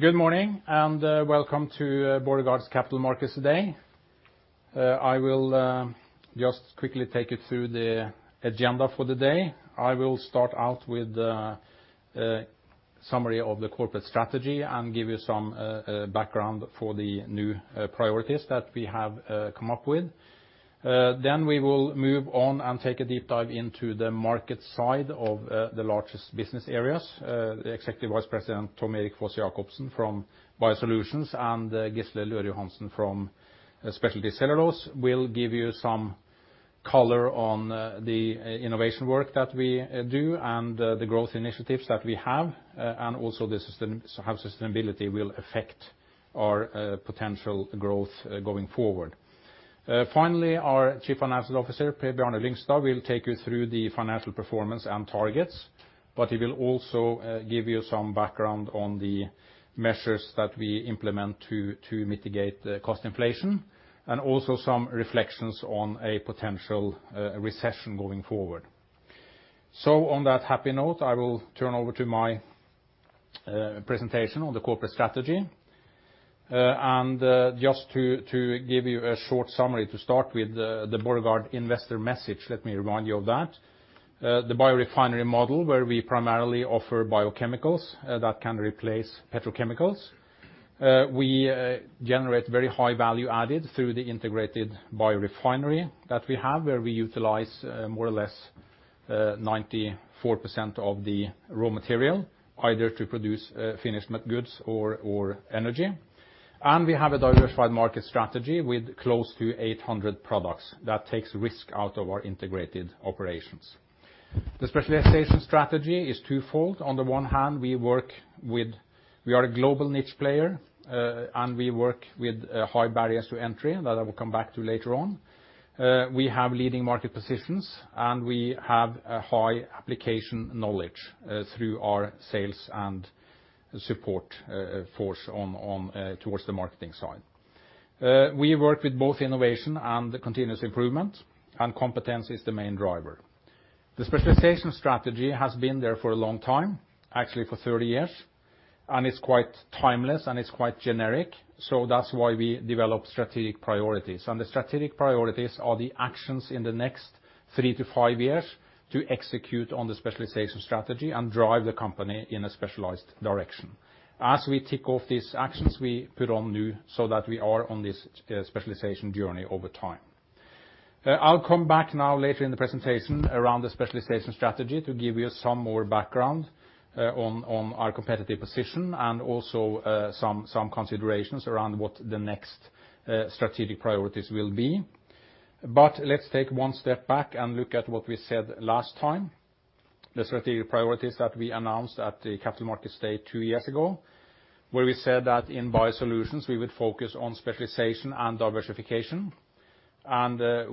Good morning, and welcome to Borregaard's Capital Markets Day. I will just quickly take you through the agenda for the day. I will start out with the summary of the corporate strategy and give you some background for the new priorities that we have come up with. We will move on and take a deep dive into the market side of the largest business areas. The Executive Vice President, Tom Erik Foss-Jacobsen from BioSolutions, and Gisle Løhre Johansen from Speciality Cellulose will give you some color on the innovation work that we do and the growth initiatives that we have, and also how sustainability will affect our potential growth going forward. Finally, our Chief Financial Officer, Per Bjarne Lyngstad, will take you through the financial performance and targets, but he will also give you some background on the measures that we implement to mitigate the cost inflation, and also some reflections on a potential recession going forward. On that happy note, I will turn over to my presentation on the corporate strategy. Just to give you a short summary to start with, the Borregaard investor message, let me remind you of that. The biorefinery model where we primarily offer biochemicals that can replace petrochemicals. We generate very high value added through the integrated biorefinery that we have, where we utilize more or less 94% of the raw material, either to produce finished goods or energy. We have a diversified market strategy with close to 800 products that takes risk out of our integrated operations. The specialization strategy is twofold. On the one hand, we are a global niche player, and we work with high barriers to entry, and that I will come back to later on. We have leading market positions, and we have a high application knowledge through our sales and support force on towards the marketing side. We work with both innovation and the continuous improvement, and competence is the main driver. The specialization strategy has been there for a long time, actually for 30 years, and it's quite timeless, and it's quite generic. That's why we develop strategic priorities. The strategic priorities are the actions in the next three to five years to execute on the specialization strategy and drive the company in a specialized direction. As we tick off these actions, we put on new so that we are on this specialization journey over time. I'll come back now later in the presentation around the specialization strategy to give you some more background on our competitive position and also some considerations around what the next strategic priorities will be. Let's take one step back and look at what we said last time, the strategic priorities that we announced at the Capital Markets Day two years ago, where we said that in BioSolutions, we would focus on specialization and diversification.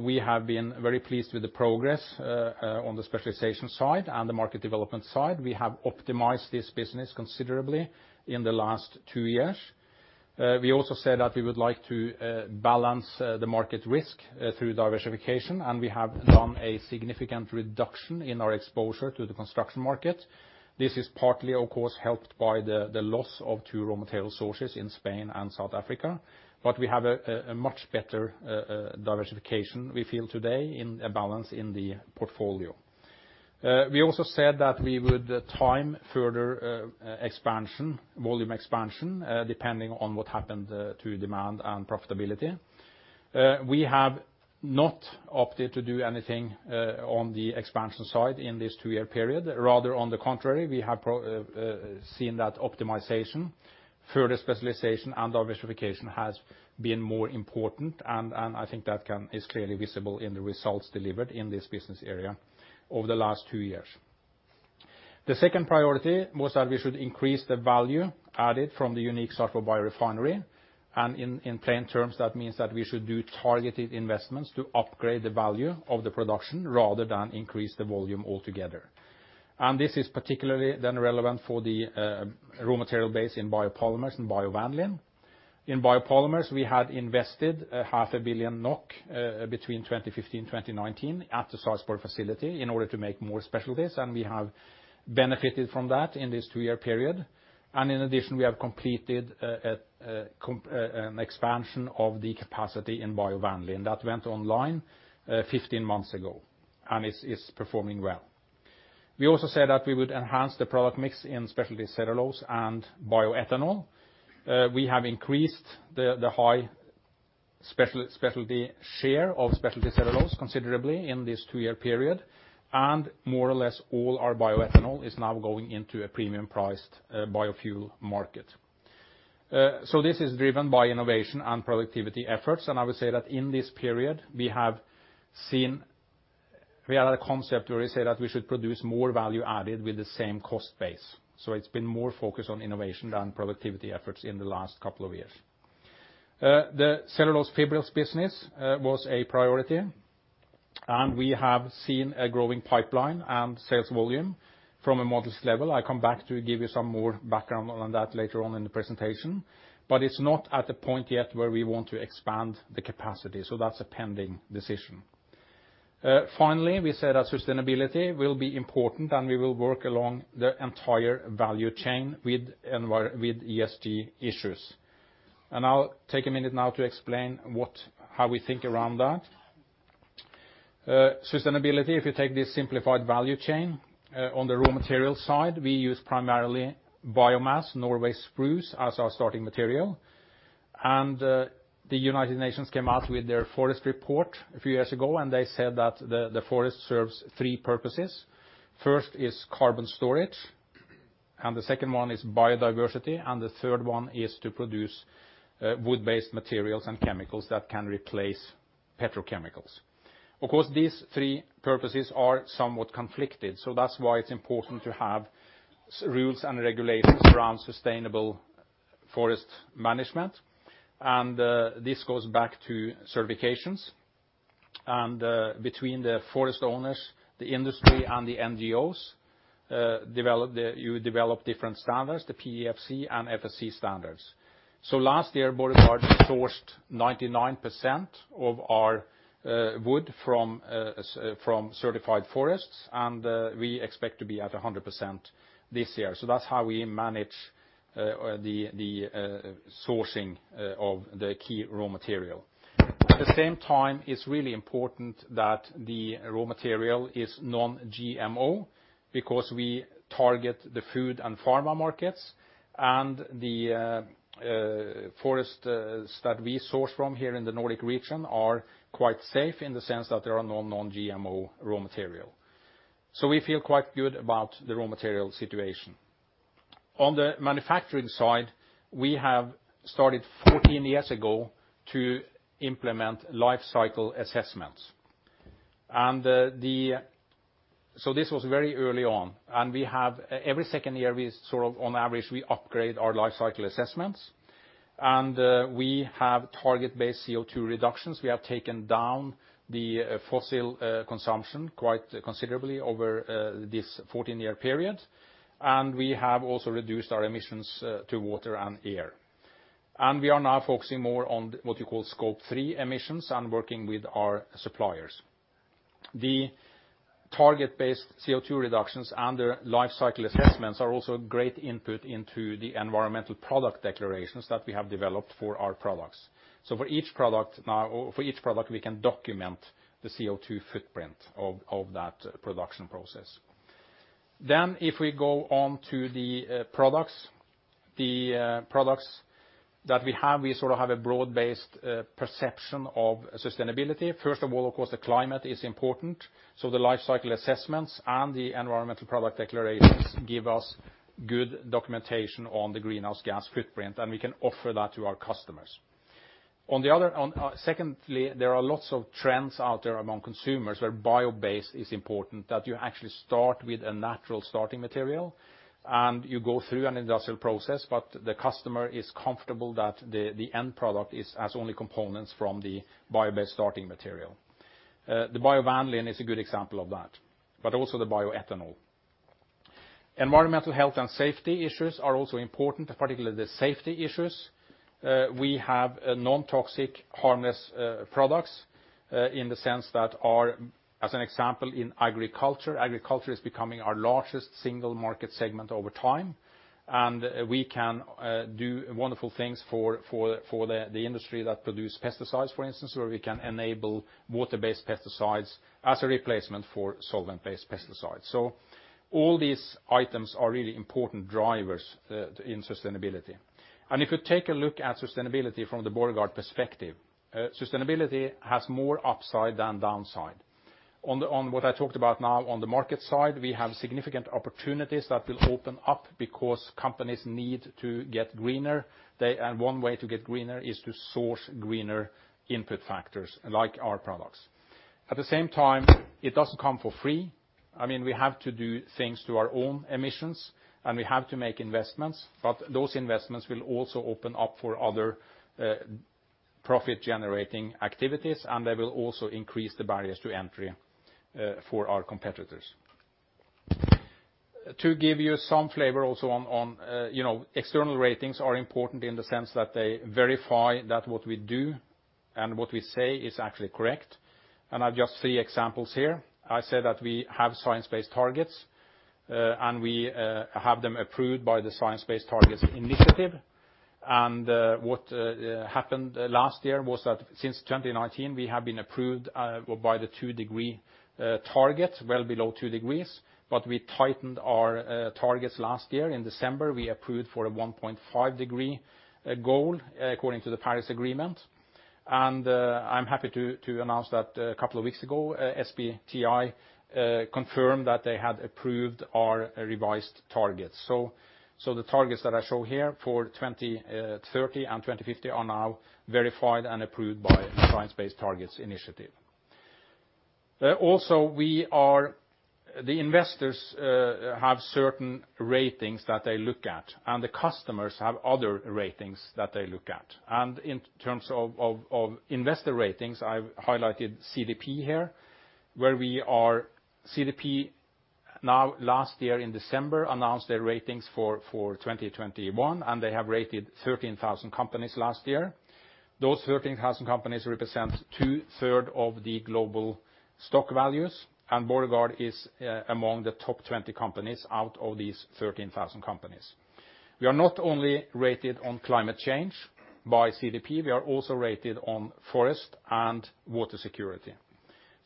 We have been very pleased with the progress on the specialization side and the market development side. We have optimized this business considerably in the last two years. We also said that we would like to balance the market risk through diversification, and we have done a significant reduction in our exposure to the construction market. This is partly, of course, helped by the loss of two raw material sources in Spain and South Africa. We have a much better diversification we feel today in a balance in the portfolio. We also said that we would time further expansion, volume expansion, depending on what happened to demand and profitability. We have not opted to do anything on the expansion side in this two-year period. Rather, on the contrary, we have seen that optimization, further specialization and diversification has been more important, and I think that is clearly visible in the results delivered in this business area over the last two years. The second priority was that we should increase the value added from the unique Sarpsborg Biorefinery, and in plain terms, that means that we should do targeted investments to upgrade the value of the production rather than increase the volume altogether. This is particularly then relevant for the raw material base in biopolymers and biovanillin. In biopolymers, we had invested a 500 million NOK between 2015, 2019 at the Sarpsborg facility in order to make more specialties, and we have benefited from that in this two-year period. In addition, we have completed an expansion of the capacity in biovanillin. That went online 15 months ago and is performing well. We also said that we would enhance the product mix in specialty cellulose and bioethanol. We have increased the high specialty share of specialty cellulose considerably in this two-year period, and more or less all our bioethanol is now going into a premium priced biofuel market. This is driven by innovation and productivity efforts, and I would say that in this period we have seen. We had a concept where we say that we should produce more value added with the same cost base. It's been more focused on innovation than productivity efforts in the last couple of years. The cellulose fibrils business was a priority, and we have seen a growing pipeline and sales volume from a modest level. I come back to give you some more background on that later on in the presentation, but it's not at a point yet where we want to expand the capacity, so that's a pending decision. Finally, we said that sustainability will be important, and we will work along the entire value chain with ESG issues. I'll take a minute now to explain how we think around that. Sustainability, if you take the simplified value chain, on the raw material side, we use primarily biomass, Norway spruce, as our starting material. The United Nations came out with their forest report a few years ago, and they said that the forest serves three purposes. First is carbon storage, and the second one is biodiversity, and the third one is to produce wood-based materials and chemicals that can replace petrochemicals. Of course, these three purposes are somewhat conflicted, so that's why it's important to have rules and regulations around sustainable forest management. This goes back to certifications. Between the forest owners, the industry and the NGOs, you develop different standards, the PEFC and FSC standards. Last year, Borregaard sourced 99% of our wood from certified forests, and we expect to be at 100% this year. That's how we manage the sourcing of the key raw material. At the same time, it's really important that the raw material is non-GMO because we target the food and pharma markets, and the forests that we source from here in the Nordic region are quite safe in the sense that there are no GMO raw material. We feel quite good about the raw material situation. On the manufacturing side, we have started 14 years ago to implement life cycle assessments. This was very early on, and we have every second year, we sort of on average, we upgrade our life cycle assessments. We have target-based CO2 reductions. We have taken down the fossil consumption quite considerably over this 14-year period. We have also reduced our emissions to water and air. We are now focusing more on what you call Scope 3 emissions and working with our suppliers. The target-based CO2 reductions and the life cycle assessments are also a great input into the environmental product declarations that we have developed for our products. For each product, we can document the CO2 footprint of that production process. If we go on to the products that we have, we sort of have a broad-based perception of sustainability. First of all, of course, the climate is important, so the life cycle assessments and the environmental product declarations give us good documentation on the greenhouse gas footprint, and we can offer that to our customers. Secondly, there are lots of trends out there among consumers where biobased is important, that you actually start with a natural starting material, and you go through an industrial process, but the customer is comfortable that the end product has only components from the biobased starting material. The biovanillin is a good example of that, but also the bioethanol. Environmental health and safety issues are also important, particularly the safety issues. We have non-toxic, harmless products in the sense that our, as an example, in agriculture is becoming our largest single market segment over time. We can do wonderful things for the industry that produce pesticides, for instance, where we can enable water-based pesticides as a replacement for solvent-based pesticides. All these items are really important drivers in sustainability. If you take a look at sustainability from the Borregaard perspective, sustainability has more upside than downside. On what I talked about now on the market side, we have significant opportunities that will open up because companies need to get greener. One way to get greener is to source greener input factors like our products. At the same time, it doesn't come for free. I mean, we have to do things to our own emissions, and we have to make investments, but those investments will also open up for other, profit-generating activities, and they will also increase the barriers to entry, for our competitors. To give you some flavor also on, you know, external ratings are important in the sense that they verify that what we do and what we say is actually correct. I've just three examples here. I said that we have science-based targets, and we have them approved by the Science Based Targets initiative. What happened last year was that since 2019, we have been approved by the two-degree target, well below two degrees, but we tightened our targets last year. In December, we approved for a 1.5 degree goal according to the Paris Agreement. I'm happy to announce that a couple of weeks ago, SBTi confirmed that they had approved our revised targets. The targets that I show here for 2030 and 2050 are now verified and approved by Science Based Targets initiative. The investors have certain ratings that they look at, and the customers have other ratings that they look at. In terms of of investor ratings, I've highlighted CDP here, where we are CDP. Now last year in December announced their ratings for 2021, and they have rated 13,000 companies last year. Those 13,000 companies represent 2/3 of the global stock values, and Borregaard is among the top 20 companies out of these 13,000 companies. We are not only rated on climate change by CDP, we are also rated on forest and water security.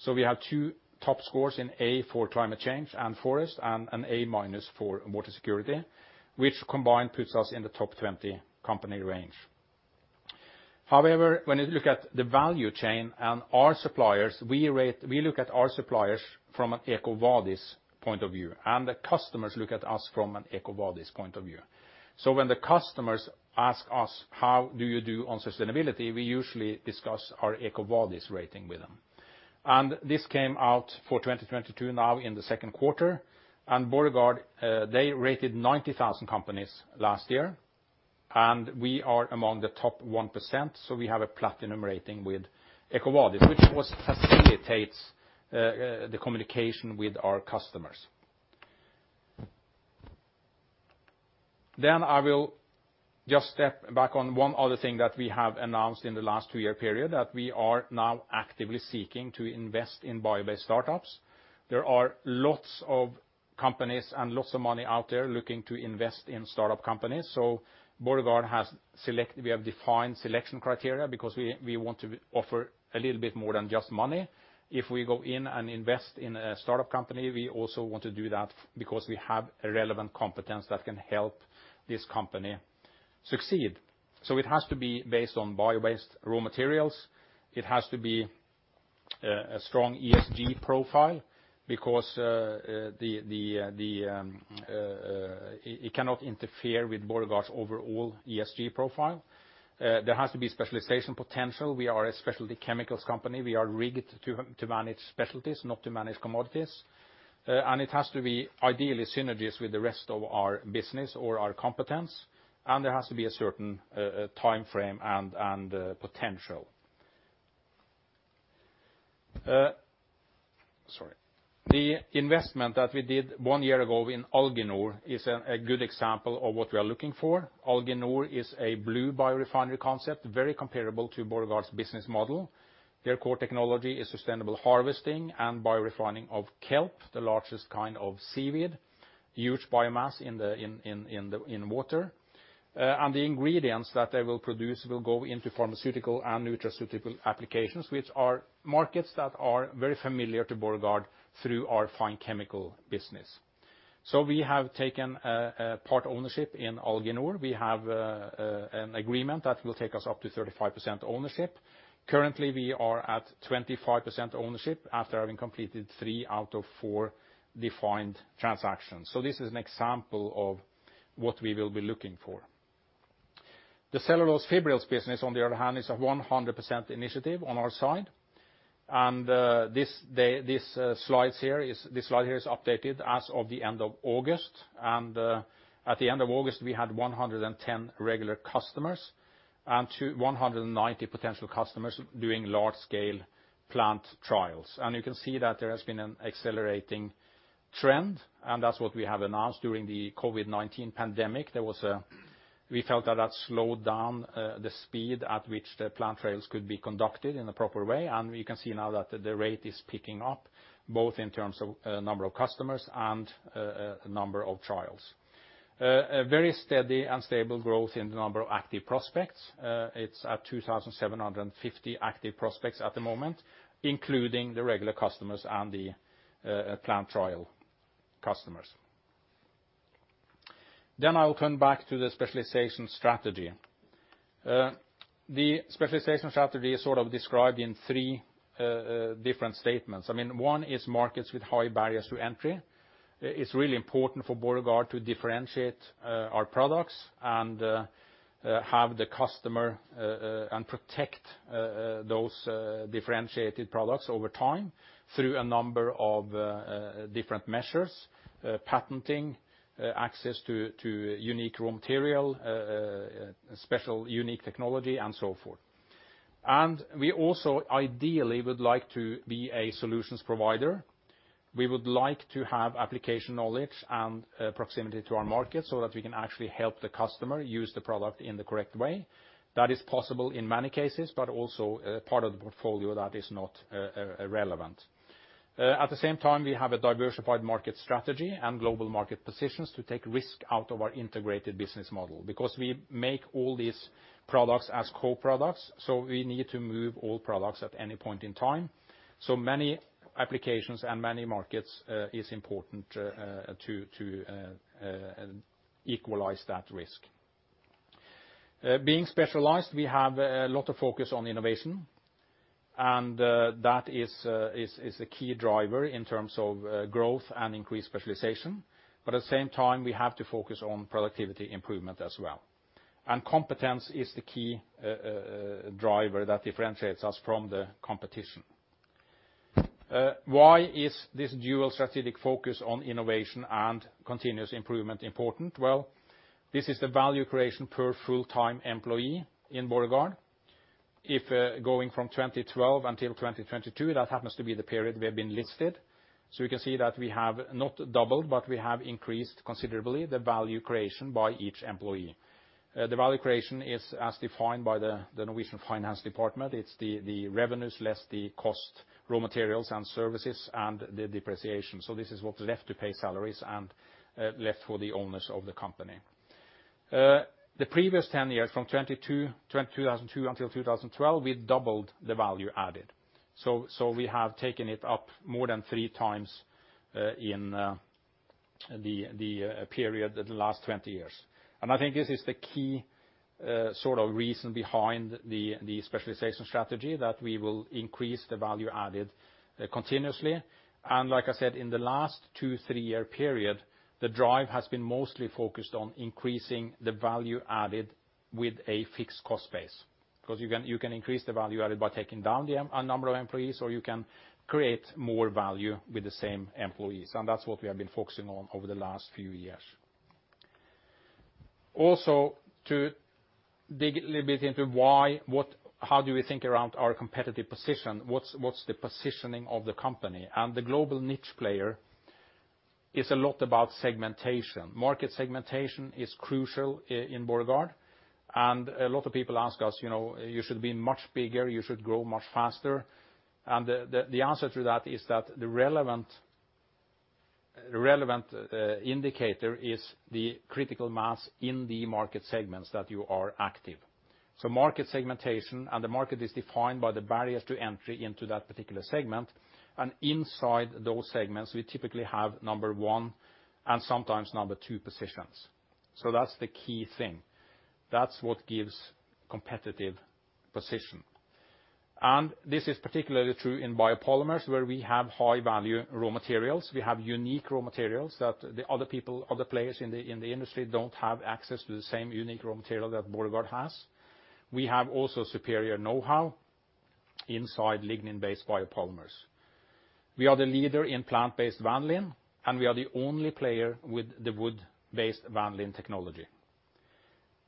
We have two top scores in A for climate change and forest, and an A- for water security, which combined puts us in the top 20 company range. However, when you look at the value chain and our suppliers, we look at our suppliers from an EcoVadis point of view, and the customers look at us from an EcoVadis point of view. When the customers ask us, "How do you do on sustainability?" We usually discuss our EcoVadis rating with them. This came out for 2022 now in the Q2. Borregaard, they rated 90,000 companies last year, and we are among the top 1%, so we have a platinum rating with EcoVadis, which of course facilitates the communication with our customers. I will just step back on one other thing that we have announced in the last two-year period, that we are now actively seeking to invest in bio-based startups. There are lots of companies and lots of money out there looking to invest in startup companies. We have defined selection criteria because we want to offer a little bit more than just money. If we go in and invest in a startup company, we also want to do that because we have relevant competence that can help this company succeed. It has to be based on bio-based raw materials. It has to be a strong ESG profile because it cannot interfere with Borregaard's overall ESG profile. There has to be specialization potential. We are a specialty chemicals company. We are rigged to manage specialties, not to manage commodities. It has to be ideal synergies with the rest of our business or our competence, and there has to be a certain timeframe and potential. Sorry. The investment that we did one year ago in Alginor is a good example of what we are looking for. Alginor is a blue biorefinery concept, very comparable to Borregaard's business model. Their core technology is sustainable harvesting and biorefining of kelp, the largest kind of seaweed, huge biomass in the water. The ingredients that they will produce will go into pharmaceutical and nutraceutical applications, which are markets that are very familiar to Borregaard through our Fine Chemicals business. We have taken part ownership in Alginor. We have an agreement that will take us up to 35% ownership. Currently, we are at 25% ownership after having completed three out of four defined transactions. This is an example of what we will be looking for. The Cellulose Fibrils business, on the other hand, is a 100% initiative on our side. This slide here is updated as of the end of August. At the end of August, we had 110 regular customers and 190 potential customers doing large-scale plant trials. You can see that there has been an accelerating trend, and that's what we have announced during the COVID-19 pandemic. We felt that slowed down the speed at which the plant trials could be conducted in a proper way. You can see now that the rate is picking up, both in terms of number of customers and number of trials. A very steady and stable growth in the number of active prospects. It's at 2,750 active prospects at the moment, including the regular customers and the plant trial customers. I will come back to the specialization strategy. The specialization strategy is sort of described in three different statements. I mean, one is markets with high barriers to entry. It's really important for Borregaard to differentiate our products and have the customer and protect those differentiated products over time through a number of different measures, patenting, access to unique raw material, special unique technology, and so forth. We also ideally would like to be a solutions provider. We would like to have application knowledge and proximity to our market so that we can actually help the customer use the product in the correct way. That is possible in many cases, but also a part of the portfolio that is not relevant. At the same time, we have a diversified market strategy and global market positions to take risk out of our integrated business model. Because we make all these products as co-products, so we need to move all products at any point in time. Many applications and many markets is important to equalize that risk. Being specialized, we have a lot of focus on innovation, and that is a key driver in terms of growth and increased specialization. At the same time, we have to focus on productivity improvement as well. Competence is the key driver that differentiates us from the competition. Why is this dual strategic focus on innovation and continuous improvement important? Well, this is the value creation per full-time employee in Borregaard. Going from 2012 until 2022, that happens to be the period we have been listed. We can see that we have not doubled, but we have increased considerably the value creation by each employee. The value creation is as defined by the Norwegian Ministry of Finance. It's the revenues less the cost, raw materials, and services, and the depreciation. This is what's left to pay salaries and left for the owners of the company. The previous ten years, from 2002 until 2012, we doubled the value added. We have taken it up more than three times in the period of the last 20 years. I think this is the key, sort of reason behind the specialization strategy that we will increase the value added continuously. Like I said, in the last two, three year period, the drive has been mostly focused on increasing the value added with a fixed cost base. 'Cause you can increase the value added by taking down the number of employees, or you can create more value with the same employees. That's what we have been focusing on over the last few years. Also, to dig a little bit into how do we think around our competitive position, what's the positioning of the company? The global niche player is a lot about segmentation. Market segmentation is crucial in Borregaard, and a lot of people ask us, "You know, you should be much bigger. You should grow much faster." The answer to that is that the relevant indicator is the critical mass in the market segments that you are active. Market segmentation, and the market is defined by the barriers to entry into that particular segment. Inside those segments, we typically have number one, and sometimes number two positions. That's the key thing. That's what gives competitive position. This is particularly true in biopolymers, where we have high value raw materials. We have unique raw materials that the other people, other players in the industry don't have access to the same unique raw material that Borregaard has. We have also superior know-how inside lignin-based biopolymers. We are the leader in plant-based vanillin, and we are the only player with the wood-based vanillin technology.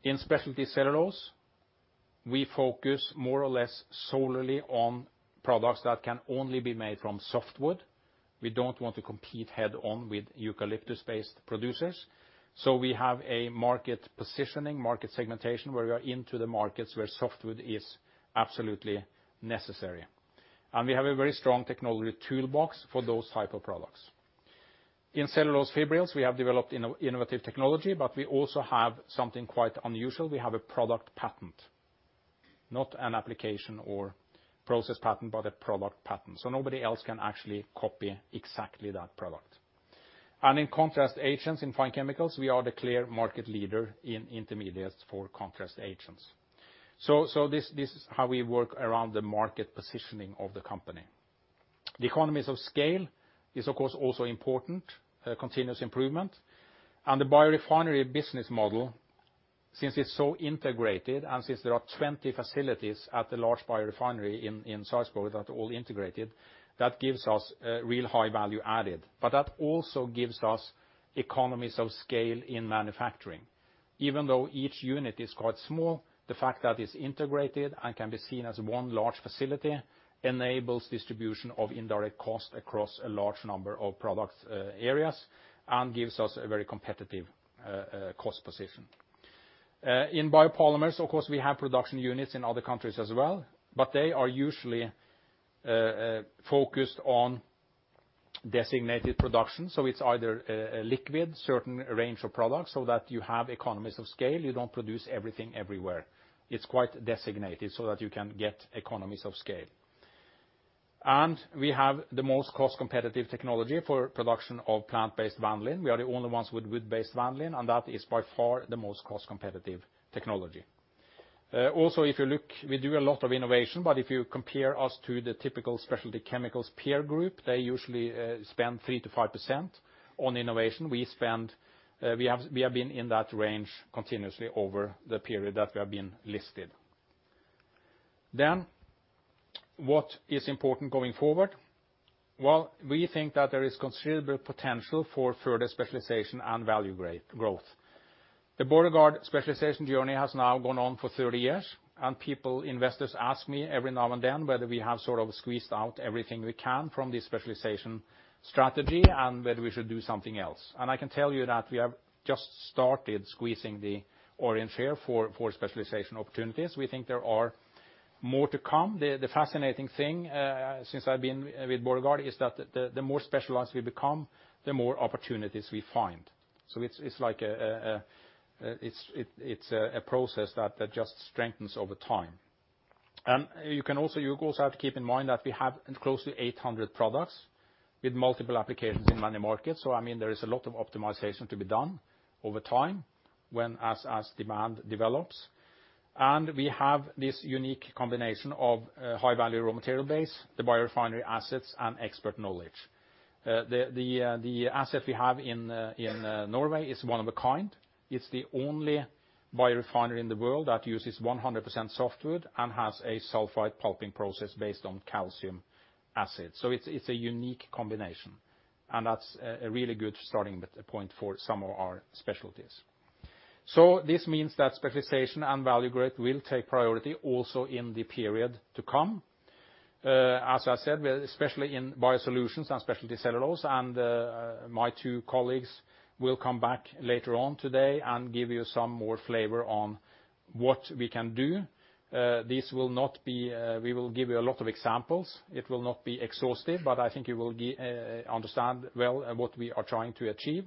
In specialty cellulose, we focus more or less solely on products that can only be made from softwood. We don't want to compete head on with eucalyptus-based producers, so we have a market positioning, market segmentation, where we are into the markets where softwood is absolutely necessary. We have a very strong technology toolbox for those type of products. In cellulose fibrils, we have developed innovative technology, but we also have something quite unusual. We have a product patent. Not an application or process patent, but a product patent, so nobody else can actually copy exactly that product. In contrast agents in fine chemicals, we are the clear market leader in intermediates for contrast agents. This is how we work around the market positioning of the company. The economies of scale is, of course, also important, continuous improvement. The biorefinery business model, since it's so integrated, and since there are 20 facilities at the large biorefinery in Sarpsborg that are all integrated, that gives us a real high value added. That also gives us economies of scale in manufacturing. Even though each unit is quite small, the fact that it's integrated and can be seen as one large facility enables distribution of indirect cost across a large number of products, areas and gives us a very competitive cost position. In biopolymers, of course, we have production units in other countries as well, but they are usually focused on designated production. It's either a liquid, certain range of products, so that you have economies of scale. You don't produce everything everywhere. It's quite designated so that you can get economies of scale. We have the most cost competitive technology for production of plant-based vanillin. We are the only ones with wood-based vanillin, and that is by far the most cost competitive technology. Also, if you look, we do a lot of innovation, but if you compare us to the typical specialty chemicals peer group, they usually spend 3%-5% on innovation. We have been in that range continuously over the period that we have been listed. What is important going forward? Well, we think that there is considerable potential for further specialization and value growth. The Borregaard specialization journey has now gone on for 30 years, and people, investors ask me every now and then whether we have sort of squeezed out everything we can from the specialization strategy and whether we should do something else, and I can tell you that we have just started squeezing the orange here for specialization opportunities. We think there are more to come. The fascinating thing since I've been with Borregaard is that the more specialized we become, the more opportunities we find. It's like it's a process that just strengthens over time. You also have to keep in mind that we have close to 800 products with multiple applications in many markets. I mean, there is a lot of optimization to be done over time as demand develops. We have this unique combination of high-value raw material base, the biorefinery assets, and expert knowledge. The asset we have in Norway is one of a kind. It's the only biorefinery in the world that uses 100% softwood and has a sulfite pulping process based on calcium acid. It's a unique combination, and that's a really good starting point for some of our specialties. This means that specialization and value growth will take priority also in the period to come. As I said, we're especially in BioSolutions and Speciality Cellulose, and my two colleagues will come back later on today and give you some more flavor on what we can do. We will give you a lot of examples. It will not be exhaustive, but I think you will understand well what we are trying to achieve.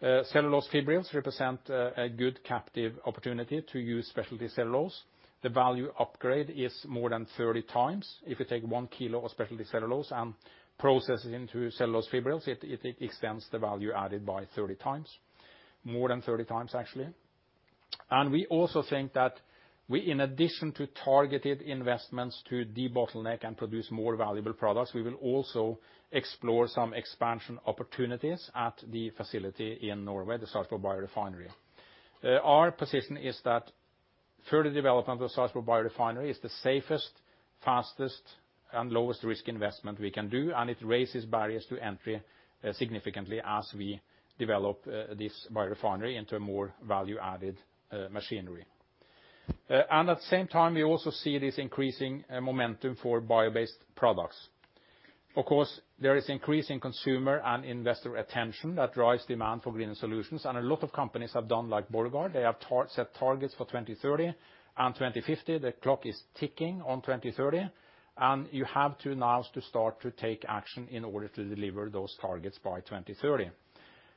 Cellulose fibrils represent a good captive opportunity to use specialty cellulose. The value upgrade is more than 30 times. If you take 1 kilo of specialty cellulose and process it into cellulose fibrils, it extends the value added by 30 times, more than 30 times actually. We also think that we, in addition to targeted investments to debottleneck and produce more valuable products, we will also explore some expansion opportunities at the facility in Norway, the Sarpsborg Biorefinery. Our position is that further development of Sarpsborg Biorefinery is the safest, fastest, and lowest risk investment we can do, and it raises barriers to entry significantly as we develop this biorefinery into a more value-added machinery. At the same time, we also see this increasing momentum for bio-based products. Of course, there is increasing consumer and investor attention that drives demand for green solutions, and a lot of companies have done like Borregaard. They have set targets for 2030 and 2050. The clock is ticking on 2030, and you have to now start to take action in order to deliver those targets by 2030.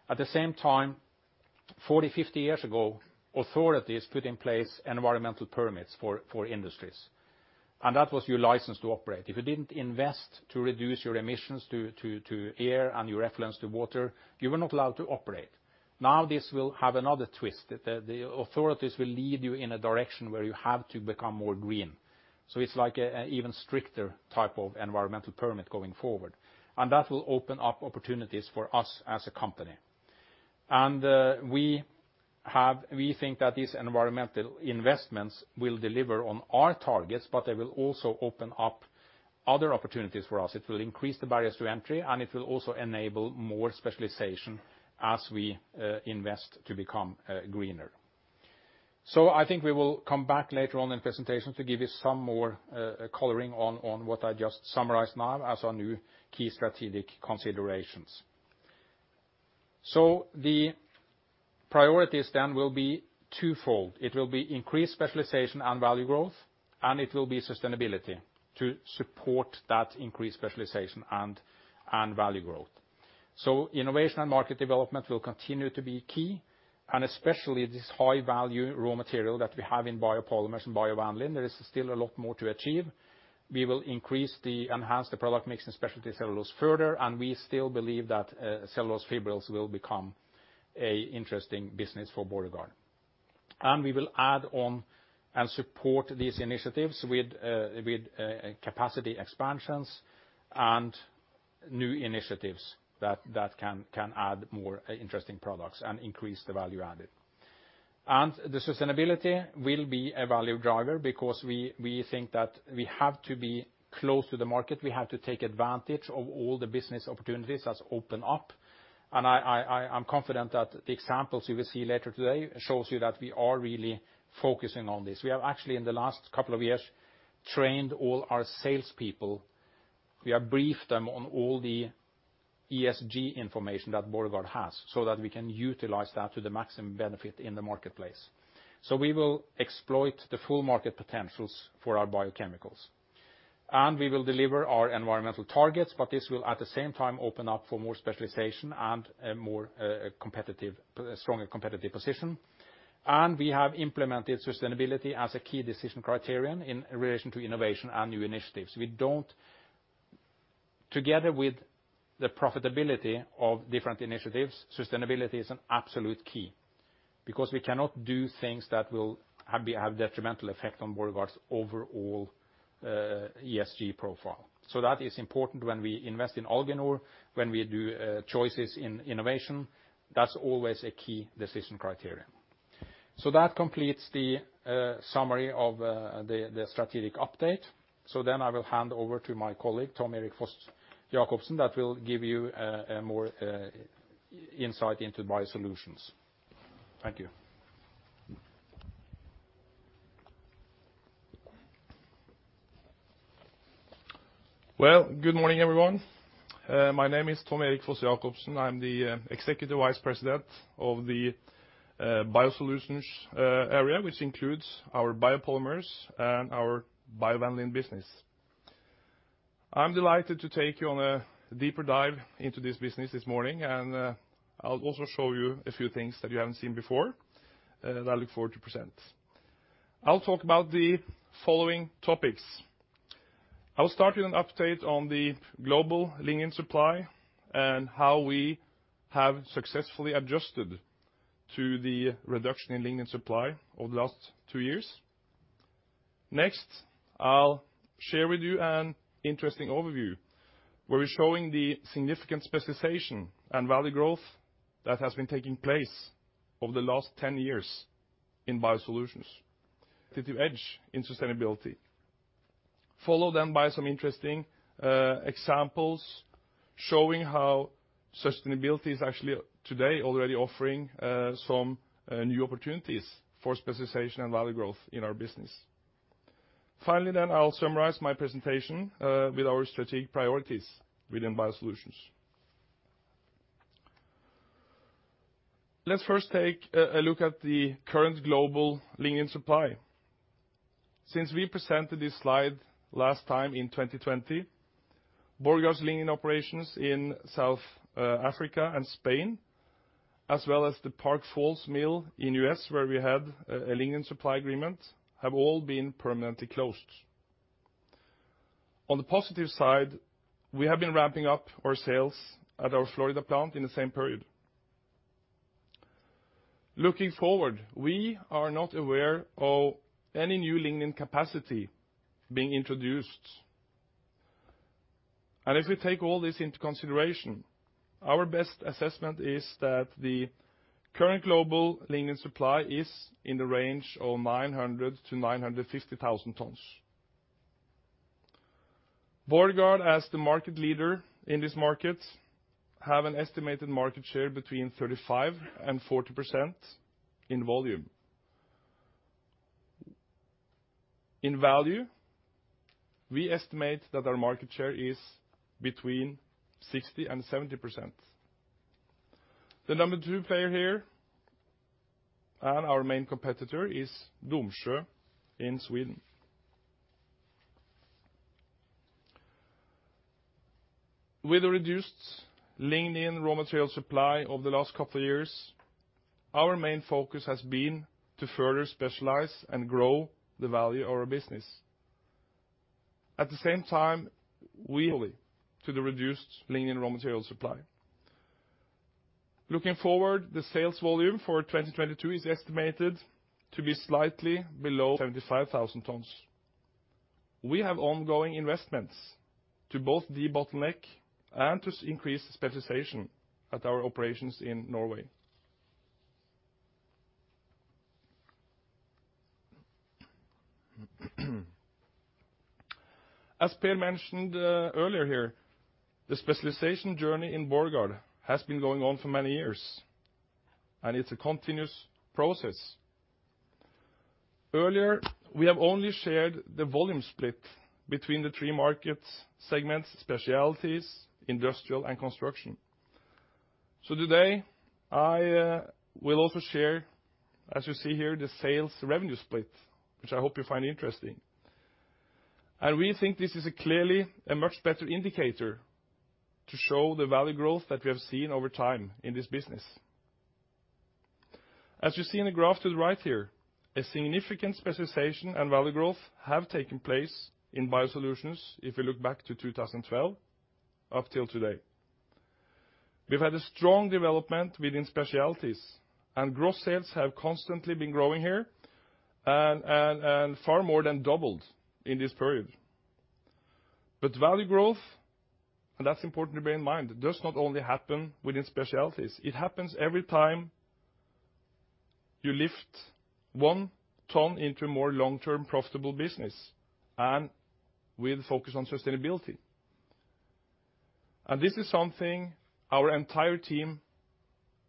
At the same time, 40-50 years ago, authorities put in place environmental permits for industries, and that was your license to operate. If you didn't invest to reduce your emissions to air and your effluent to water, you were not allowed to operate. Now, this will have another twist. The authorities will lead you in a direction where you have to become more green. It's like an even stricter type of environmental permit going forward, and that will open up opportunities for us as a company. We think that these environmental investments will deliver on our targets, but they will also open up other opportunities for us. It will increase the barriers to entry, and it will also enable more specialization as we invest to become greener. I think we will come back later on in presentation to give you some more coloring on what I just summarized now as our new key strategic considerations. The priorities then will be twofold. It will be increased specialization and value growth, and it will be sustainability to support that increased specialization and value growth. Innovation and market development will continue to be key, and especially this high-value raw material that we have in biopolymers and biovanillin, there is still a lot more to achieve. We will enhance the product mix in specialty cellulose further, and we still believe that cellulose fibrils will become an interesting business for Borregaard. We will add on and support these initiatives with capacity expansions and new initiatives that can add more interesting products and increase the value added. The sustainability will be a value driver because we think that we have to be close to the market. We have to take advantage of all the business opportunities that have opened up, and I'm confident that the examples you will see later today show you that we are really focusing on this. We have actually in the last couple of years trained all our salespeople. We have briefed them on all the ESG information that Borregaard has, so that we can utilize that to the maximum benefit in the marketplace. We will exploit the full market potentials for our biochemicals, and we will deliver our environmental targets, but this will at the same time open up for more specialization and a more competitive, stronger competitive position. We have implemented sustainability as a key decision criterion in relation to innovation and new initiatives. Together with the profitability of different initiatives, sustainability is an absolute key because we cannot do things that will have a detrimental effect on Borregaard's overall ESG profile. That is important when we invest in Alginor, when we do choices in innovation. That's always a key decision criterion. That completes the summary of the strategic update. I will hand over to my colleague, Tom Erik Foss-Jacobsen, that will give you a more insight into BioSolutions. Thank you. Well, good morning, everyone. My name is Tom Erik Foss-Jacobsen. I'm the Executive Vice President of the BioSolutions area, which includes our biopolymers and our biovanillin business. I'm delighted to take you on a deeper dive into this business this morning, and I'll also show you a few things that you haven't seen before, that I look forward to present. I'll talk about the following topics. I'll start with an update on the global lignin supply and how we have successfully adjusted to the reduction in lignin supply over the last two years. Next, I'll share with you an interesting overview, where we're showing the significant specialization and value growth that has been taking place over the last 10 years in BioSolutions. Competitive edge in sustainability. Followed by some interesting examples showing how sustainability is actually today already offering some new opportunities for specialization and value growth in our business. I'll summarize my presentation with our strategic priorities within BioSolutions. Let's first take a look at the current global lignin supply. Since we presented this slide last time in 2020, Borregaard's lignin operations in South Africa and Spain, as well as the Park Falls mill in U.S., where we had a lignin supply agreement, have all been permanently closed. On the positive side, we have been ramping up our sales at our Florida plant in the same period. Looking forward, we are not aware of any new lignin capacity being introduced. If we take all this into consideration, our best assessment is that the current global lignin supply is in the range of 900,000 tons-950,000 tons. Borregaard, as the market leader in this market, have an estimated market share between 35%-40% in volume. In value, we estimate that our market share is between 60%-70%. The number two player here, and our main competitor, is Domsjö in Sweden. With the reduced lignin raw material supply over the last couple years, our main focus has been to further specialize and grow the value of our business. Looking forward, the sales volume for 2022 is estimated to be slightly below 75,000 tons. We have ongoing investments to both debottleneck and to increase specialization at our operations in Norway. As Per mentioned earlier here, the specialization journey in Borregaard has been going on for many years, and it's a continuous process. Earlier, we have only shared the volume split between the three market segments: specialties, industrial, and construction. Today I will also share, as you see here, the sales revenue split, which I hope you find interesting. We think this is clearly a much better indicator to show the value growth that we have seen over time in this business. As you see in the graph to the right here, a significant specialization and value growth have taken place in BioSolutions if you look back to 2012 up till today. We've had a strong development within specialties, and gross sales have constantly been growing here and far more than doubled in this period. Value growth, and that's important to bear in mind, does not only happen within specialties. It happens every time you lift 1 ton into a more long-term profitable business and with focus on sustainability. This is something our entire team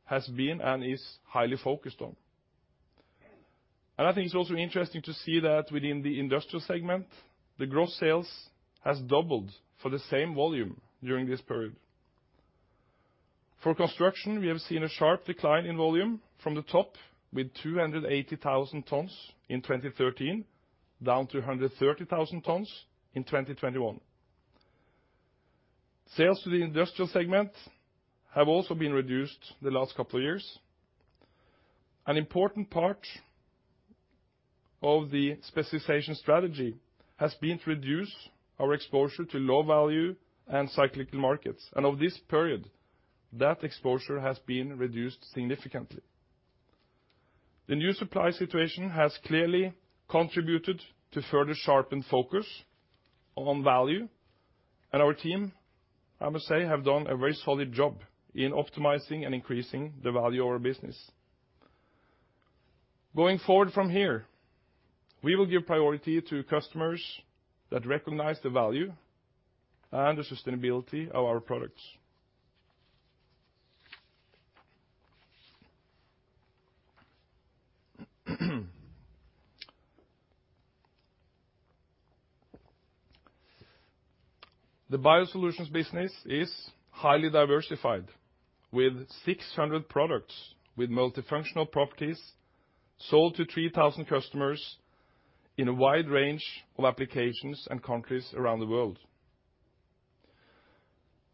has been and is highly focused on. I think it's also interesting to see that within the industrial segment, the gross sales have doubled for the same volume during this period. For construction, we have seen a sharp decline in volume from the top with 280,000 tons in 2013 down to 130,000 tons in 2021. Sales to the industrial segment have also been reduced the last couple of years. An important part of the specialization strategy has been to reduce our exposure to low value and cyclical markets. Over this period, that exposure has been reduced significantly. The new supply situation has clearly contributed to further sharpen focus on value. Our team, I must say, have done a very solid job in optimizing and increasing the value of our business. Going forward from here, we will give priority to customers that recognize the value and the sustainability of our products. The BioSolutions business is highly diversified with 600 products, with multifunctional properties sold to 3,000 customers in a wide range of applications and countries around the world.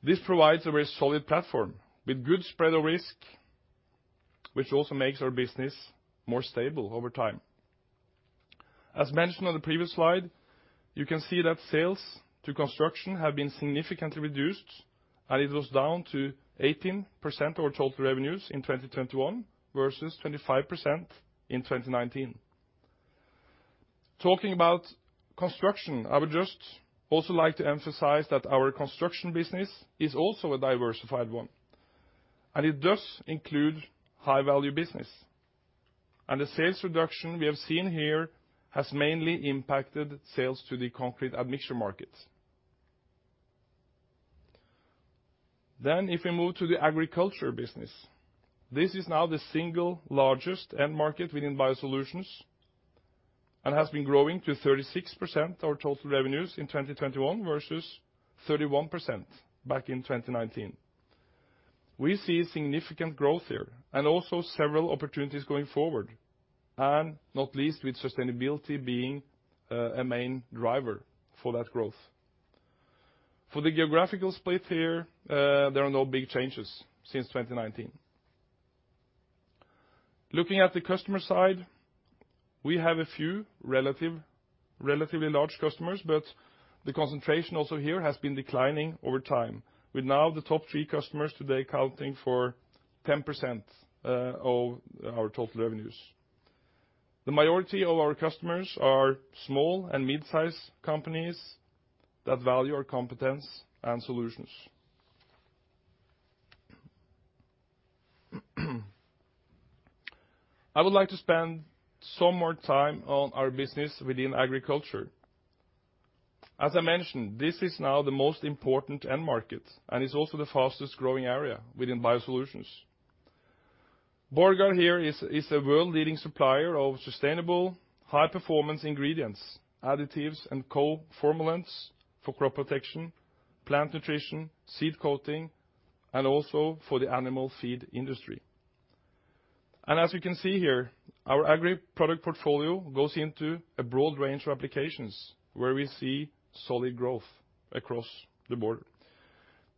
This provides a very solid platform with good spread of risk, which also makes our business more stable over time. As mentioned on the previous slide, you can see that sales to construction have been significantly reduced, and it was down to 18% of our total revenues in 2021 versus 25% in 2019. Talking about construction, I would just also like to emphasize that our construction business is also a diversified one, and it does include high-value business. The sales reduction we have seen here has mainly impacted sales to the concrete admixtures markets. If we move to the agriculture business, this is now the single largest end market within BioSolutions, and has been growing to 36% of total revenues in 2021 versus 31% back in 2019. We see significant growth here, and also several opportunities going forward, and not least with sustainability being a main driver for that growth. For the geographical split here, there are no big changes since 2019. Looking at the customer side, we have a few relatively large customers, but the concentration also here has been declining over time. With now the top three customers today accounting for 10% of our total revenues. The majority of our customers are small and mid-size companies that value our competence and solutions. I would like to spend some more time on our business within agriculture. As I mentioned, this is now the most important end market, and is also the fastest growing area within BioSolutions. Borregaard here is a world-leading supplier of sustainable, high performance ingredients, additives, and co-formulants for crop protection, plant nutrition, seed coating, and also for the animal feed industry. As you can see here, our agri product portfolio goes into a broad range of applications where we see solid growth across the board.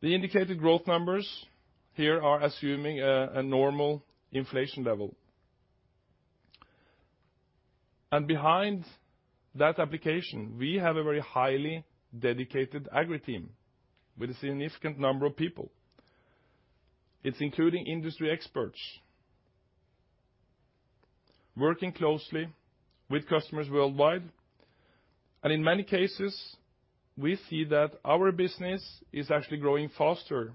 The indicated growth numbers here are assuming a normal inflation level. Behind that application, we have a very highly dedicated agri team with a significant number of people. It's including industry experts working closely with customers worldwide, and in many cases, we see that our business is actually growing faster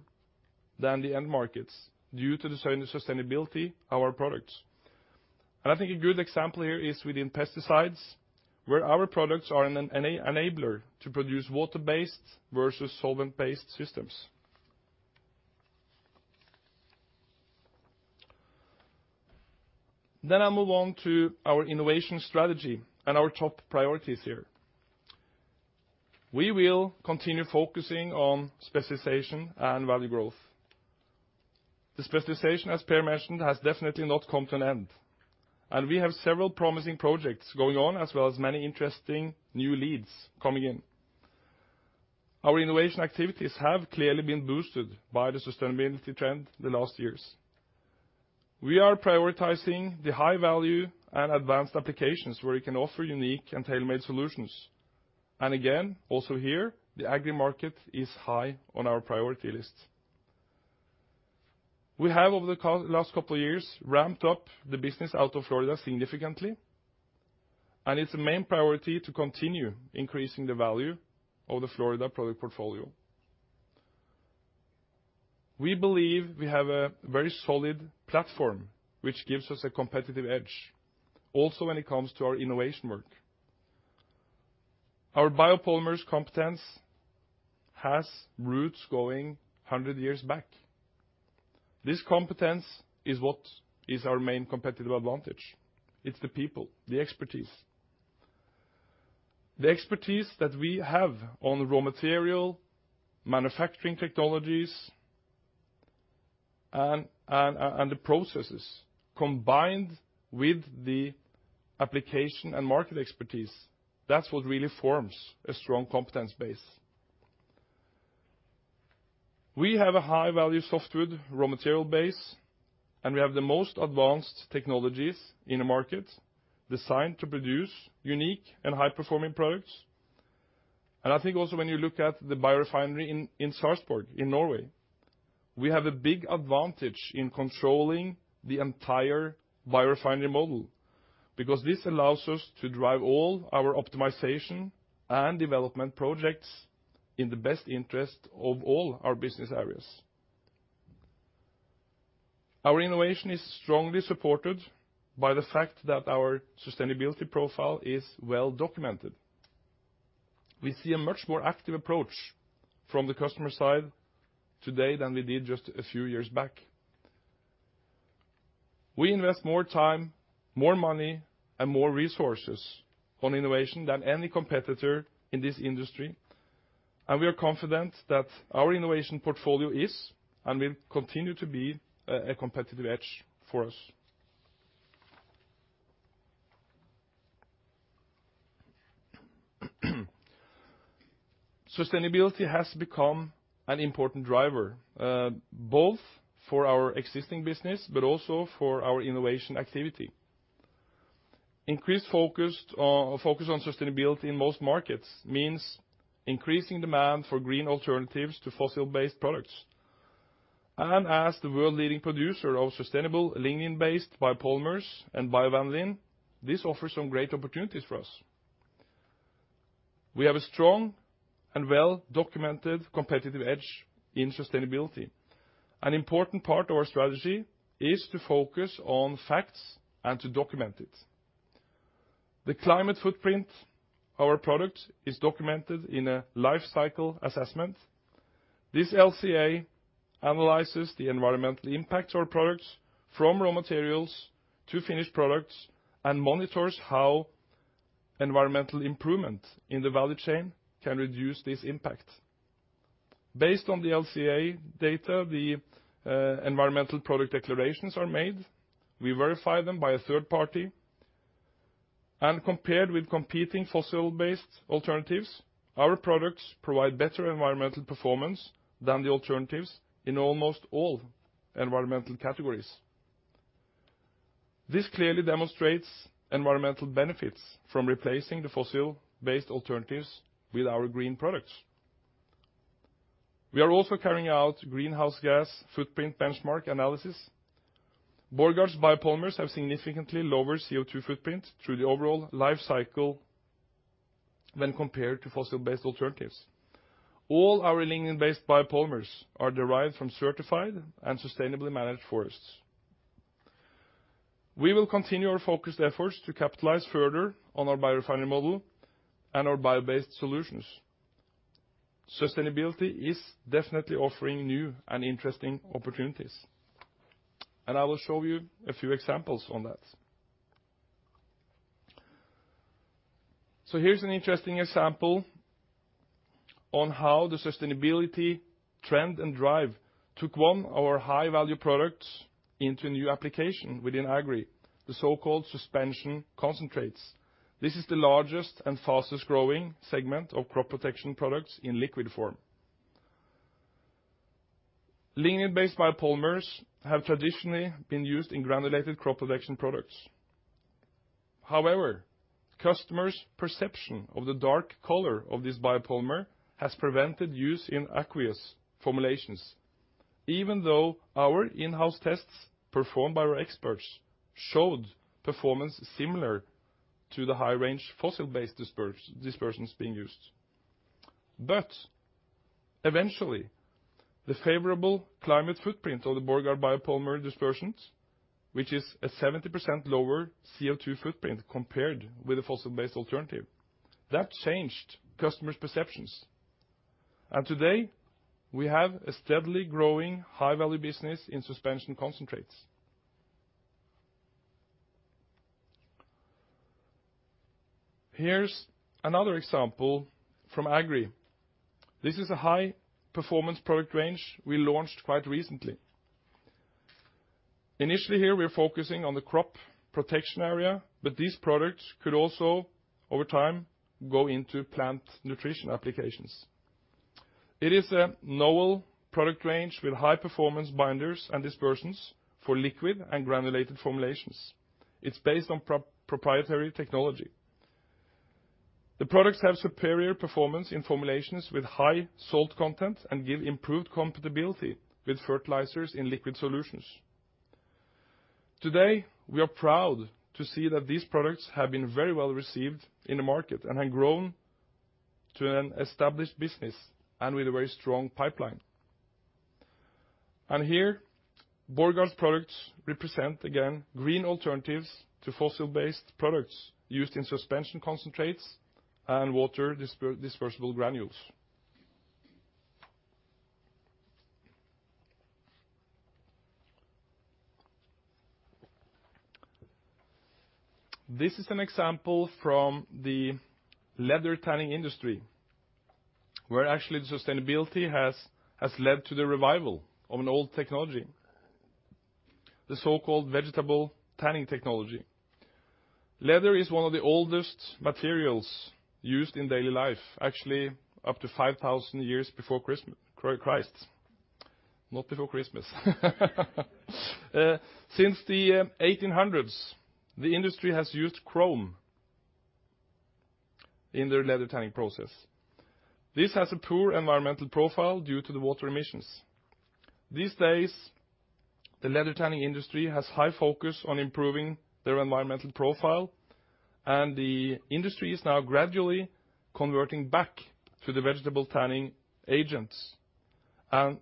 than the end markets due to the sustainability of our products. I think a good example here is within pesticides, where our products are an enabler to produce water-based versus solvent-based systems. I move on to our innovation strategy and our top priorities here. We will continue focusing on specialization and value growth. The specialization, as Per mentioned, has definitely not come to an end, and we have several promising projects going on, as well as many interesting new leads coming in. Our innovation activities have clearly been boosted by the sustainability trend the last years. We are prioritizing the high value and advanced applications where we can offer unique and tailor-made solutions. Again, also here, the agri market is high on our priority list. We have over the last couple of years ramped up the business out of Florida significantly, and it's a main priority to continue increasing the value of the Florida product portfolio. We believe we have a very solid platform, which gives us a competitive edge, also when it comes to our innovation work. Our biopolymers competence has roots going hundred years back. This competence is what is our main competitive advantage. It's the people, the expertise. The expertise that we have on raw material, manufacturing technologies, and the processes combined with the application and market expertise, that's what really forms a strong competence base. We have a high value softwood raw material base, and we have the most advanced technologies in the market designed to produce unique and high-performing products. I think also when you look at the biorefinery in Sarpsborg in Norway, we have a big advantage in controlling the entire biorefinery model because this allows us to drive all our optimization and development projects in the best interest of all our business areas. Our innovation is strongly supported by the fact that our sustainability profile is well documented. We see a much more active approach from the customer side today than we did just a few years back. We invest more time, more money, and more resources on innovation than any competitor in this industry. We are confident that our innovation portfolio is and will continue to be a competitive edge for us. Sustainability has become an important driver both for our existing business but also for our innovation activity. Increased focus on sustainability in most markets means increasing demand for green alternatives to fossil-based products. As the world leading producer of sustainable lignin-based biopolymers and biovanillin, this offers some great opportunities for us. We have a strong and well-documented competitive edge in sustainability. An important part of our strategy is to focus on facts and to document it. The climate footprint, our product is documented in a life cycle assessment. This LCA analyzes the environmental impact to our products from raw materials to finished products, and monitors how environmental improvement in the value chain can reduce this impact. Based on the LCA data, the Environmental Product Declarations are made, we verify them by a third party, and compared with competing fossil-based alternatives, our products provide better environmental performance than the alternatives in almost all environmental categories. This clearly demonstrates environmental benefits from replacing the fossil-based alternatives with our green products. We are also carrying out greenhouse gas footprint benchmark analysis. Borregaard's biopolymers have significantly lower CO2 footprint through the overall life cycle when compared to fossil-based alternatives. All our lignin-based biopolymers are derived from certified and sustainably managed forests. We will continue our focused efforts to capitalize further on our biorefinery model and our bio-based solutions. Sustainability is definitely offering new and interesting opportunities, and I will show you a few examples on that. Here's an interesting example on how the sustainability trend and drive took one of our high-value products into a new application within Agri, the so-called suspension concentrates. This is the largest and fastest growing segment of crop protection products in liquid form. Lignin-based biopolymers have traditionally been used in granulated crop production products. However, customers' perception of the dark color of this biopolymer has prevented use in aqueous formulations. Even though our in-house tests performed by our experts showed performance similar to the high range fossil-based dispersion being used. Eventually, the favorable climate footprint of the Borregaard's biopolymer dispersions, which is a 70% lower CO2 footprint compared with the fossil-based alternative. That changed customers' perceptions, and today we have a steadily growing high-value business in suspension concentrates. Here's another example from Agri. This is a high-performance product range we launched quite recently. Initially here, we're focusing on the crop protection area, but these products could also, over time, go into plant nutrition applications. It is a novel product range with high-performance binders and dispersions for liquid and granulated formulations. It's based on proprietary technology. The products have superior performance in formulations with high salt content and give improved compatibility with fertilizers in liquid solutions. Today, we are proud to see that these products have been very well received in the market and have grown to an established business, and with a very strong pipeline. Here, Borregaard's products represent, again, green alternatives to fossil-based products used in suspension concentrates and water dispersible granules. This is an example from the leather tanning industry, where actually the sustainability has led to the revival of an old technology, the so-called vegetable tanning technology. Leather is one of the oldest materials used in daily life, actually up to 5,000 years before Christ. Not before Christmas. Since the 1800s, the industry has used chrome in their leather tanning process. This has a poor environmental profile due to the water emissions. These days, the leather tanning industry has high focus on improving their environmental profile, and the industry is now gradually converting back to the vegetable tanning agents.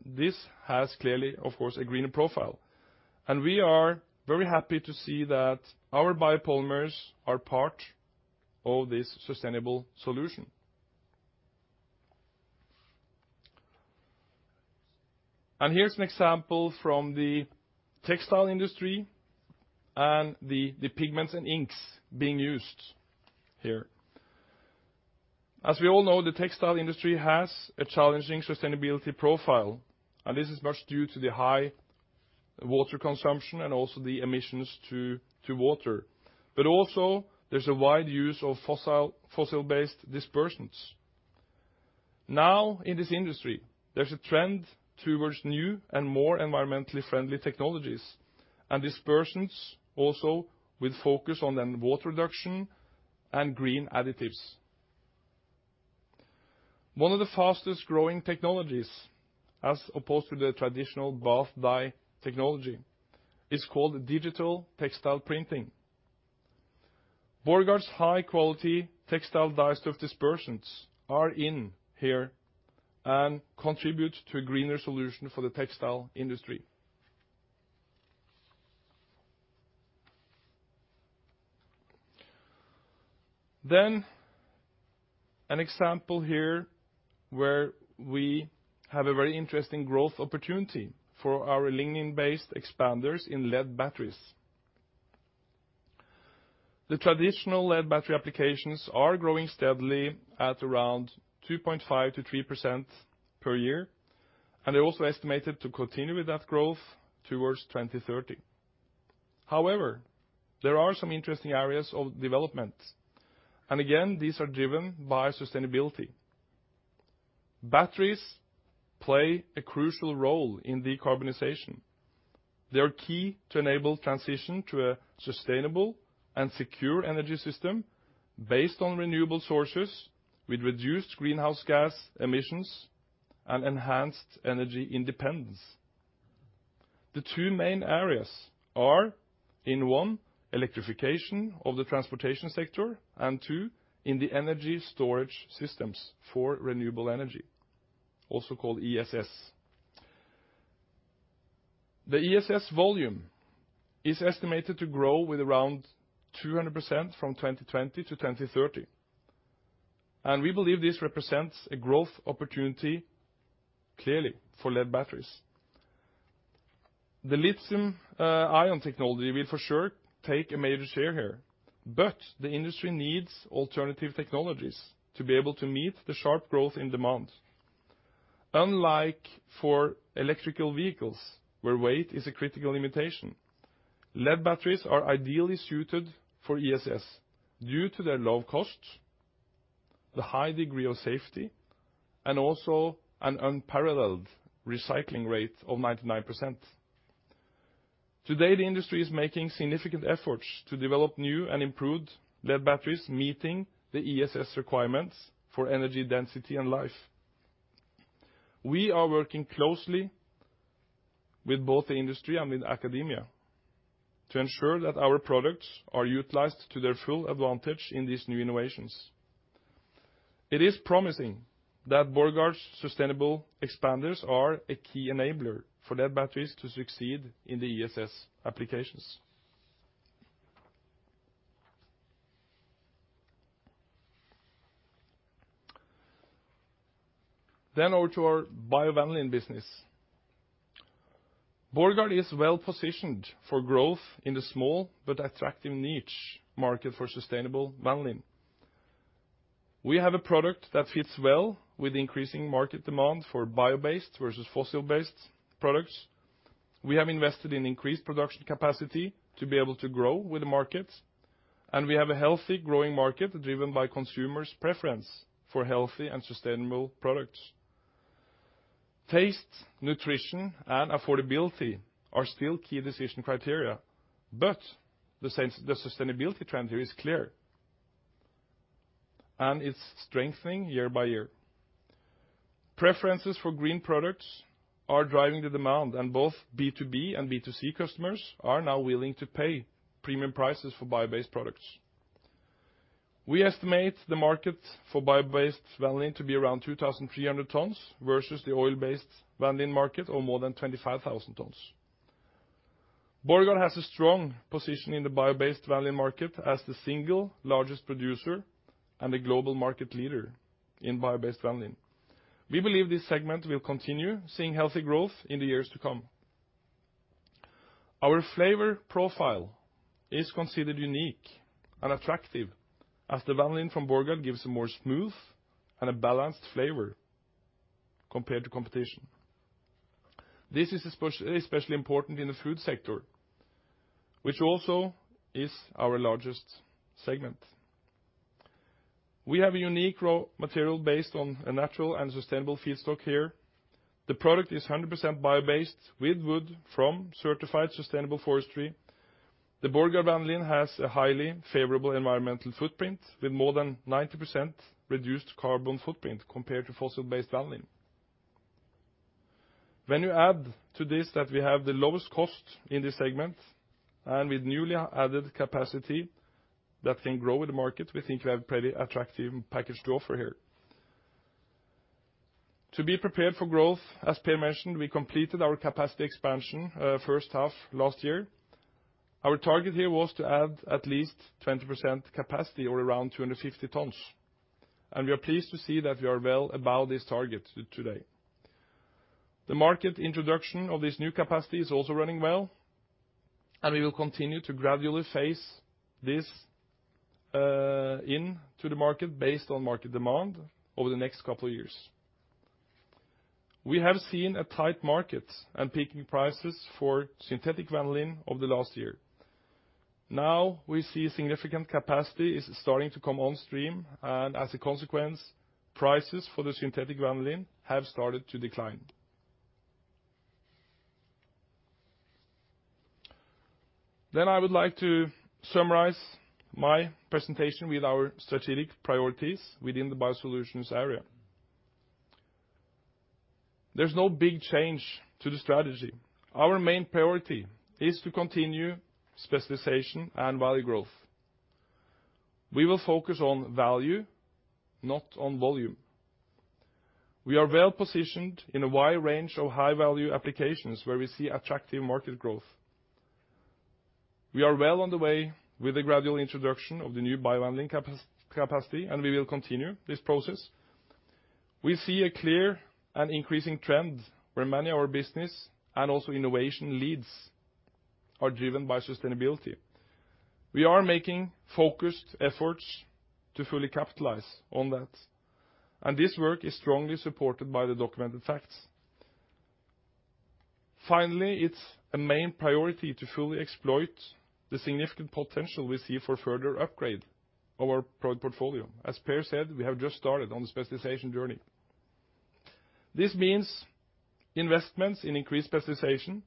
This has clearly, of course, a greener profile. We are very happy to see that our biopolymers are part of this sustainable solution. Here's an example from the textile industry and the pigments and inks being used here. As we all know, the textile industry has a challenging sustainability profile, and this is much due to the high water consumption and also the emissions to water. Also there's a wide use of fossil-based dispersions. In this industry, there's a trend towards new and more environmentally friendly technologies and dispersions also with focus on then water reduction and green additives. One of the fastest growing technologies, as opposed to the traditional bath dye technology, is called digital textile printing. Borregaard's high quality textile dyestuff dispersions are in here and contribute to a greener solution for the textile industry. An example here where we have a very interesting growth opportunity for our lignin-based expanders in lead batteries. The traditional lead battery applications are growing steadily at around 2.5%-3% per year, and they're also estimated to continue with that growth towards 2030. However, there are some interesting areas of development, and again, these are driven by sustainability. Batteries play a crucial role in decarbonization. They are key to enable transition to a sustainable and secure energy system based on renewable sources with reduced greenhouse gas emissions and enhanced energy independence. The two main areas are, in one, electrification of the transportation sector, and two, in the energy storage systems for renewable energy, also called ESS. The ESS volume is estimated to grow with around 200% from 2020 to 2030, and we believe this represents a growth opportunity clearly for lead batteries. The lithium ion technology will for sure take a major share here, but the industry needs alternative technologies to be able to meet the sharp growth in demand. Unlike for electric vehicles, where weight is a critical limitation, lead batteries are ideally suited for ESS due to their low cost, the high degree of safety, and also an unparalleled recycling rate of 99%. Today, the industry is making significant efforts to develop new and improved lead batteries meeting the ESS requirements for energy density and life. We are working closely with both the industry and with academia to ensure that our products are utilized to their full advantage in these new innovations. It is promising that Borregaard's sustainable expanders are a key enabler for lead batteries to succeed in the ESS applications. Over to our biovanillin business. Borregaard is well positioned for growth in the small but attractive niche market for sustainable vanillin. We have a product that fits well with increasing market demand for bio-based versus fossil-based products. We have invested in increased production capacity to be able to grow with the markets, and we have a healthy growing market driven by consumers' preference for healthy and sustainable products. Taste, nutrition, and affordability are still key decision criteria, but the sustainability trend here is clear, and it's strengthening year by year. Preferences for green products are driving the demand, and both B2B and B2C customers are now willing to pay premium prices for bio-based products. We estimate the market for bio-based vanillin to be around 2,300 tons versus the oil-based vanillin market of more than 25,000 tons. Borregaard has a strong position in the bio-based vanillin market as the single largest producer and the global market leader in bio-based vanillin. We believe this segment will continue seeing healthy growth in the years to come. Our flavor profile is considered unique and attractive as the vanillin from Borregaard gives a more smooth and a balanced flavor compared to competition. This is especially important in the food sector, which also is our largest segment. We have a unique raw material based on a natural and sustainable feedstock here. The product is 100% bio-based with wood from certified sustainable forestry. The Borregaard vanillin has a highly favorable environmental footprint with more than 90% reduced carbon footprint compared to fossil-based vanillin. When you add to this that we have the lowest cost in this segment, and with newly added capacity that can grow with the market, we think we have a pretty attractive package to offer here. To be prepared for growth, as Per mentioned, we completed our capacity expansion, first half last year. Our target here was to add at least 20% capacity or around 250 tons, and we are pleased to see that we are well above this target today. The market introduction of this new capacity is also running well, and we will continue to gradually phase this into the market based on market demand over the next couple of years. We have seen a tight market and peaking prices for synthetic vanillin over the last year. Now we see significant capacity is starting to come on stream, and as a consequence, prices for the synthetic vanillin have started to decline. I would like to summarize my presentation with our strategic priorities within the BioSolutions area. There's no big change to the strategy. Our main priority is to continue specialization and value growth. We will focus on value, not on volume. We are well positioned in a wide range of high-value applications where we see attractive market growth. We are well on the way with the gradual introduction of the new bio-lignin capacity, and we will continue this process. We see a clear and increasing trend where many of our business and also innovation leads are driven by sustainability. We are making focused efforts to fully capitalize on that, and this work is strongly supported by the documented facts. Finally, it's a main priority to fully exploit the significant potential we see for further upgrade our product portfolio. As Per said, we have just started on the specialization journey. This means investments in increased specialization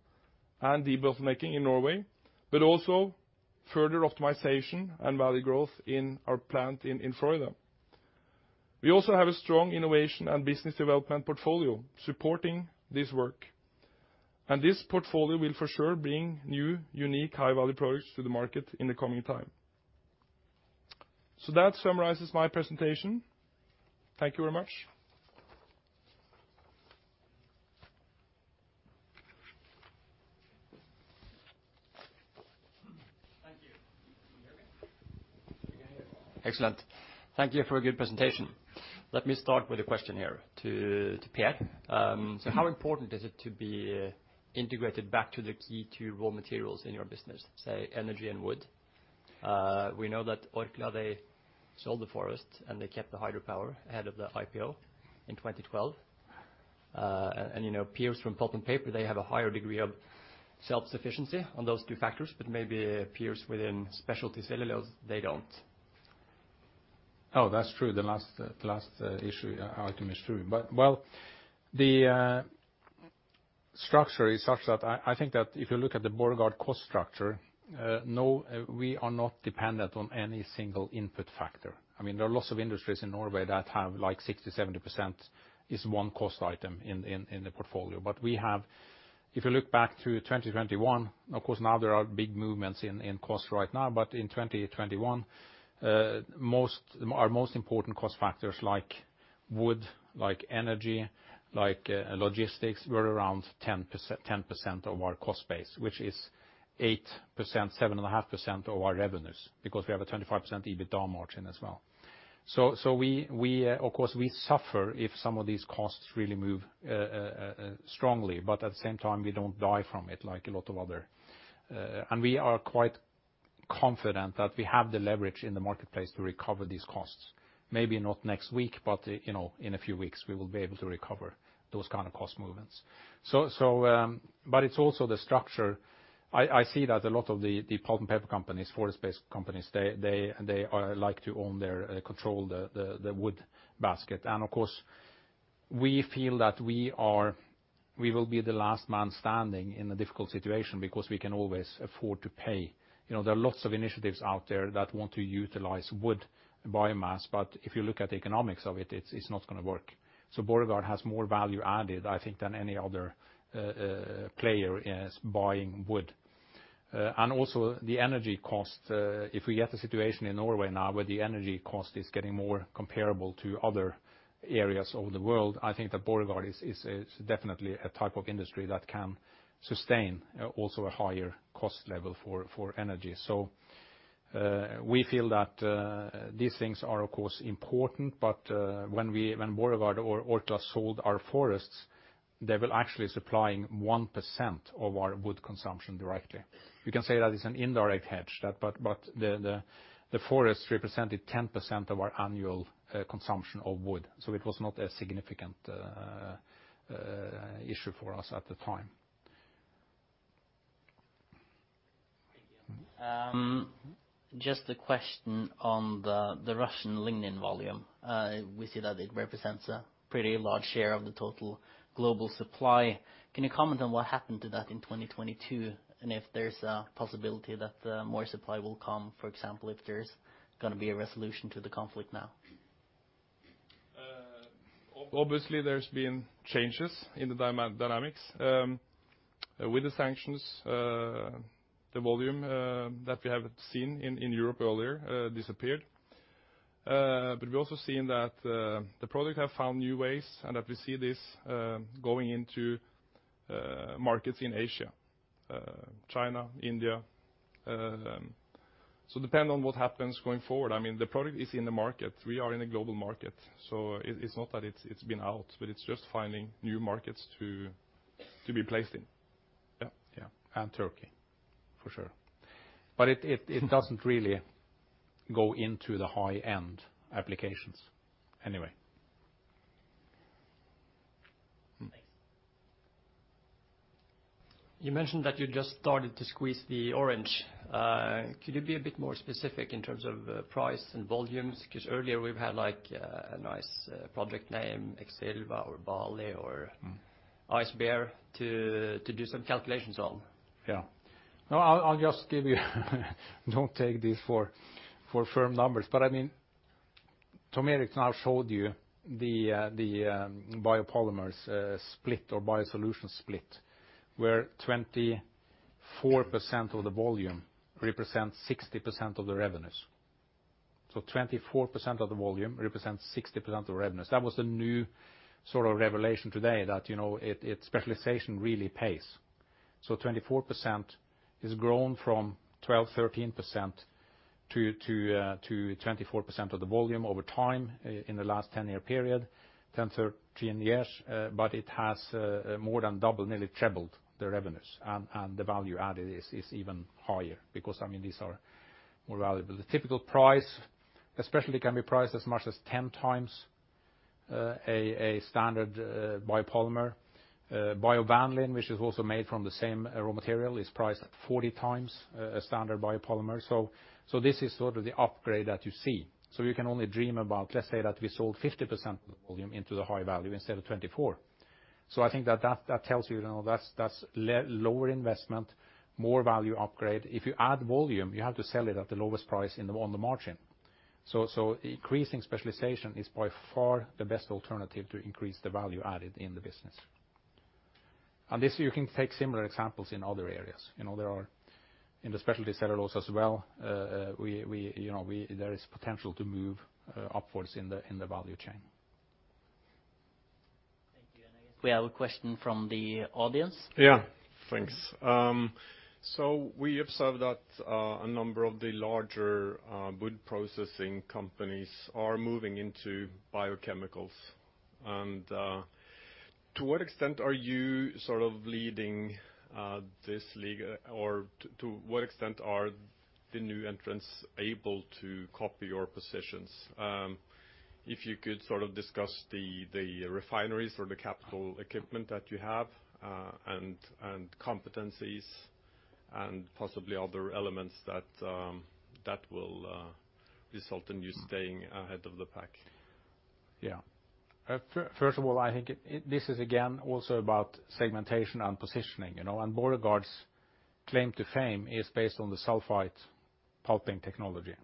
and debottlenecking in Norway, but also further optimization and value growth in our plant in Frøya. We also have a strong innovation and business development portfolio supporting this work, and this portfolio will for sure bring new, unique, high-value products to the market in the coming time. That summarizes my presentation. Thank you very much. Thank you. Can you hear me? We can hear. Excellent. Thank you for a good presentation. Let me start with a question here to Per. How important is it to be integrated back to the key two raw materials in your business, say, energy and wood? We know that Orkla, they sold the forest, and they kept the hydropower ahead of the IPO in 2012. You know, peers from pulp and paper, they have a higher degree of self-sufficiency on those two factors, but maybe peers within specialty cellulose, they don't. Oh, that's true. The last issue item is true. Well, the structure is such that I think that if you look at the Borregaard cost structure, no, we are not dependent on any single input factor. I mean, there are lots of industries in Norway that have like 60%-70% is one cost item in the portfolio. We have. If you look back to 2021, of course now there are big movements in cost right now, but in 2021, our most important cost factors like wood, like energy, like logistics, were around 10%, 10% of our cost base, which is 8%, 7.5% of our revenues, because we have a 25% EBITDA margin as well. We of course suffer if some of these costs really move strongly, but at the same time, we don't die from it like a lot of other. We are quite confident that we have the leverage in the marketplace to recover these costs. Maybe not next week, but you know, in a few weeks, we will be able to recover those kind of cost movements. But it's also the structure. I see that a lot of the pulp and paper companies, forest-based companies, they like to own or control the wood basket. Of course, we feel that we will be the last man standing in a difficult situation because we can always afford to pay. You know, there are lots of initiatives out there that want to utilize wood biomass, but if you look at the economics of it's not gonna work. Borregaard has more value added, I think, than any other player is buying wood. Also the energy cost, if we get a situation in Norway now where the energy cost is getting more comparable to other areas of the world, I think that Borregaard is definitely a type of industry that can sustain also a higher cost level for energy. We feel that these things are of course important, but when Borregaard or Orkla sold our forests, they were actually supplying 1% of our wood consumption directly. You can say that it's an indirect hedge, but the forest represented 10% of our annual consumption of wood, so it was not a significant issue for us at the time. Thank you. Just a question on the Russian lignin volume. We see that it represents a pretty large share of the total global supply. Can you comment on what happened to that in 2022, and if there's a possibility that more supply will come, for example, if there's gonna be a resolution to the conflict now? Obviously, there's been changes in the dynamics. With the sanctions, the volume that we have seen in Europe earlier disappeared. We're also seeing that the product have found new ways and that we see this going into markets in Asia, China, India. Depend on what happens going forward. I mean, the product is in the market. We are in a global market, so it's not that it's been out, but it's just finding new markets to be placed in. Yeah. Turkey, for sure. It doesn't really go into the high-end applications anyway. Thanks. You mentioned that you just started to squeeze the orange. Could you be a bit more specific in terms of price and volumes? 'Cause earlier we've had like a nice product name, Exilva or BALI or Ice Bear to do some calculations on. Yeah. No, I'll just give you. Don't take these for firm numbers. I mean, Tom Erik now showed you the biopolymers split or BioSolutions split, where 24% of the volume represents 60% of the revenues. 24% of the volume represents 60% of the revenues. That was the new sort of revelation today that, you know, it, specialization really pays. 24% has grown from 12%, 13% to 24% of the volume over time in the last 10-year period, 10, 13 years. It has more than double, nearly trebled the revenues and the value add is even higher because I mean, these are more valuable. The typical price, especially can be priced as much as 10 times a standard biopolymer, biovanillin, which is also made from the same raw material, is priced at 40 times a standard biopolymer. This is sort of the upgrade that you see. You can only dream about, let's say, that we sold 50% of the volume into the high value instead of 24%. I think that tells you know, that's lower investment, more value upgrade. If you add volume, you have to sell it at the lowest price in the, on the margin. Increasing specialization is by far the best alternative to increase the value added in the business. This you can take similar examples in other areas. You know, there are in the specialty cellulose as well, we. You know, there is potential to move upwards in the value chain. Thank you. I guess we have a question from the audience. Yeah. Thanks. So we observed that a number of the larger wood processing companies are moving into biochemicals. To what extent are you sort of leading this league? Or to what extent are the new entrants able to copy your positions? If you could sort of discuss the refineries or the capital equipment that you have, and competencies and possibly other elements that will result in you staying ahead of the pack. First of all, I think this is again also about segmentation and positioning, you know. Borregaard's claim to fame is based on the sulfite pulping technology.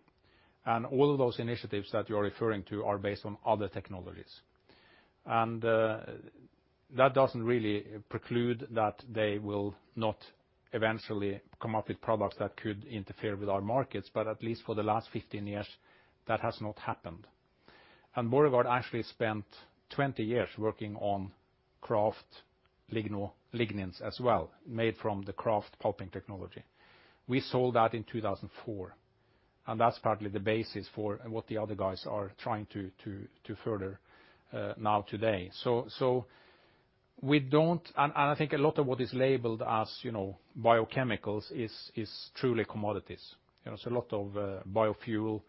All of those initiatives that you're referring to are based on other technologies. That doesn't really preclude that they will not eventually come up with products that could interfere with our markets, but at least for the last 15 years, that has not happened. Borregaard actually spent 20 years working on kraft lignins as well, made from the kraft pulping technology. We sold that in 2004, and that's partly the basis for what the other guys are trying to further now today. I think a lot of what is labeled as, you know, biochemicals is truly commodities. You know, a lot of biofuel,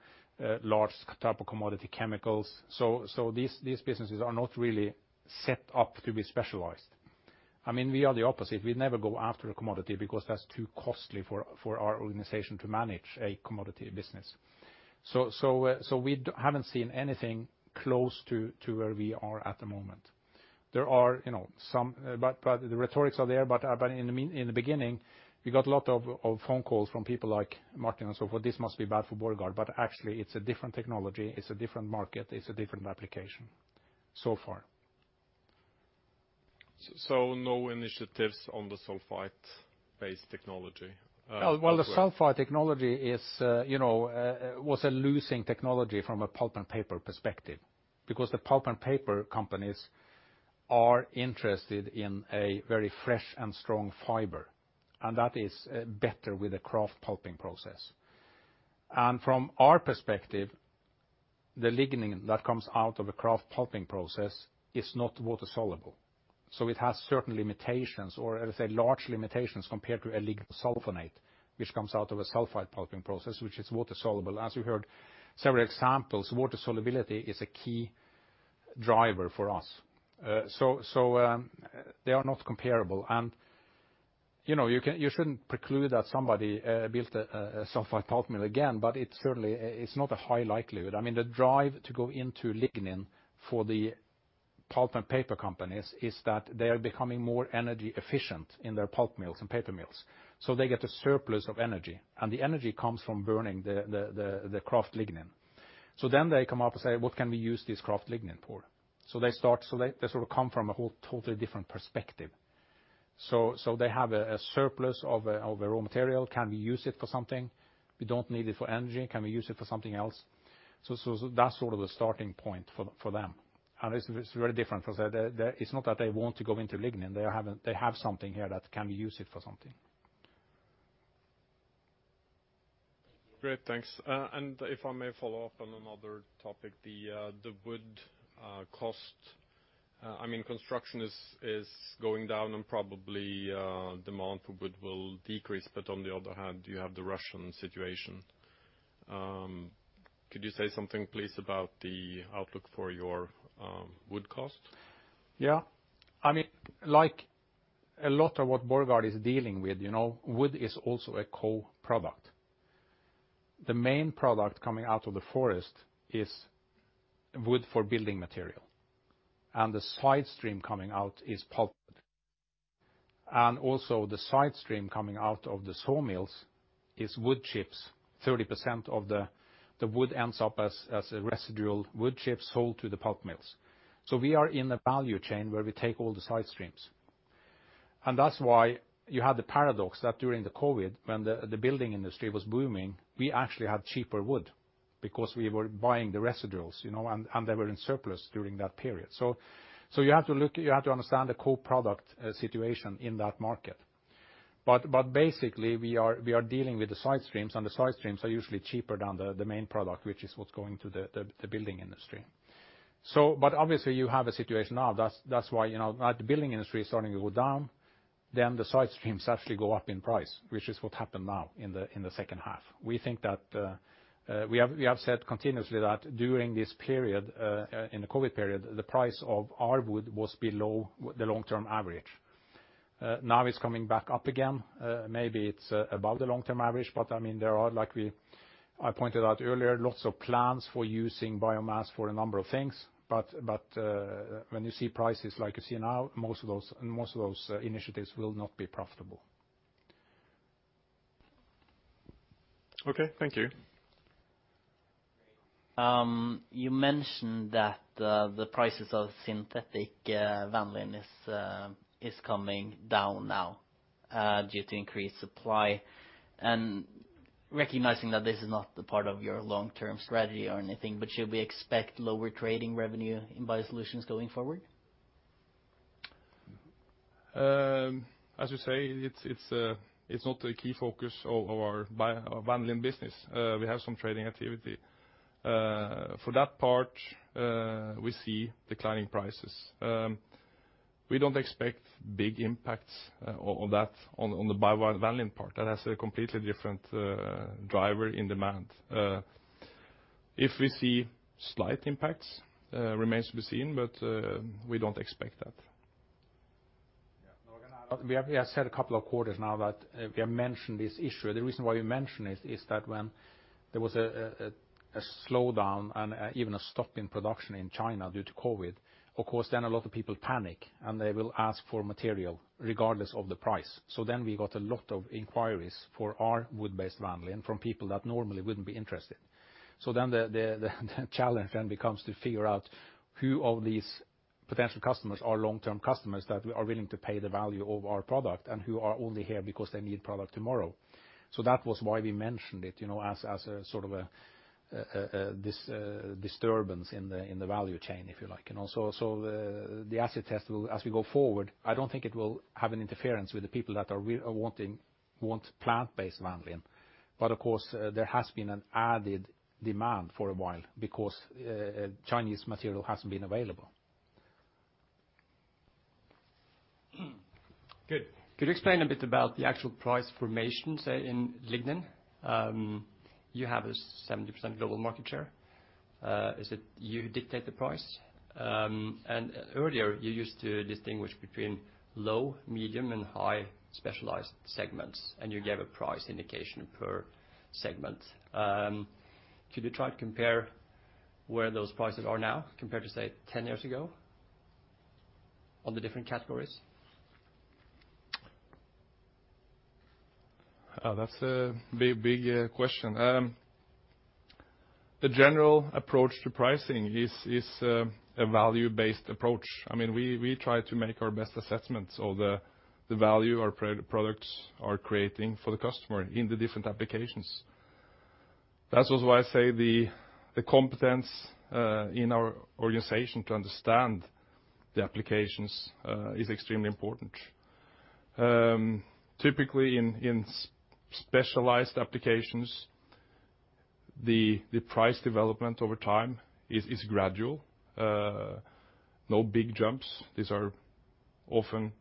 large type of commodity chemicals. These businesses are not really set up to be specialized. I mean, we are the opposite. We never go after a commodity because that's too costly for our organization to manage a commodity business. So we haven't seen anything close to where we are at the moment. There are, you know, some, but the rhetorics are there. But in the beginning, we got a lot of phone calls from people like Martin and so forth, "This must be bad for Borregaard," but actually it's a different technology, it's a different market, it's a different application, so far. No initiatives on the sulfite-based technology, as well? Well, the sulfite technology was a losing technology from a pulp and paper perspective because the pulp and paper companies are interested in a very fresh and strong fiber, and that is better with a kraft pulping process. From our perspective, the lignin that comes out of a kraft pulping process is not water-soluble. It has certain limitations, or I would say large limitations compared to a lignosulfonate, which comes out of a sulfite pulping process, which is water-soluble. As you heard several examples, water solubility is a key driver for us. They are not comparable. You know, you shouldn't preclude that somebody built a sulfite pulp mill again, but it certainly, it's not a high likelihood. I mean, the drive to go into lignin for the pulp and paper companies is that they are becoming more energy efficient in their pulp mills and paper mills, so they get a surplus of energy, and the energy comes from burning the kraft lignin. So then they come up and say, "What can we use this kraft lignin for?" So they start. They sort of come from a whole totally different perspective. So they have a surplus of a raw material. Can we use it for something? We don't need it for energy. Can we use it for something else? So that's sort of the starting point for them. It's very different from, say. It's not that they want to go into lignin. They have something here that can use it for something. Great. Thanks. If I may follow up on another topic, the wood cost. I mean, construction is going down and probably demand for wood will decrease. On the other hand, you have the Russian situation. Could you say something, please, about the outlook for your wood cost? Yeah. I mean, like a lot of what Borregaard is dealing with, you know, wood is also a co-product. The main product coming out of the forest is wood for building material, and the side stream coming out is pulp. Also the side stream coming out of the sawmills is wood chips. 30% of the wood ends up as a residual wood chips sold to the pulp mills. We are in a value chain where we take all the side streams. That's why you have the paradox that during the COVID, when the building industry was booming, we actually had cheaper wood because we were buying the residuals, you know, and they were in surplus during that period. You have to look. You have to understand the co-product situation in that market. Basically we are dealing with the side streams, and the side streams are usually cheaper than the main product, which is what's going to the building industry. Obviously you have a situation now, that's why, you know, now that the building industry is starting to go down, then the side streams actually go up in price, which is what happened now in the second half. We think that we have said continuously that during this period, in the COVID period, the price of our wood was below the long-term average. Now it's coming back up again. Maybe it's above the long-term average, but I mean, there are, like I pointed out earlier, lots of plans for using biomass for a number of things. When you see prices like you see now, most of those initiatives will not be profitable. Okay, thank you. You mentioned that the prices of synthetic vanillin is coming down now due to increased supply. Recognizing that this is not the part of your long-term strategy or anything, but should we expect lower trading revenue in BioSolutions going forward? As you say, it's not a key focus of our biovanillin business. We have some trading activity. For that part, we see declining prices. We don't expect big impacts of that on the biovanillin part. That has a completely different driver in demand. If we see slight impacts, remains to be seen, but we don't expect that. Yeah. No, I can add. We have said a couple of quarters now that we have mentioned this issue. The reason why we mention it is that when there was a slowdown and even a stop in production in China due to COVID, of course, then a lot of people panic, and they will ask for material regardless of the price. We got a lot of inquiries for our wood-based vanillin from people that normally wouldn't be interested. The challenge then becomes to figure out who of these potential customers are long-term customers that are willing to pay the value of our product and who are only here because they need product tomorrow. That was why we mentioned it, you know, as a sort of a this disturbance in the value chain, if you like. The acid test will, as we go forward, I don't think it will have an interference with the people that are wanting plant-based vanillin. Of course, there has been an added demand for a while because Chinese material hasn't been available. Good. Could you explain a bit about the actual price formation, say, in lignin? You have a 70% global market share. Is it you dictate the price? Earlier you used to distinguish between low, medium, and high specialized segments, and you gave a price indication per segment. Could you try to compare where those prices are now compared to, say, 10 years ago on the different categories? That's a big question. The general approach to pricing is a value-based approach. I mean, we try to make our best assessments of the value our products are creating for the customer in the different applications. That's also why I say the competence in our organization to understand the applications is extremely important. Typically in specialized applications, the price development over time is gradual. No big jumps. These are often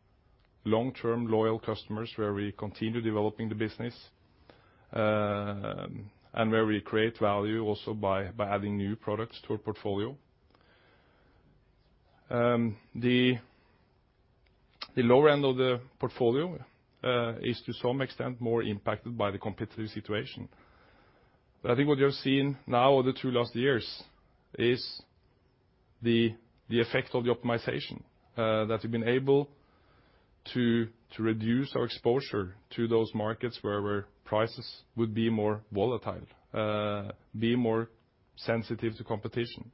long-term loyal customers where we continue developing the business and where we create value also by adding new products to our portfolio. The lower end of the portfolio is to some extent more impacted by the competitive situation. I think what you have seen now over the last two years is the effect of the optimization that we've been able to reduce our exposure to those markets where prices would be more volatile, be more sensitive to competition.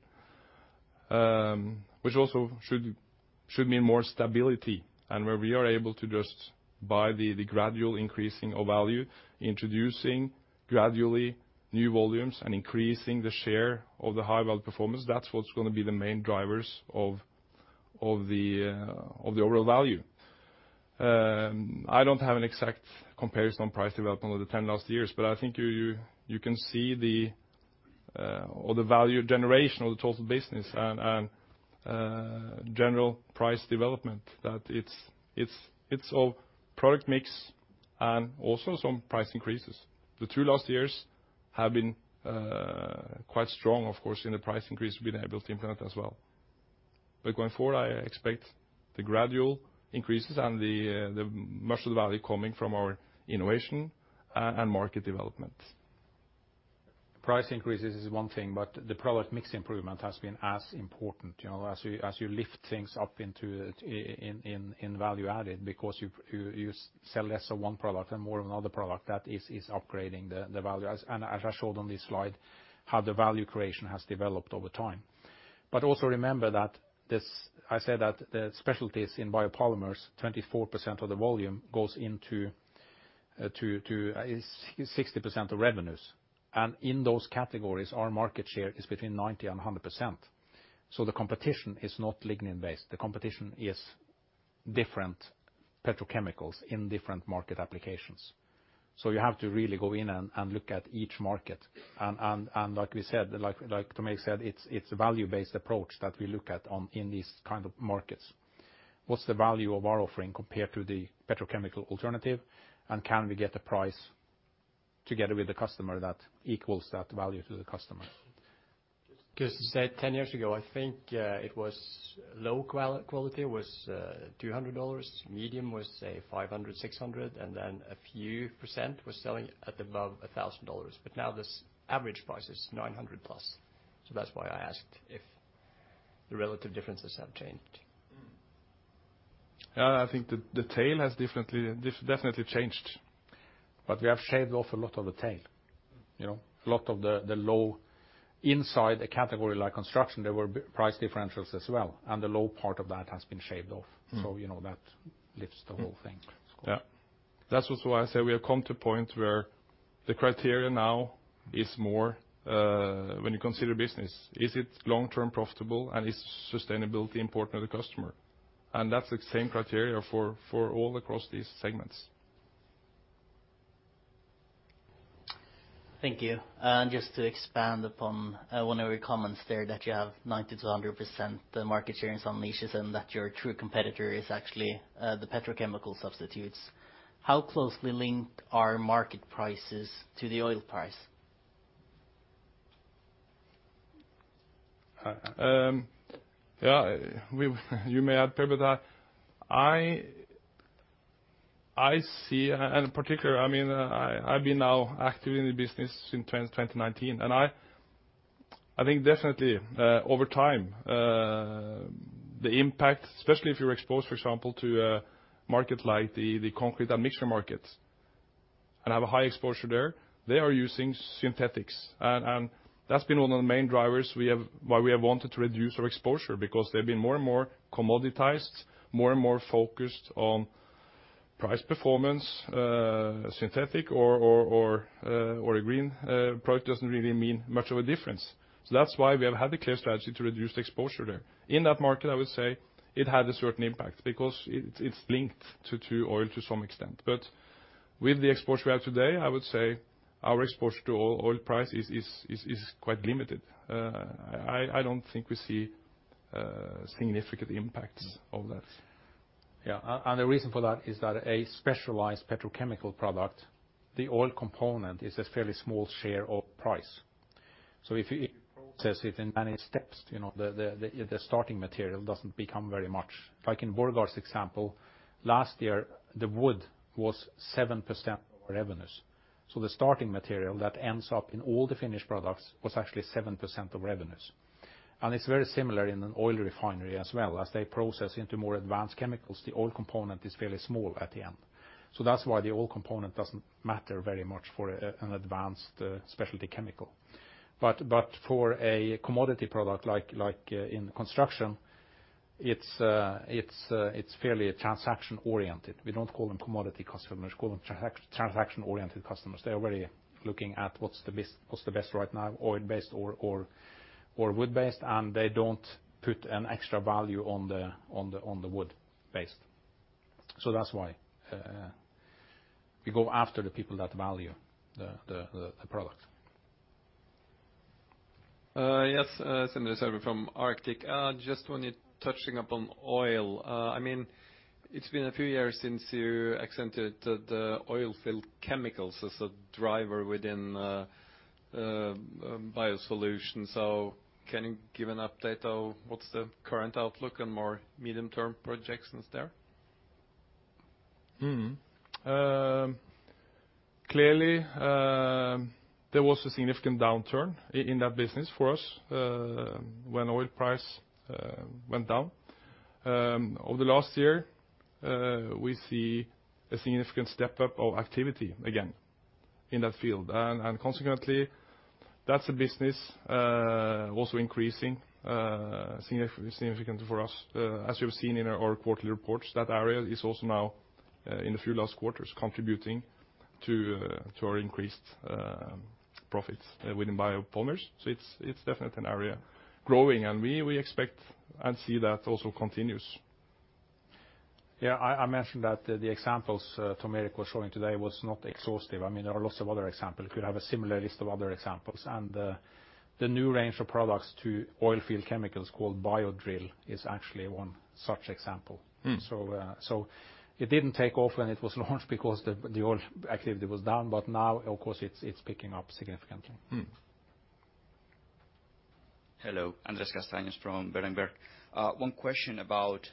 Which also should mean more stability, and where we are able to just by the gradual increasing of value, introducing gradually new volumes and increasing the share of the high value performance, that's what's gonna be the main drivers of the overall value. I don't have an exact comparison on price development over the last 10 years, but I think you can see the value generation of the total business and general price development, that it's all product mix and also some price increases. The two last years have been quite strong, of course, in the price increase we've been able to implement as well. Going forward, I expect the gradual increases and the much of the value coming from our innovation and market development. Price increases is one thing, but the product mix improvement has been as important. You know, as you lift things up into it in value-added because you sell less of one product and more of another product that is upgrading the value. As I showed on this slide, how the value creation has developed over time. Also remember that this I said that the specialties in biopolymers, 24% of the volume goes into is 60% of revenues. In those categories, our market share is between 90% and 100%. The competition is not lignin-based. The competition is different petrochemicals in different market applications. You have to really go in and look at each market. Like we said, like Tom Erik Foss-Jacobsen said, it's a value-based approach that we look at in these kind of markets. What's the value of our offering compared to the petrochemical alternative? Can we get a price together with the customer that equals that value to the customer? Just to say, 10 years ago, I think, it was low quality was $200, medium was, say, $500, $600, and then a few percent was selling at above $1,000. Now this average price is $900+. That's why I asked if the relative differences have changed. Yeah, I think the tail has definitely changed. We have shaved off a lot of the tail, you know. A lot of the low end of a category like construction, there were price differentials as well, and the low part of that has been shaved off. Mm. You know, that lifts the whole thing. Yeah. That's also why I say we have come to a point where the criteria now is more, when you consider business, is it long-term profitable, and is sustainability important to the customer? That's the same criteria for all across these segments. Thank you. Just to expand upon one of your comments there that you have 90%-100% market shares on niches and that your true competitor is actually the petrochemical substitutes. How closely linked are market prices to the oil price? Yeah, you may add Per, but I see, and in particular, I mean, I've been now active in the business since 2019, and I think definitely, over time, the impact, especially if you're exposed, for example, to a market like the concrete admixture markets and have a high exposure there, they are using synthetics. That's been one of the main drivers we have why we have wanted to reduce our exposure because they've been more and more commoditized, more and more focused on price performance, synthetic or a green product doesn't really mean much of a difference. That's why we have had the clear strategy to reduce the exposure there. In that market, I would say it had a certain impact because it's linked to oil to some extent. With the exposure we have today, I would say our exposure to oil price is quite limited. I don't think we see significant impacts of that. The reason for that is that a specialized petrochemical product, the oil component is a fairly small share of price. If you process it in many steps, you know, the starting material doesn't become very much. Like in Borregaard's example, last year, the wood was 7% of revenues. The starting material that ends up in all the finished products was actually 7% of revenues. It's very similar in an oil refinery as well. As they process into more advanced chemicals, the oil component is fairly small at the end. That's why the oil component doesn't matter very much for an advanced specialty chemical. For a commodity product like in construction, it's fairly transaction-oriented. We don't call them commodity customers, we call them transaction-oriented customers. They're very looking at what's the best right now, oil-based or wood-based, and they don't put an extra value on the wood-based. That's why we go after the people that value the product. Yes, Sindre Sørbye from Arctic. Just when you're touching upon oil, I mean, it's been a few years since you accentuated the oilfield chemicals as a driver within BioSolutions. Can you give an update of what's the current outlook and more medium-term projections there? Clearly, there was a significant downturn in that business for us when oil price went down. Over the last year, we see a significant step-up of activity again in that field. Consequently, that's a business also increasing significantly for us. As you've seen in our quarterly reports, that area is also now in the few last quarters contributing to our increased profits within biopolymers. It's definitely an area growing, and we expect and see that also continues. Yeah. I mentioned that the examples Tom Erik Foss-Jacobsen was showing today was not exhaustive. I mean, there are lots of other examples. You could have a similar list of other examples. The new range of products to oilfield chemicals called Bio-Drill is actually one such example. Mm. It didn't take off when it was launched because the oil activity was down. Now, of course, it's picking up significantly. Hello. Andrés Castaños from Berenberg. One question about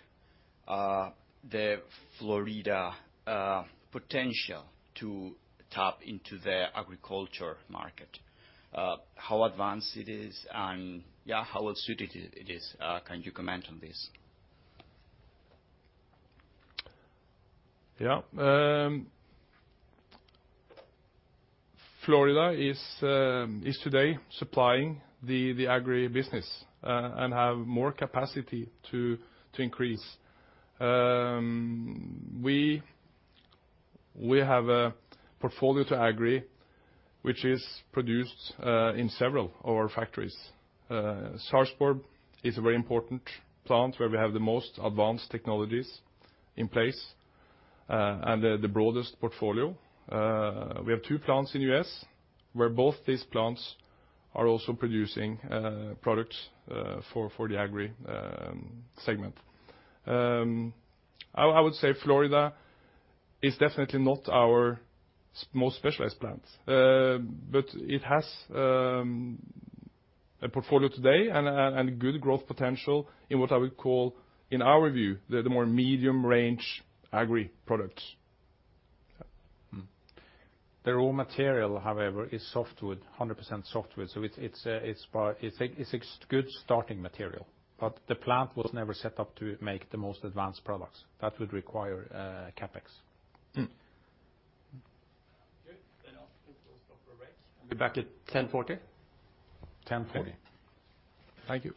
the Florida potential to tap into the agriculture market. How advanced it is and how well-suited it is. Can you comment on this? Florida is today supplying the agri business and have more capacity to increase. We have a portfolio to agri which is produced in several of our factories. Sarpsborg is a very important plant where we have the most advanced technologies in place and the broadest portfolio. We have two plants in U.S., where both these plants are also producing products for the agri segment. I would say Florida is definitely not our most specialized plant. It has a portfolio today and a good growth potential in what I would call, in our view, the more medium range agri products. The raw material, however, is softwood, 100% softwood. It's a good starting material, but the plant was never set up to make the most advanced products. That would require CapEx. Okay. I'll take a break. Be back at 10:40. 10:40 A.M. Thank you.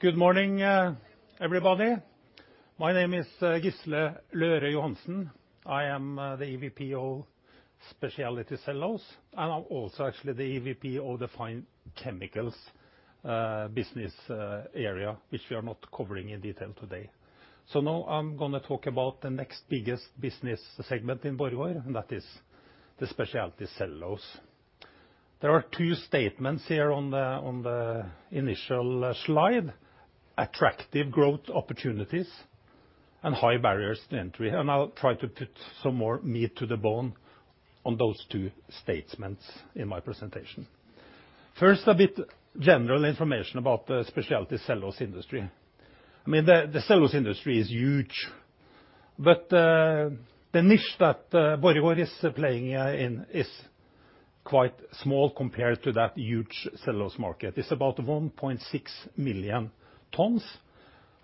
Good morning, everybody. My name is Gisle Løhre Johansen. I am the EVP of Specialty Cellulose, and I'm also actually the EVP of the Fine Chemicals business area, which we are not covering in detail today. Now I'm gonna talk about the next biggest business segment in Borregaard, and that is the specialty cellulose. There are two statements here on the initial slide, attractive growth opportunities and high barriers to entry, and I'll try to put some more meat to the bone on those two statements in my presentation. First, a bit general information about the specialty cellulose industry. The cellulose industry is huge, but the niche that Borregaard is playing in is quite small compared to that huge cellulose market. It's about 1.6 million tons.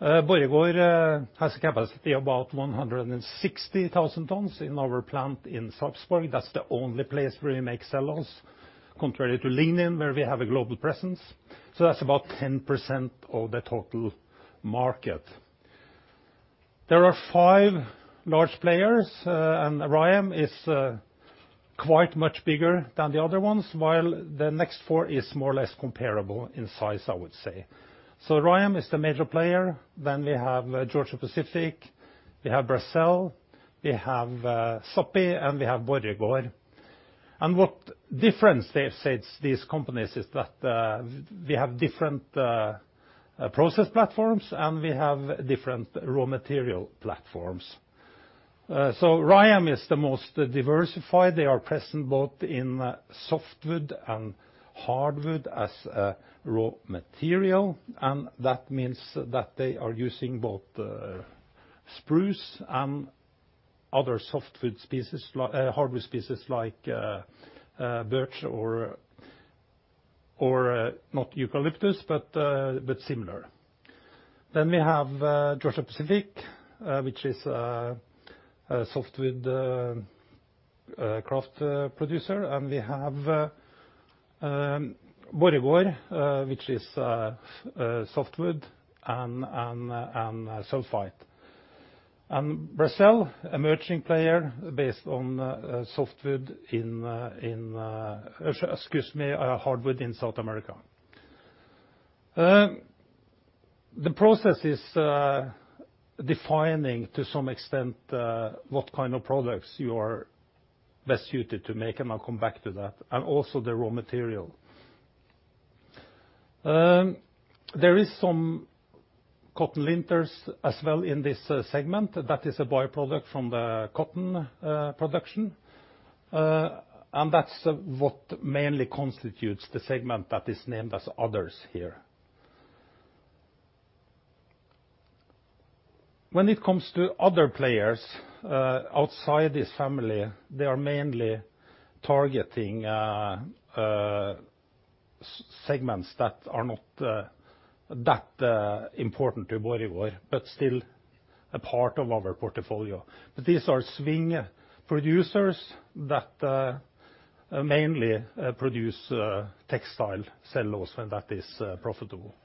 Borregaard has capacity about 160,000 tons in our plant in Sarpsborg. That's the only place where we make cellulose, contrary to Lenzing, where we have a global presence, so that's about 10% of the total market. There are five large players, and Rayonier Advanced Materials is quite much bigger than the other ones, while the next four is more or less comparable in size, I would say. Rayonier Advanced Materials is the major player, then we have Georgia-Pacific, we have Bracell, we have Sappi, and we have Borregaard. What differentiates these companies is that we have different process platforms, and we have different raw material platforms. Rayonier Advanced Materials is the most diversified. They are present both in softwood and hardwood as a raw material, and that means that they are using both spruce and other softwood species like hardwood species like birch or not eucalyptus, but similar. We have Georgia-Pacific, which is a softwood kraft producer, and we have Borregaard, which is softwood and sulfite. Bracell, emerging player based on hardwood in South America. The process is defining to some extent what kind of products you are best suited to make, and I'll come back to that, and also the raw material. There is some cotton linters as well in this segment that is a by-product from the cotton production, and that's what mainly constitutes the segment that is named as Others here. When it comes to other players outside this family, they are mainly targeting segments that are not that important to Borregaard, but still a part of our portfolio. These are swing producers that mainly produce textile cellulose, and that is profitable.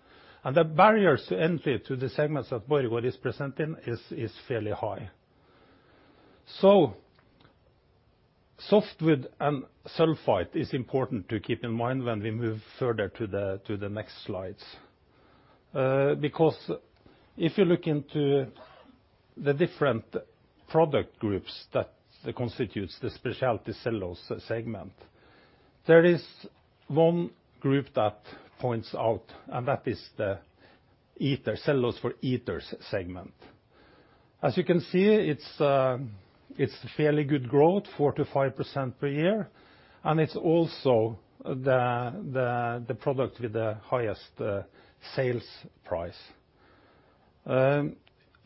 The barriers to entry to the segments that Borregaard is present in is fairly high. Softwood and sulfite is important to keep in mind when we move further to the next slides. Because if you look into the different product groups that constitutes the specialty cellulose segment, there is one group that stands out, and that is the cellulose ethers segment. As you can see, it's fairly good growth, 4%-5% per year, and it's also the product with the highest sales price.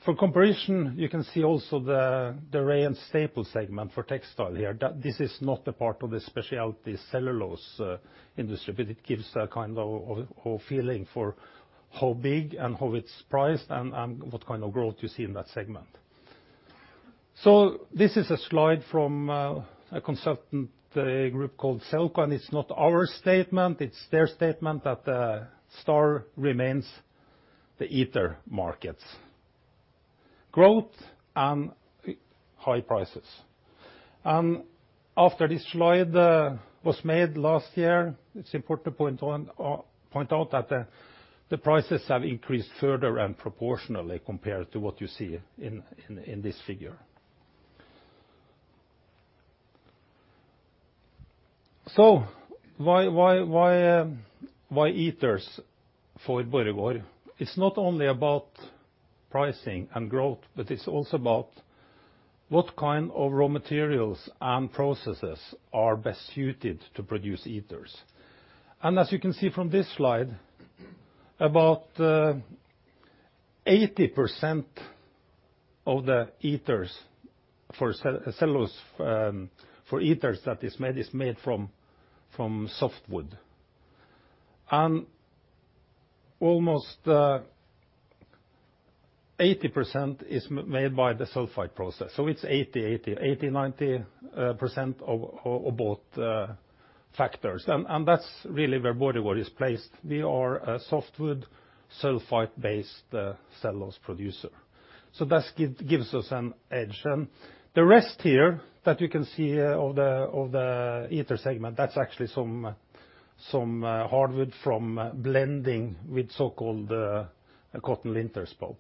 For comparison, you can see also the rayon staple segment for textile here. This is not a part of the specialty cellulose industry, but it gives a kind of feeling for how big and how it's priced and what kind of growth you see in that segment. This is a slide from a consultant group called Selko, and it's not our statement. It's their statement that the star remains the ethers markets. Growth and high prices. After this slide was made last year, it's important to point out that the prices have increased further and proportionally compared to what you see in this figure. Why ethers for Borregaard? It's not only about pricing and growth, but it's also about what kind of raw materials and processes are best suited to produce ethers. As you can see from this slide, about 80% of the ethers for cellulose for ethers that is made is made from softwood. Almost 80% is made by the sulfite process. It's 80%. 80%, 90% of both factors. That's really where Borregaard is placed. We are a softwood sulfite-based cellulose producer, so that gives us an edge. The rest here that you can see here of the ether segment, that's actually some hardwood from blending with so-called cotton linters pulp.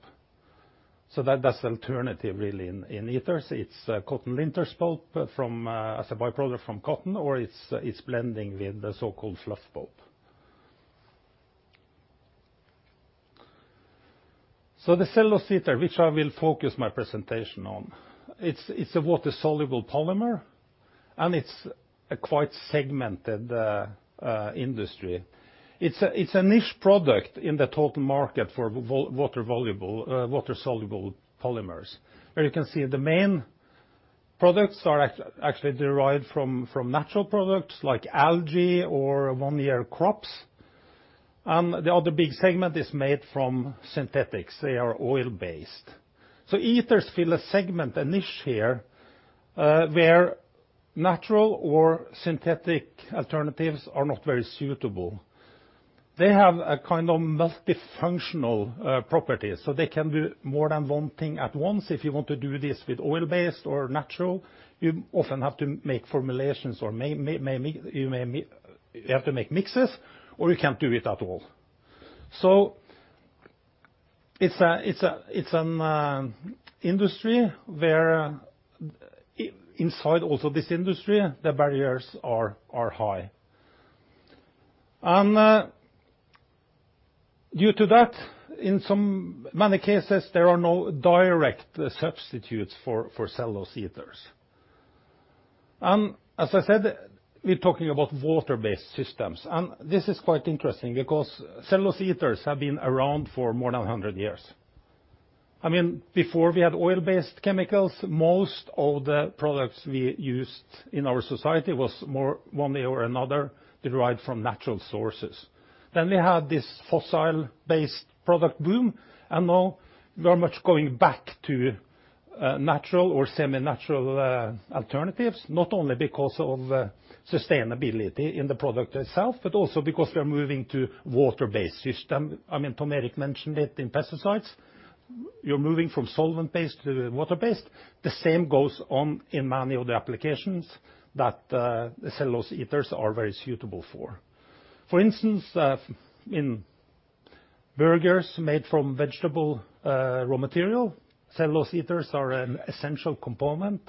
That's alternative really in ethers. It's cotton linters pulp from as a by-product from cotton, or it's blending with the so-called fluff pulp. The cellulose ether, which I will focus my presentation on, it's a water-soluble polymer, and it's a quite segmented industry. It's a niche product in the total market for water-soluble polymers. Here you can see the main products are actually derived from natural products like algae or one-year crops. The other big segment is made from synthetics. They are oil-based. Ethers fill a segment, a niche here, where natural or synthetic alternatives are not very suitable. They have a kind of multifunctional properties, so they can do more than one thing at once. If you want to do this with oil-based or natural, you often have to make formulations or you may have to make mixes or you can't do it at all. It's an industry where inside also this industry, the barriers are high. Due to that, in many cases, there are no direct substitutes for cellulose ethers. We're talking about water-based systems. This is quite interesting because cellulose ethers have been around for more than 100 years. I mean, before we had oil-based chemicals, most of the products we used in our society was more, one way or another, derived from natural sources. We had this fossil-based product boom, and now we are much going back to natural or semi-natural alternatives, not only because of sustainability in the product itself, but also because we are moving to water-based system. I mean, Tom Erik mentioned it in pesticides. You're moving from solvent-based to water-based. The same goes on in many of the applications that the cellulose ethers are very suitable for. For instance, in burgers made from vegetable raw material, cellulose ethers are an essential component.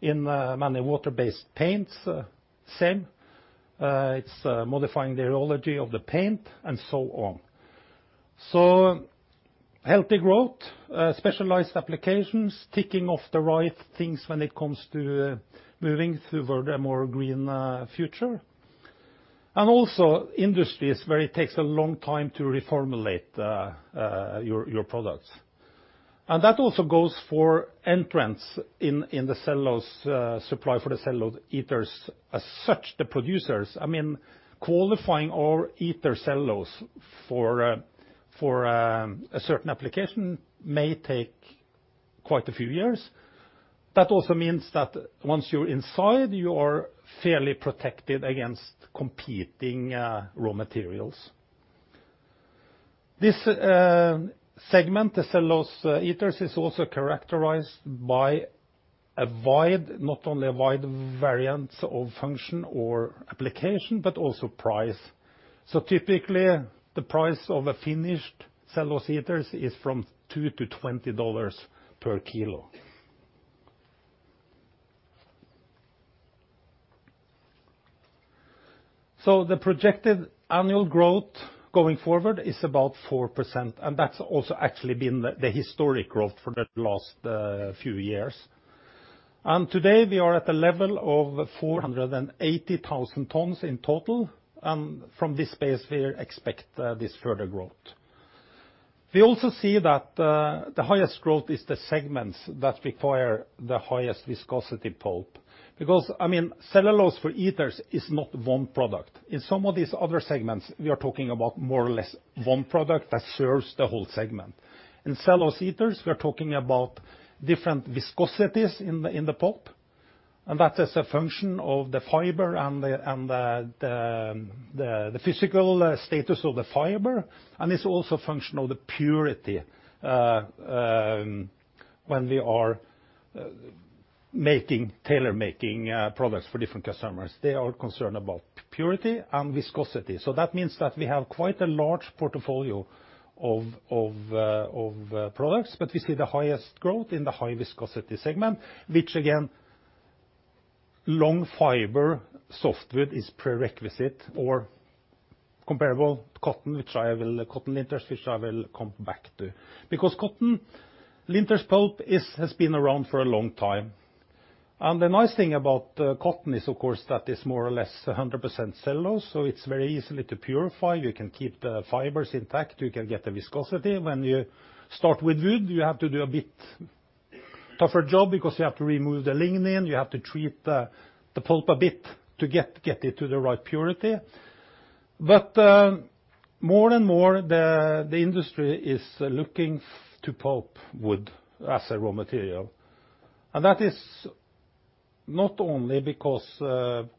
In many water-based paints, same. It's modifying the rheology of the paint and so on. So healthy growth, specialized applications, ticking off the right things when it comes to moving toward a more green future. And also industries where it takes a long time to reformulate your products. That also goes for entrants in the cellulose supply for the cellulose ethers. As such, the producers, I mean, qualifying our cellulose ethers for a certain application may take quite a few years. That also means that once you're inside, you are fairly protected against competing raw materials. This segment, the cellulose ethers, is also characterized by a wide, not only a wide variance of function or application, but also price. Typically, the price of a finished cellulose ethers is from $2-$20 per kilo. The projected annual growth going forward is about 4%, and that's also actually been the historic growth for the last few years. Today we are at a level of 480,000 tons in total, and from this space, we expect this further growth. We also see that the highest growth is the segments that require the highest viscosity pulp. I mean, cellulose for ethers is not one product. In some of these other segments, we are talking about more or less one product that serves the whole segment. In cellulose ethers, we are talking about different viscosities in the pulp, and that is a function of the fiber and the physical status of the fiber, and it's also a function of the purity. When we are making tailor-making products for different customers, they are concerned about purity and viscosity. That means that we have quite a large portfolio of products, but we see the highest growth in the high viscosity segment, which again, long fiber softwood is prerequisite or comparable to cotton, which I will. Cotton linters, which I come back to. Cotton linters pulp has been around for a long time, and the nice thing about cotton is, of course, that it's more or less 100% cellulose, so it's very easily to purify. You can keep the fibers intact. You can get the viscosity. When you start with wood, you have to do a bit tougher job, because you have to remove the lignin. You have to treat the pulp a bit to get it to the right purity. More and more, the industry is looking to pulp wood as a raw material, and that is not only because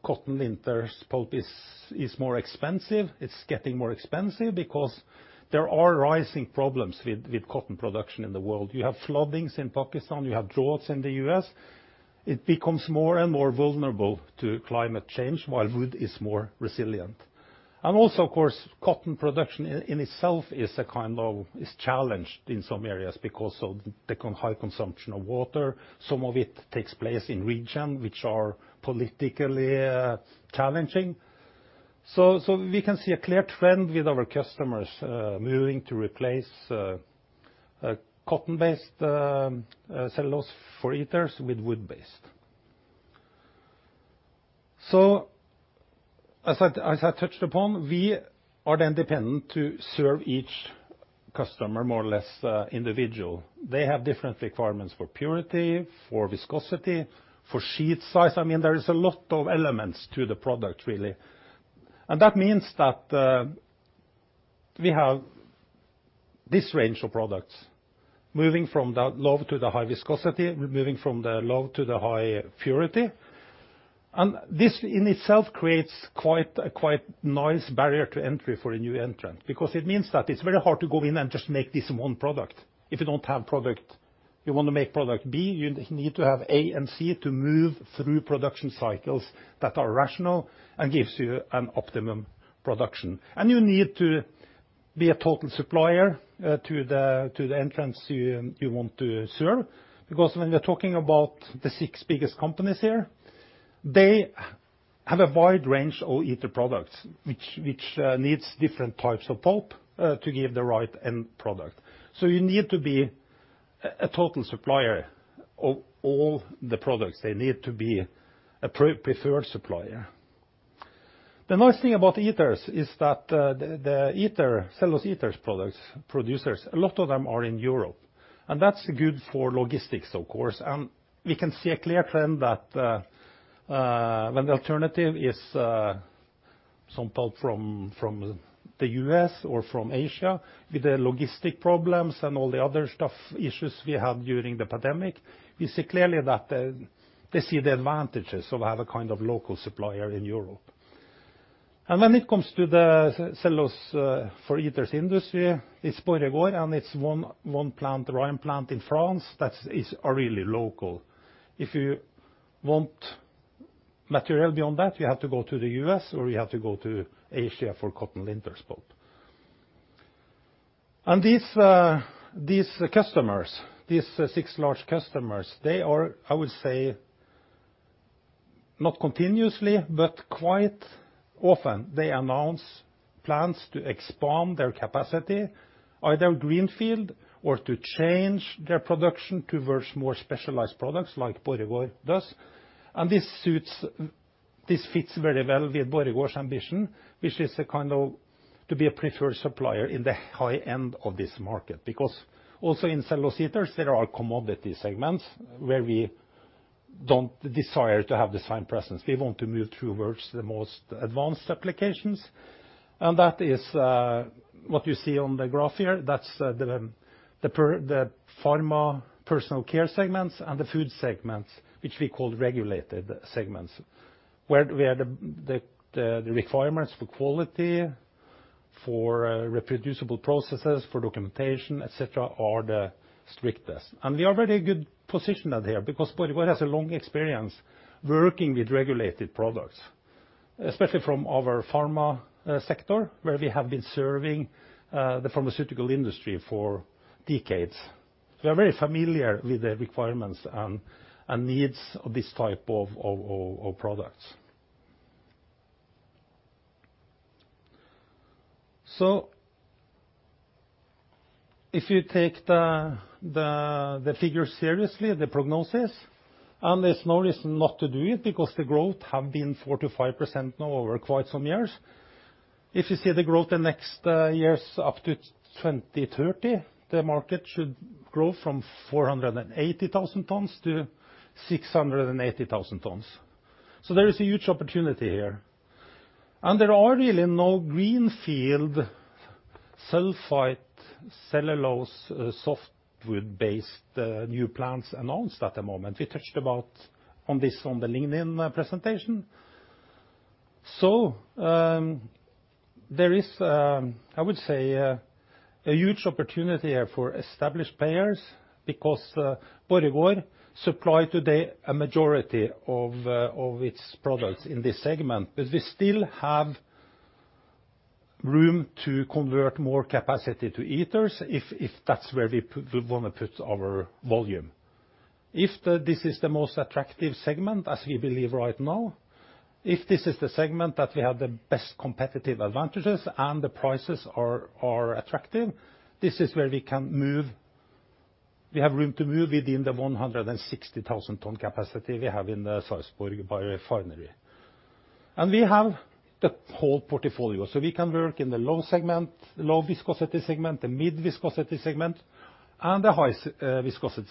cotton linters pulp is more expensive. It's getting more expensive, because there are rising problems with cotton production in the world. You have floodings in Pakistan. You have droughts in the U.S. It becomes more and more vulnerable to climate change, while wood is more resilient. Also, of course, cotton production is challenged in some areas because of the high consumption of water. Some of it takes place in regions, which are politically challenging. We can see a clear trend with our customers moving to replace a cotton-based cellulose ethers with wood-based. As I touched upon, we are then dependent to serve each customer more or less individual. They have different requirements for purity, for viscosity, for sheet size. I mean, there is a lot of elements to the product really, and that means that we have this range of products, moving from the low to the high viscosity. We're moving from the low to the high purity, and this in itself creates quite a nice barrier to entry for a new entrant. Because it means that it's very hard to go in and just make this one product if you don't have product. You wanna make product B, you need to have A and C to move through production cycles that are rational and gives you an optimum production. You need to be a total supplier to the entrants you want to serve. Because when we are talking about the six biggest companies here, they have a wide range of ether products, which needs different types of pulp to give the right end product. You need to be a total supplier of all the products. They need to be a preferred supplier. The nice thing about ethers is that the cellulose ethers products producers, a lot of them are in Europe, and that's good for logistics, of course. We can see a clear trend that when the alternative is some pulp from the U.S. or from Asia, with the logistic problems and all the other stuff, issues we had during the pandemic, we see clearly that they see the advantages of have a kind of local supplier in Europe. When it comes to the cellulose for ethers industry, it's Borregaard, and it's one plant, Rhine plant in France that is really local. If you want material beyond that, you have to go to the U.S., or you have to go to Asia for cotton linters pulp. These six large customers, they are, I would say, not continuously, but quite often, they announce plans to expand their capacity, either greenfield or to change their production towards more specialized products like Borregaard does. This fits very well with Borregaard's ambition, which is a kind of to be a preferred supplier in the high end of this market. Because also in cellulose ethers, there are commodity segments where we don't desire to have the same presence. We want to move towards the most advanced applications, and that is what you see on the graph here. That's the pharma personal care segments and the food segments, which we call regulated segments, where the requirements for quality, for reproducible processes, for documentation, et cetera, are the strictest. We are very good positioned out here, because Borregaard has a long experience working with regulated products, especially from our pharma sector, where we have been serving the pharmaceutical industry for decades. We are very familiar with the requirements and needs of this type of products. If you take the figures seriously, the prognosis, and there's no reason not to do it, because the growth have been 4%-5% now over quite some years. If you see the growth the next years up to 2030, the market should grow from 480,000 tons to 680,000 tons. There is a huge opportunity here. There are really no greenfield sulfite cellulose softwood-based new plants announced at the moment. We touched about on this on the lignin presentation. There is, I would say, a huge opportunity here for established players because Borregaard supply today a majority of its products in this segment. We still have room to convert more capacity to ethers if that's where we put we wanna put our volume. If this is the most attractive segment as we believe right now, if this is the segment that we have the best competitive advantages and the prices are attractive, this is where we can move. We have room to move within the 160,000-ton capacity we have in the Sarpsborg biorefinery. We have the whole portfolio, so we can work in the low segment, low viscosity segment, the mid viscosity segment, and the high viscosity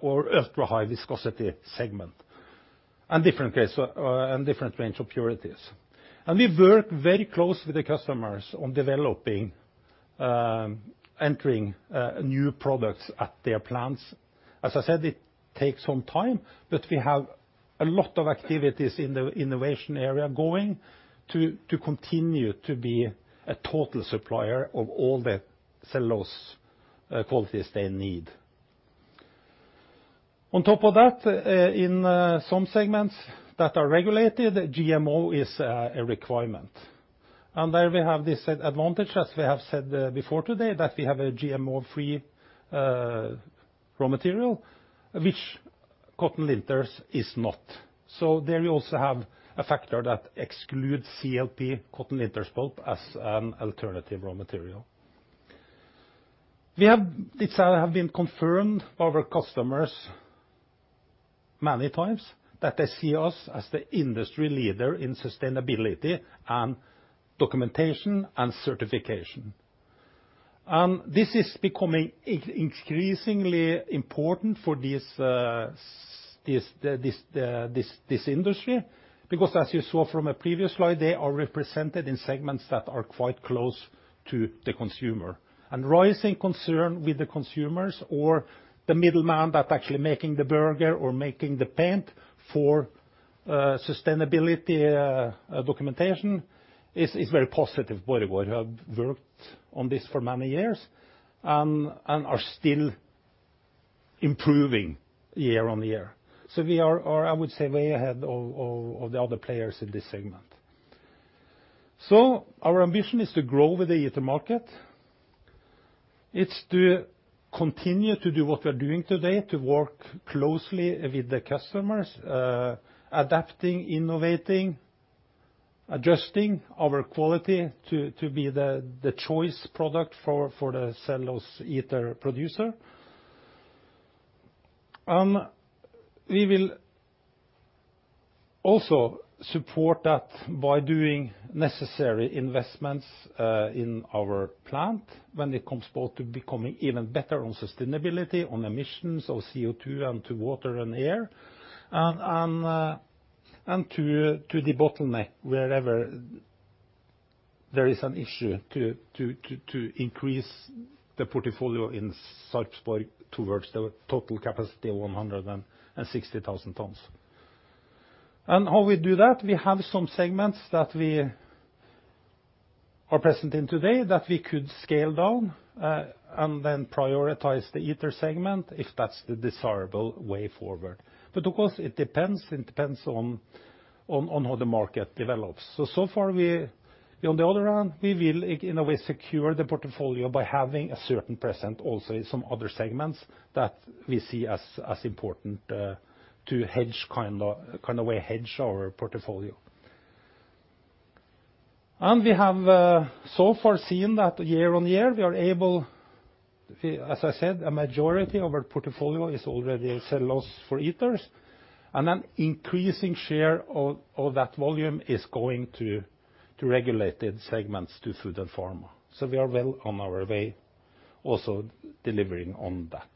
or ultra-high viscosity segment, and different grades, and different range of purities. We work very closely with the customers on developing and entering new products at their plants. As I said, it takes some time, but we have a lot of activities in the innovation area going to continue to be a total supplier of all the cellulose qualities they need. On top of that, in some segments that are regulated, GMO is a requirement. There we have this advantage, as we have said before today, that we have a GMO-free raw material, which cotton linters is not. There we also have a factor that excludes CLP, cotton linters pulp, as an alternative raw material. It has been confirmed by our customers many times that they see us as the industry leader in sustainability and documentation and certification. This is becoming increasingly important for this industry because as you saw from a previous slide, they are represented in segments that are quite close to the consumer. Rising concern with the consumers or the middle man that's actually making the burger or making the paint for sustainability documentation is very positive. Borregaard has worked on this for many years and are still improving year on year. We are, I would say, way ahead of the other players in this segment. Our ambition is to grow with the ether market. It's to continue to do what we're doing today, to work closely with the customers, adapting, innovating, adjusting our quality to be the choice product for the cellulose ether producer. We will also support that by doing necessary investments in our plant when it comes both to becoming even better on sustainability, on emissions of CO2 and to water and air, and to the bottleneck wherever there is an issue to increase the portfolio in Sarpsborg towards the total capacity of 160,000 tons. How we do that? We have some segments that we are present in today that we could scale down, and then prioritize the ether segment if that's the desirable way forward. Of course, it depends. It depends on how the market develops. On the other hand, we will in a way secure the portfolio by having a certain percent also in some other segments that we see as important to hedge kind of way hedge our portfolio. We have so far seen that year-on-year. As I said, a majority of our portfolio is already cellulose for ethers, and an increasing share of that volume is going to regulated segments, to food and pharma. We are well on our way also delivering on that.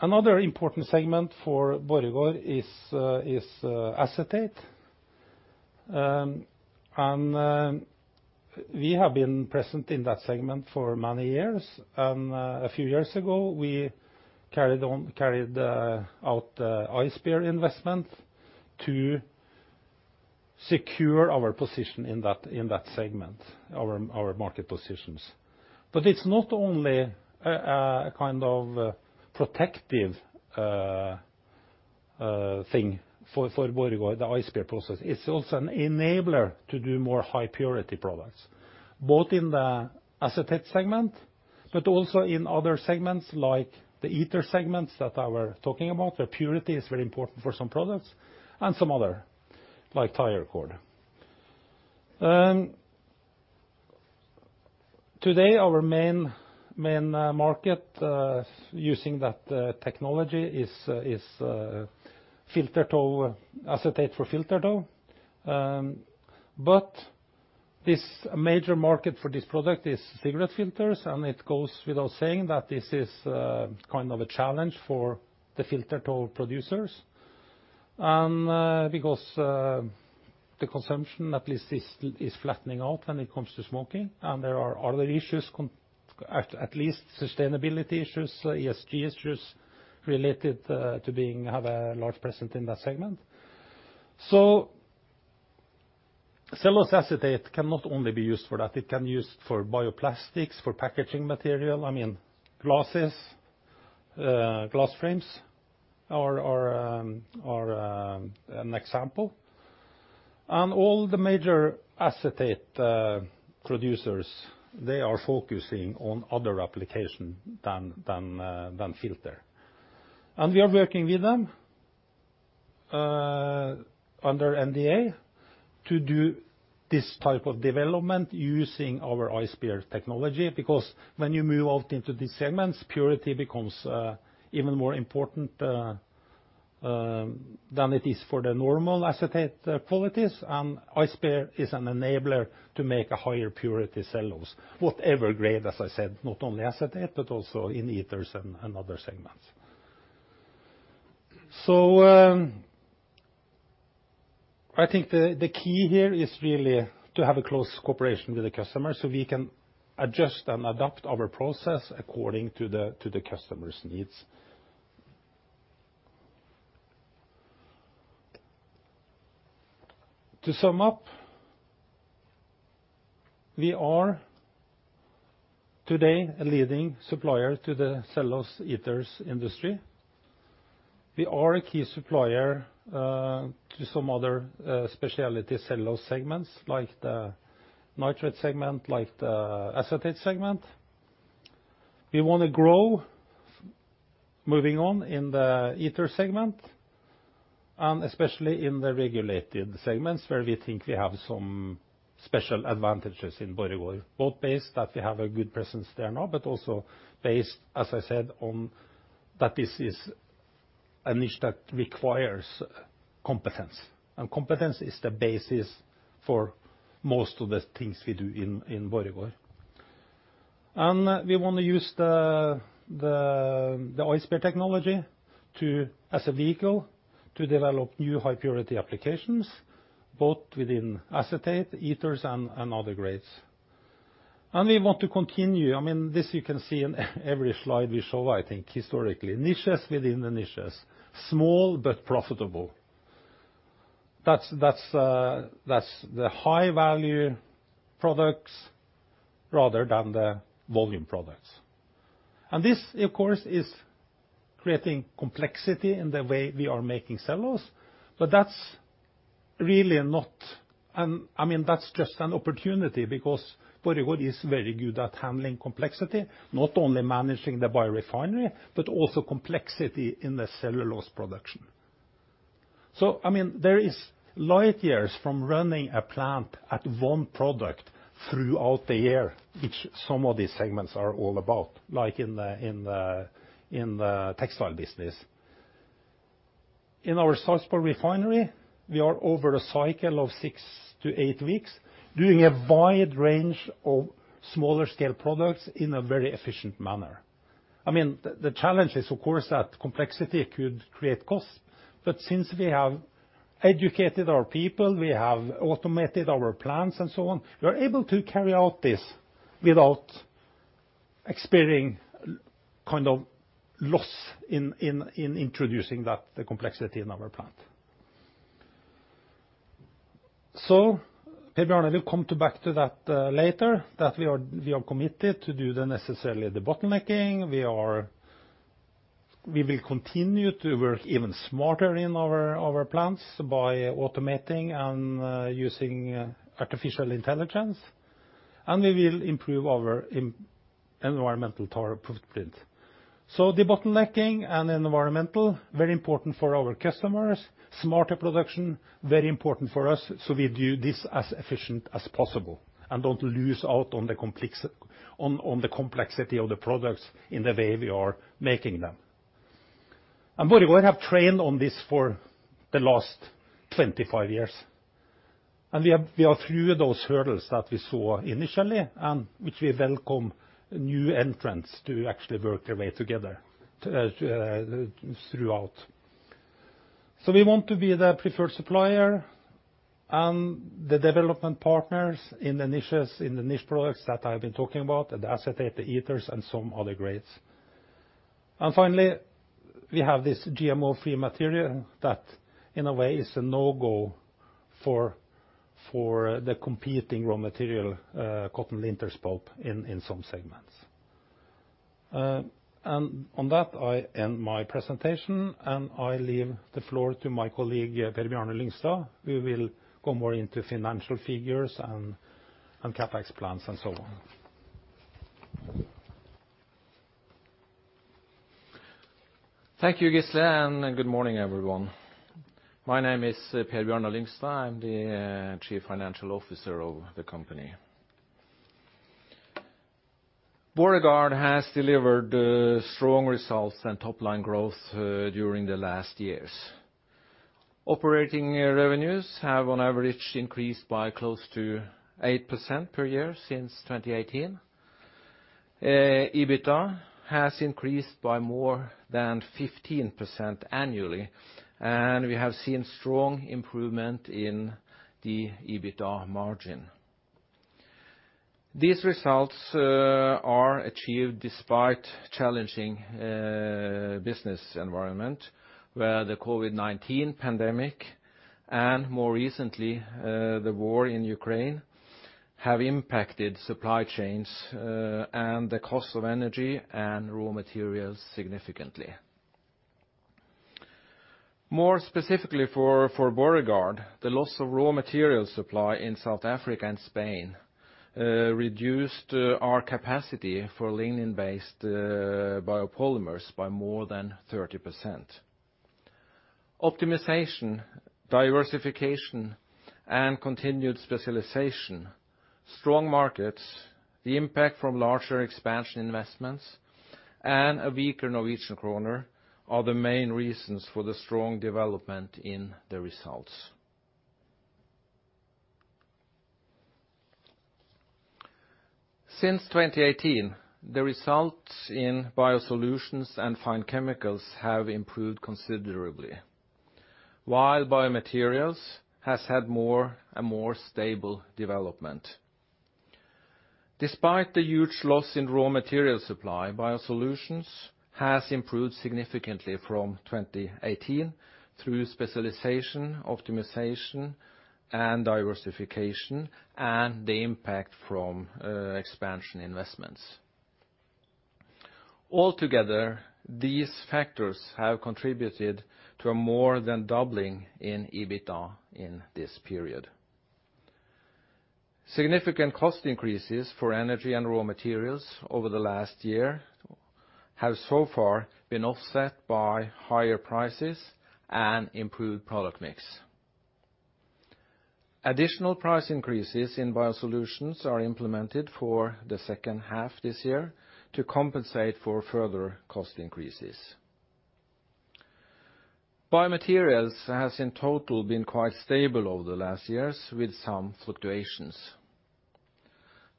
Another important segment for Borregaard is acetate. We have been present in that segment for many years, and a few years ago, we carried out theICEPURE investment to secure our position in that segment, our market positions. It's not only a kind of protective thing for Borregaard, the ICEPURE process. It's also an enabler to do more high purity products, both in the acetate segment but also in other segments like the ether segments that I were talking about, where purity is very important for some products, and some other like tire cord. Today, our main market using that technology is filter tow, acetate for filter tow. This major market for this product is cigarette filters, and it goes without saying that this is kind of a challenge for the filter tow producers, because the consumption at least is flattening out when it comes to smoking, and there are other issues, at least sustainability issues, ESG issues related to having a large presence in that segment. Cellulose acetate cannot only be used for that, it can be used for bioplastics, for packaging material. I mean, glasses, glass frames are an example. All the major acetate producers, they are focusing on other application than filter. We are working with them under NDA to do this type of development using our ICEPURE technology. Because when you move out into these segments, purity becomes even more important than it is for the normal acetate qualities, and ICEPURE is an enabler to make a higher purity cellulose, whatever grade, as I said, not only acetate, but also in ethers and other segments. I think the key here is really to have a close cooperation with the customer so we can adjust and adapt our process according to the customer's needs. To sum up, we are today a leading supplier to the cellulose ethers industry. We are a key supplier to some other specialty cellulose segments, like the nitrate segment, like the acetate segment. We wanna grow, moving on in the ethers segment, and especially in the regulated segments where we think we have some special advantages in Borregaard, both based that we have a good presence there now, but also based, as I said, on that this is a niche that requires competence, and competence is the basis for most of the things we do in Borregaard. We wanna use the ICEPURE technology as a vehicle to develop new high purity applications both within acetate, ethers, and other grades. We want to continue. I mean, this you can see in every slide we show, I think, historically. Niches within the niches. Small, but profitable. That's the high value products rather than the volume products. This, of course, is creating complexity in the way we are making cellulose, but that's really not. I mean, that's just an opportunity because Borregaard is very good at handling complexity, not only managing the biorefinery, but also complexity in the cellulose production. I mean, there is light years from running a plant at one product throughout the year, which some of these segments are all about, like in the textile business. In our Sarpsborg refinery, we are over a cycle of six to eight weeks doing a wide range of smaller scale products in a very efficient manner. I mean, the challenge is, of course, that complexity could create costs, but since we have educated our people, we have automated our plants and so on, we are able to carry out this without experiencing kind of loss in introducing that the complexity in our plant. Per Bjarne, I will come back to that later, that we are committed to do the necessary debottlenecking. We will continue to work even smarter in our plants by automating and using artificial intelligence, and we will improve our environmental footprint. Debottlenecking and environmental, very important for our customers. Smarter production, very important for us, so we do this as efficient as possible and don't lose out on the complexity of the products in the way we are making them. Borregaard have trained on this for the last 25 years, and we are through those hurdles that we saw initially, and which we welcome new entrants to actually work their way together throughout. We want to be the preferred supplier and the development partners in the niches, in the niche products that I've been talking about, the acetate, the ethers, and some other grades. Finally, we have this GMO-free material that, in a way, is a no-go for the competing raw material, cotton linters pulp in some segments. On that, I end my presentation, and I leave the floor to my colleague, Per Bjarne Lyngstad, who will go more into financial figures and CapEx plans and so on. Thank you, Gisle, and good morning, everyone. My name is Per Bjarne Lyngstad. I'm the Chief Financial Officer of the company. Borregaard has delivered strong results and top line growth during the last years. Operating revenues have on average increased by close to 8% per year since 2018. EBITDA has increased by more than 15% annually, and we have seen strong improvement in the EBITDA margin. These results are achieved despite challenging business environment, where the COVID-19 pandemic and, more recently, the war in Ukraine have impacted supply chains and the cost of energy and raw materials significantly. More specifically for Borregaard, the loss of raw material supply in South Africa and Spain reduced our capacity for lignin-based biopolymers by more than 30%. Optimization, diversification, and continued specialization, strong markets, the impact from larger expansion investments, and a weaker Norwegian krone are the main reasons for the strong development in the results. Since 2018, the results in BioSolutions and Fine Chemicals have improved considerably, while BioMaterials has had a more stable development. Despite the huge loss in raw material supply, BioSolutions has improved significantly from 2018 through specialization, optimization, and diversification, and the impact from expansion investments. All together, these factors have contributed to more than doubling in EBITDA in this period. Significant cost increases for energy and raw materials over the last year have so far been offset by higher prices and improved product mix. Additional price increases in BioSolutions are implemented for the second half this year to compensate for further cost increases. BioMaterials has, in total, been quite stable over the last years, with some fluctuations.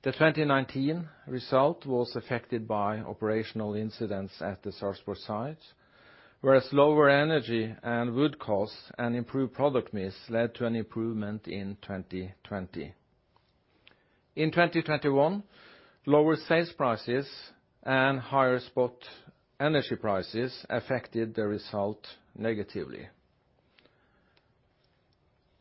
The 2019 result was affected by operational incidents at the Sarpsborg site, whereas lower energy and wood costs and improved product mix led to an improvement in 2020. In 2021, lower sales prices and higher spot energy prices affected the result negatively.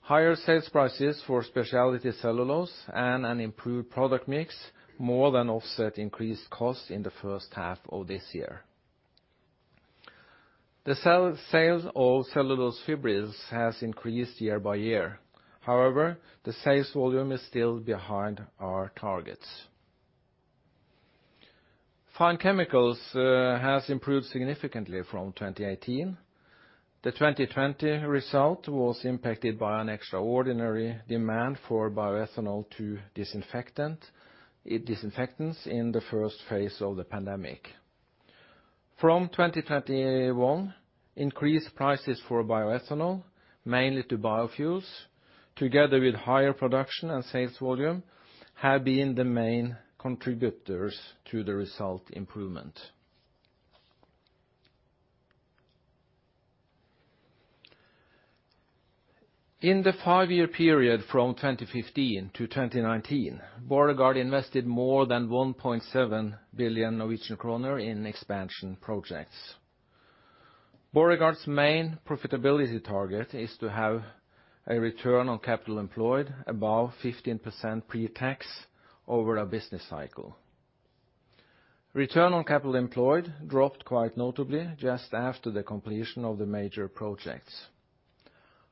Higher sales prices for specialty cellulose and an improved product mix more than offset increased costs in the first half of this year. The sales of cellulose fibrils has increased year by year. However, the sales volume is still behind our targets. Fine Chemicals has improved significantly from 2018. The 2020 result was impacted by an extraordinary demand for bioethanol to disinfectants in the first phase of the pandemic. From 2021, increased prices for bioethanol, mainly to biofuels, together with higher production and sales volume, have been the main contributors to the result improvement. In the five-year period from 2015 to 2019, Borregaard invested more than 1.7 billion Norwegian kroner in expansion projects. Borregaard's main profitability target is to have a return on capital employed above 15% pretax over a business cycle. Return on capital employed dropped quite notably just after the completion of the major projects.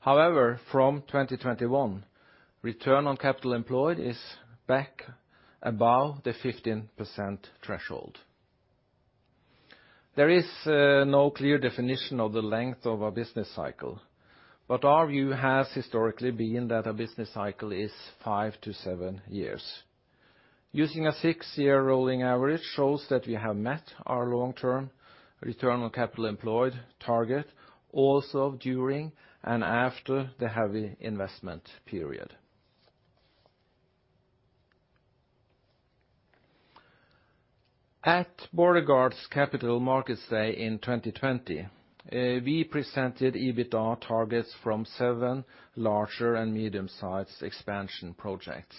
However, from 2021, return on capital employed is back above the 15% threshold. There is no clear definition of the length of a business cycle, but our view has historically been that a business cycle is five to seven years. Using a six-year rolling average shows that we have met our long-term return on capital employed target also during and after the heavy investment period. At Borregaard's Capital Markets Day in 2020, we presented EBITDA targets from seven larger and medium-sized expansion projects.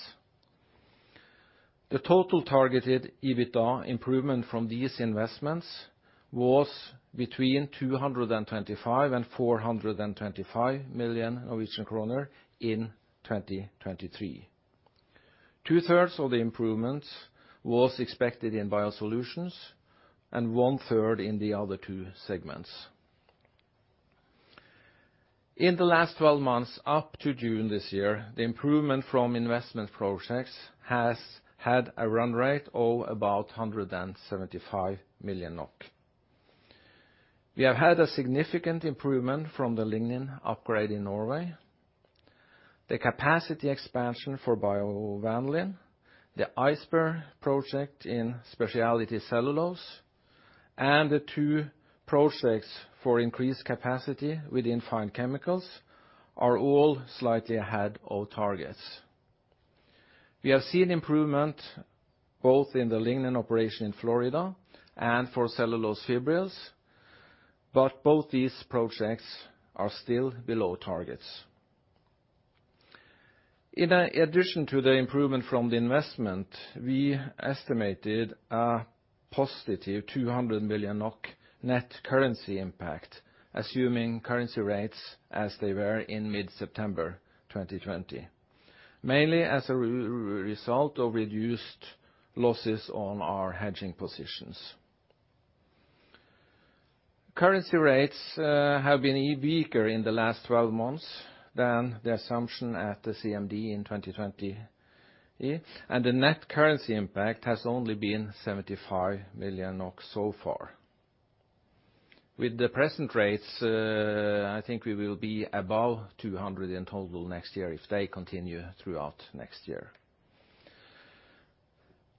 The total targeted EBITDA improvement from these investments was between 225 million and 425 million Norwegian kroner in 2023. 2/3 of the improvements was expected in BioSolutions, and 1/3 in the other two segments. In the last 12 months, up to June this year, the improvement from investment projects has had a run rate of about 175 million NOK. We have had a significant improvement from the lignin upgrade in Norway. The capacity expansion for biovanillin, the ISBER project in specialty cellulose. The two projects for increased capacity within Fine Chemicals are all slightly ahead of targets. We have seen improvement both in the lignin operation in Florida and for cellulose fibrils, but both these projects are still below targets. In addition to the improvement from the investment, we estimated a positive 200 million NOK net currency impact, assuming currency rates as they were in mid-September 2020, mainly as a result of reduced losses on our hedging positions. Currency rates have been weaker in the last 12 months than the assumption at the CMD in 2020, yeah, and the net currency impact has only been 75 million NOK so far. With the present rates, I think we will be above 200 million in total next year if they continue throughout next year.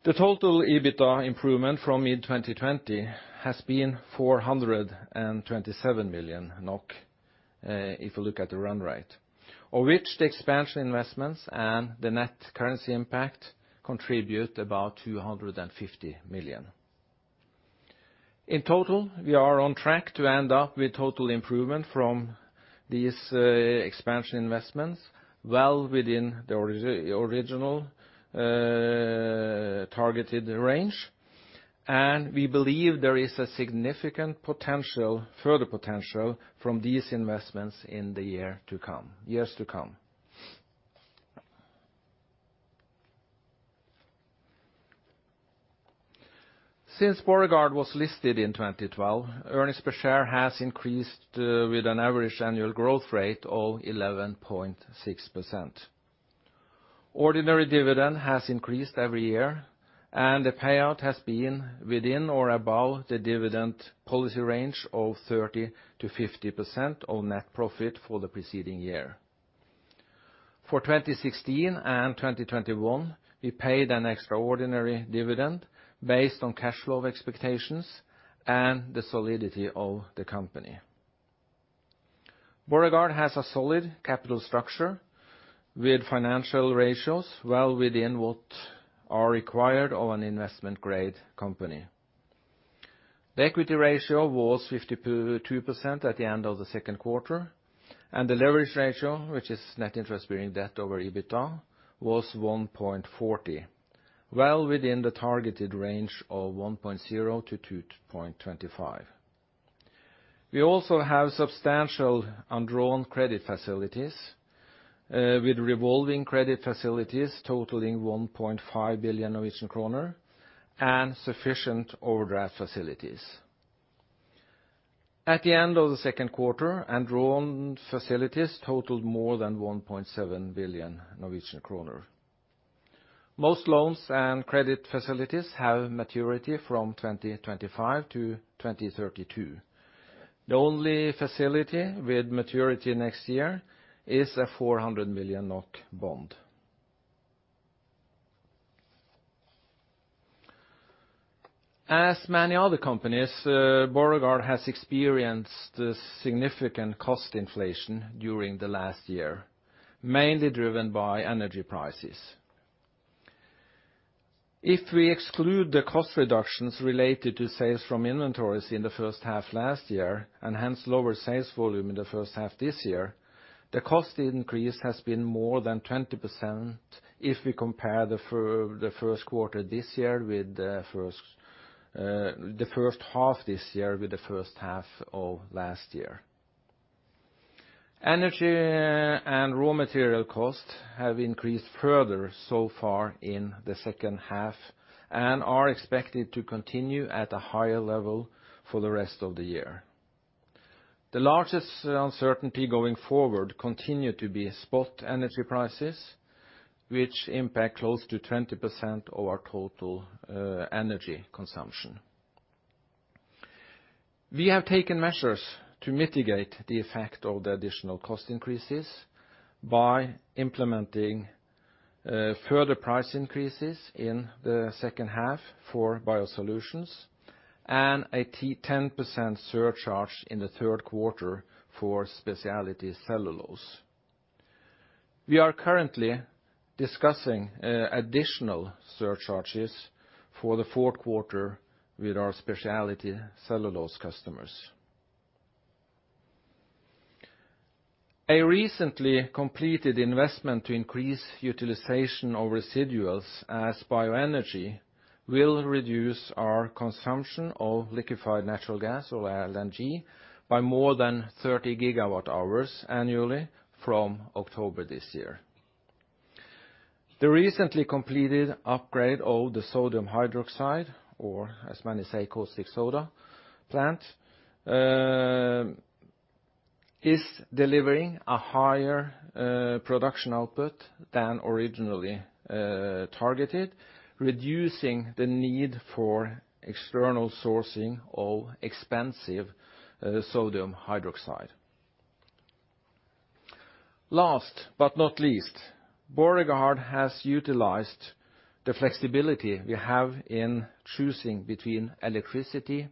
The total EBITDA improvement from mid-2020 has been 427 million NOK, if you look at the run rate, of which the expansion investments and the net currency impact contribute about 250 million. In total, we are on track to end up with total improvement from these expansion investments well within the original targeted range. We believe there is a significant potential, further potential from these investments in the years to come. Since Borregaard was listed in 2012, earnings per share has increased with an average annual growth rate of 11.6%. Ordinary dividend has increased every year, and the payout has been within or above the dividend policy range of 30%-50% of net profit for the preceding year. For 2016 and 2021, we paid an extraordinary dividend based on cash flow expectations and the solidity of the company. Borregaard has a solid capital structure with financial ratios well within what are required of an investment-grade company. The equity ratio was 52% at the end of the Q2, and the leverage ratio, which is net interest-bearing debt over EBITDA, was 1.40x, well within the targeted range of 1.0x-2.25x. We also have substantial undrawn credit facilities, with revolving credit facilities totaling 1.5 billion Norwegian kroner and sufficient overdraft facilities. At the end of the Q2, undrawn facilities totaled more than 1.7 billion Norwegian kroner. Most loans and credit facilities have maturity from 2025 to 2032. The only facility with maturity next year is a 400 million NOK bond. As many other companies, Borregaard has experienced significant cost inflation during the last year, mainly driven by energy prices. If we exclude the cost reductions related to sales from inventories in the first half last year, and hence lower sales volume in the first half this year, the cost increase has been more than 20% if we compare the first half this year with the first half of last year. Energy and raw material costs have increased further so far in the second half and are expected to continue at a higher level for the rest of the year. The largest uncertainty going forward continue to be spot energy prices, which impact close to 20% of our total energy consumption. We have taken measures to mitigate the effect of the additional cost increases by implementing further price increases in the second half for BioSolutions and a 10% surcharge in the Q3 for Speciality Cellulose. We are currently discussing additional surcharges for the Q4 with our Speciality Cellulose customers. A recently completed investment to increase utilization of residuals as bioenergy will reduce our consumption of liquefied natural gas or LNG by more than 30 GWh annually from October this year. The recently completed upgrade of the sodium hydroxide, or as many say, caustic soda plant, is delivering a higher production output than originally targeted, reducing the need for external sourcing of expensive sodium hydroxide. Last but not least, Borregaard has utilized the flexibility we have in choosing between electricity,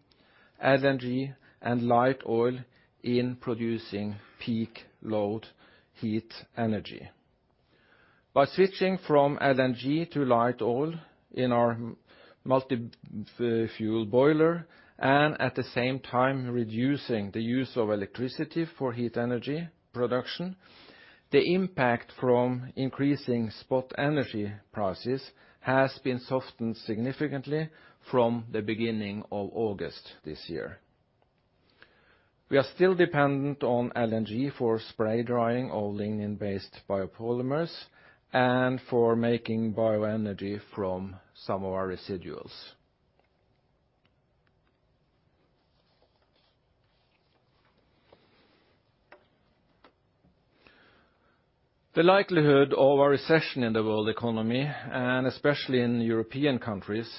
LNG, and light oil in producing peak load heat energy. By switching from LNG to light oil in our multi-fuel boiler, and at the same time reducing the use of electricity for heat energy production, the impact from increasing spot energy prices has been softened significantly from the beginning of August this year. We are still dependent on LNG for spray drying of lignin-based biopolymers and for making bioenergy from some of our residuals. The likelihood of a recession in the world economy, and especially in European countries,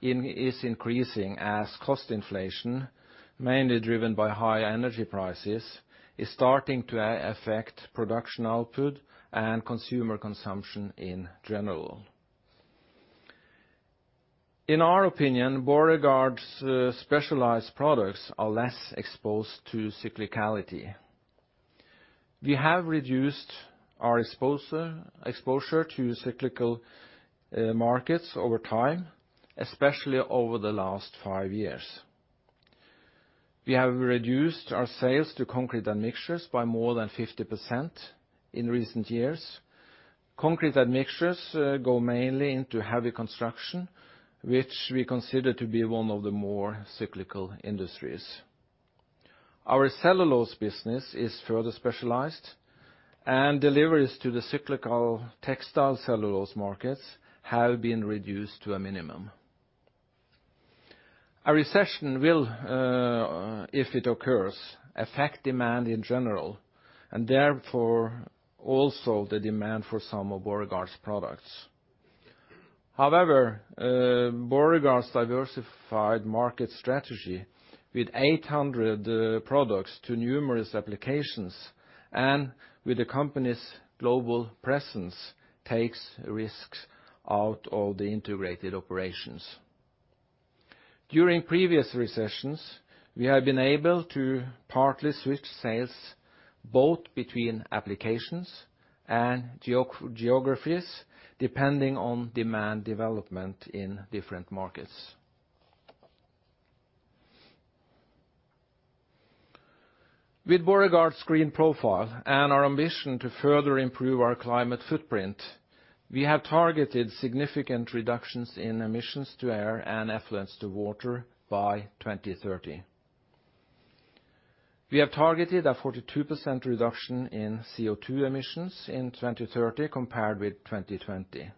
is increasing as cost inflation, mainly driven by high energy prices, is starting to affect production output and consumer consumption in general. In our opinion, Borregaard's specialized products are less exposed to cyclicality. We have reduced our exposure to cyclical markets over time, especially over the last five years. We have reduced our sales to concrete admixtures by more than 50% in recent years. Concrete admixtures go mainly into heavy construction, which we consider to be one of the more cyclical industries. Our cellulose business is further specialized, and deliveries to the cyclical textile cellulose markets have been reduced to a minimum. A recession will, if it occurs, affect demand in general, and therefore also the demand for some of Borregaard's products. However, Borregaard's diversified market strategy with 800 products to numerous applications and with the company's global presence takes risks out of the integrated operations. During previous recessions, we have been able to partly switch sales both between applications and geographies depending on demand development in different markets. With Borregaard's green profile and our ambition to further improve our climate footprint, we have targeted significant reductions in emissions to air and effluents to water by 2030. We have targeted a 42% reduction in CO2 emissions in 2030 compared with 2020.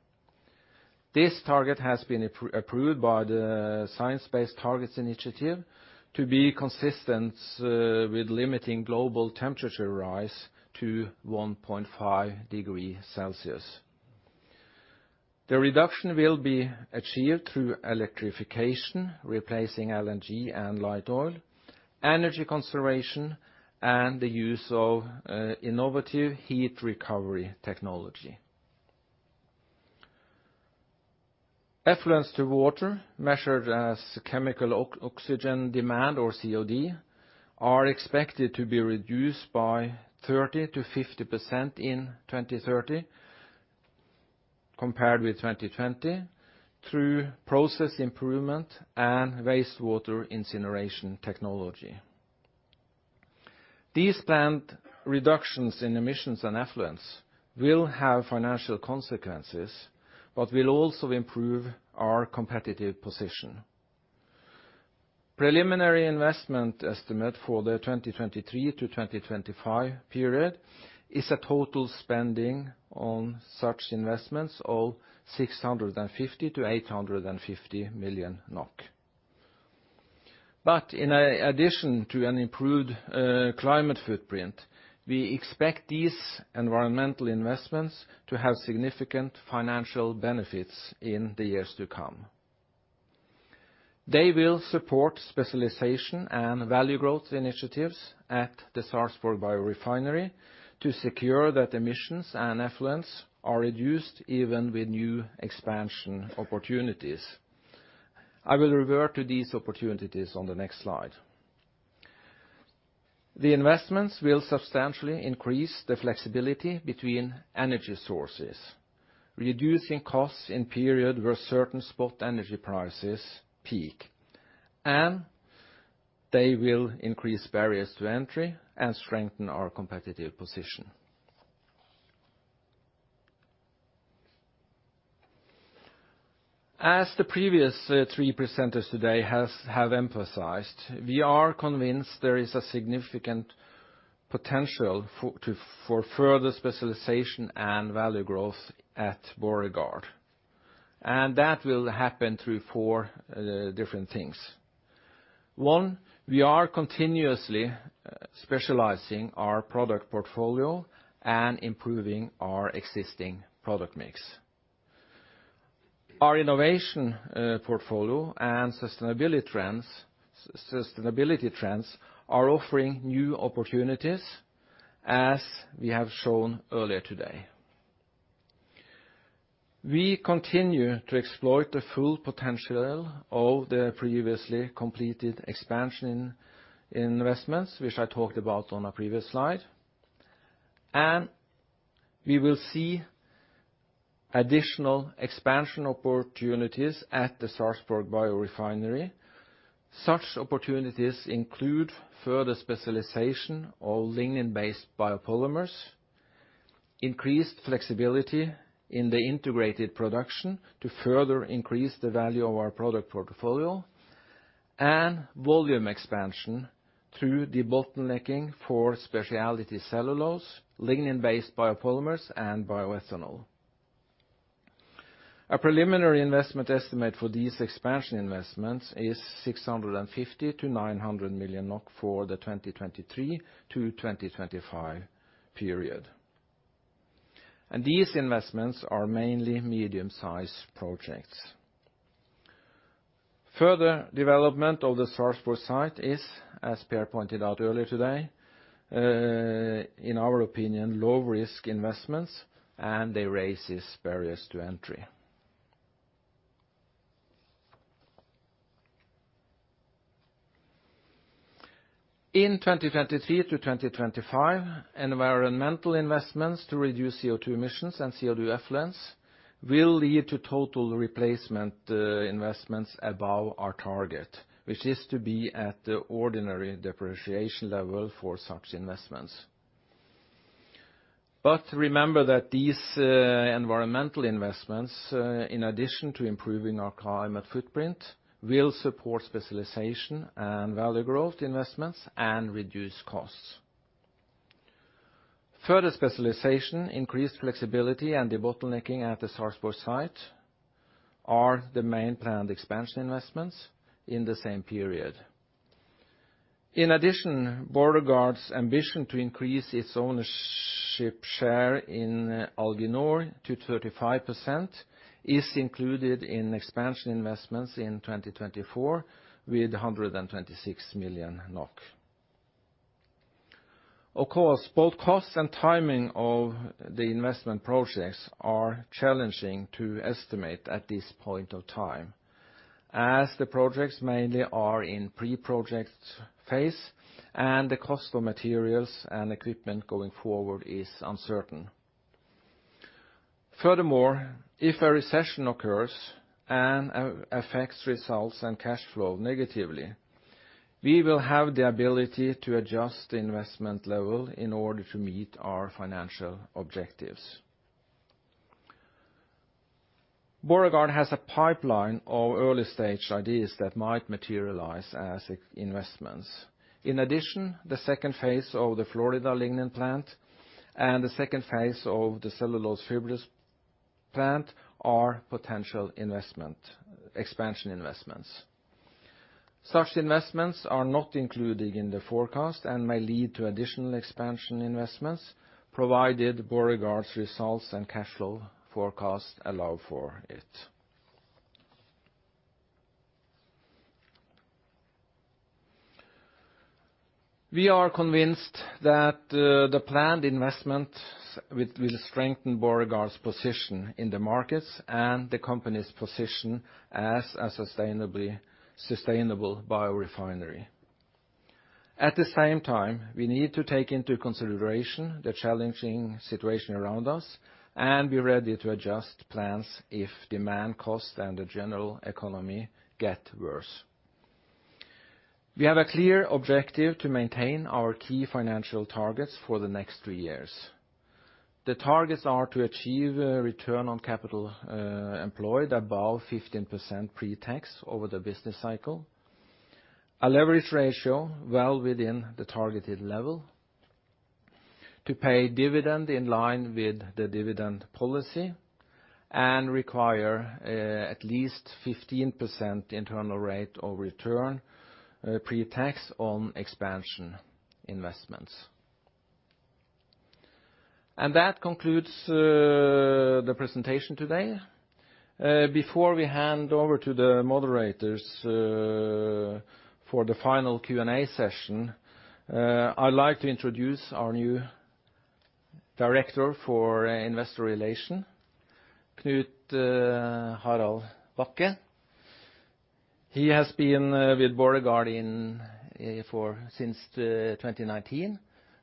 This target has been approved by the Science Based Targets initiative to be consistent with limiting global temperature rise to 1.5 degrees Celsius. The reduction will be achieved through electrification, replacing LNG and light oil, energy conservation, and the use of innovative heat recovery technology. Effluents to water, measured as chemical oxygen demand or COD, are expected to be reduced by 30%-50% in 2030 compared with 2020 through process improvement and wastewater incineration technology. These planned reductions in emissions and effluents will have financial consequences, but will also improve our competitive position. Preliminary investment estimate for the 2023-2025 period is a total spending on such investments of NOK 650 million-NOK 850 million. In addition to an improved climate footprint, we expect these environmental investments to have significant financial benefits in the years to come. They will support specialization and value growth initiatives at the Sarpsborg Biorefinery to secure that emissions and effluents are reduced even with new expansion opportunities. I will revert to these opportunities on the next slide. The investments will substantially increase the flexibility between energy sources, reducing costs in periods where certain spot energy prices peak, and they will increase barriers to entry and strengthen our competitive position. As the previous three presenters today have emphasized, we are convinced there is a significant potential for further specialization and value growth at Borregaard, and that will happen through four different things. One. We are continuously specializing our product portfolio and improving our existing product mix. Our innovation portfolio and sustainability trends are offering new opportunities as we have shown earlier today. We continue to explore the full potential of the previously completed expansion investments, which I talked about on a previous slide. We will see additional expansion opportunities at the Sarpsborg Biorefinery. Such opportunities include further specialization of lignin-based biopolymers, increased flexibility in the integrated production to further increase the value of our product portfolio, and volume expansion through debottlenecking for specialty cellulose, lignin-based biopolymers, and bioethanol. A preliminary investment estimate for these expansion investments is 650 million-900 million NOK for the 2023-2025 period. These investments are mainly medium-sized projects. Further development of the Sarpsborg site is, as Per pointed out earlier today, in our opinion, low-risk investments, and they raise its barriers to entry. In 2023 to 2025, environmental investments to reduce CO2 emissions and CO2 effluents will lead to total replacement investments above our target, which is to be at the ordinary depreciation level for such investments. Remember that these environmental investments, in addition to improving our climate footprint, will support specialization and value growth investments and reduce costs. Further specialization, increased flexibility, and debottlenecking at the Sarpsborg site are the main planned expansion investments in the same period. In addition, Borregaard's ambition to increase its ownership share in Alginor to 35% is included in expansion investments in 2024 with 126 million NOK. Of course, both costs and timing of the investment projects are challenging to estimate at this point of time, as the projects mainly are in pre-project phase, and the cost of materials and equipment going forward is uncertain. Furthermore, if a recession occurs and affects results and cash flow negatively, we will have the ability to adjust the investment level in order to meet our financial objectives. Borregaard has a pipeline of early-stage ideas that might materialize as investments. In addition, the second phase of the Florida lignin plant and the second phase of the cellulose fibrils plant are potential expansion investments. Such investments are not included in the forecast and may lead to additional expansion investments, provided Borregaard's results and cash flow forecasts allow for it. We are convinced that the planned investments will strengthen Borregaard's position in the markets and the company's position as a sustainably sustainable biorefinery. At the same time, we need to take into consideration the challenging situation around us and be ready to adjust plans if demand costs and the general economy get worse. We have a clear objective to maintain our key financial targets for the next three years. The targets are to achieve a return on capital employed above 15% pre-tax over the business cycle, a leverage ratio well within the targeted level, to pay dividend in line with the dividend policy, and require at least 15% internal rate of return pre-tax on expansion investments. That concludes the presentation today. Before we hand over to the moderators for the final Q&A session, I'd like to introduce our new director for investor relations, Knut-Harald Bakke. He has been with Borregaard since 2019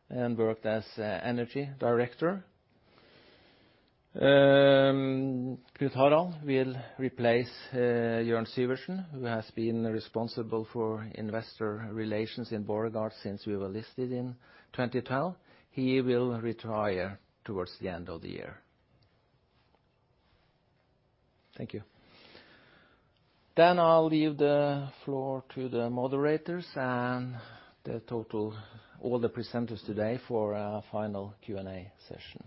and worked as Energy Director. Knut-Harald will replace Jørn Syvertsen, who has been responsible for investor relations in Borregaard since we were listed in 2012. He will retire towards the end of the year. Thank you. I'll leave the floor to the moderators and all the presenters today for our final Q&A session.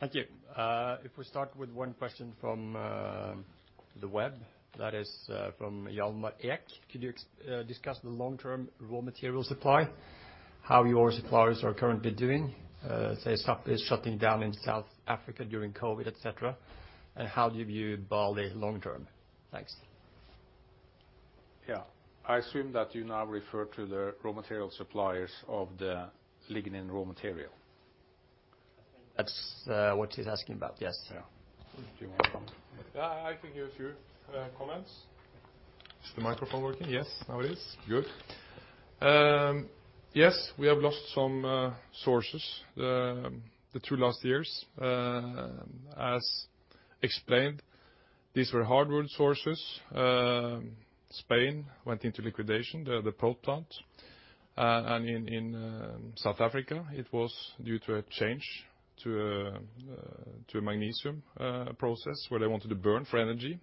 Thank you. If we start with one question from the web. That is from Hjalmar Ek. Could you discuss the long-term raw material supply? How your suppliers are currently doing? Say, stuff is shutting down in South Africa during COVID, et cetera. How do you view BALI long term? Thanks. Yeah. I assume that you now refer to the raw material suppliers of the lignin raw material. That's what he's asking about, yes. Yeah. Yeah, I can give a few comments. Is the microphone working? Yes, now it is. Good. Yes, we have lost some sources the two last years. As explained, these were hard-won sources. Spain went into liquidation, the pulp plant. In South Africa, it was due to a change to a magnesium process where they wanted to burn for energy.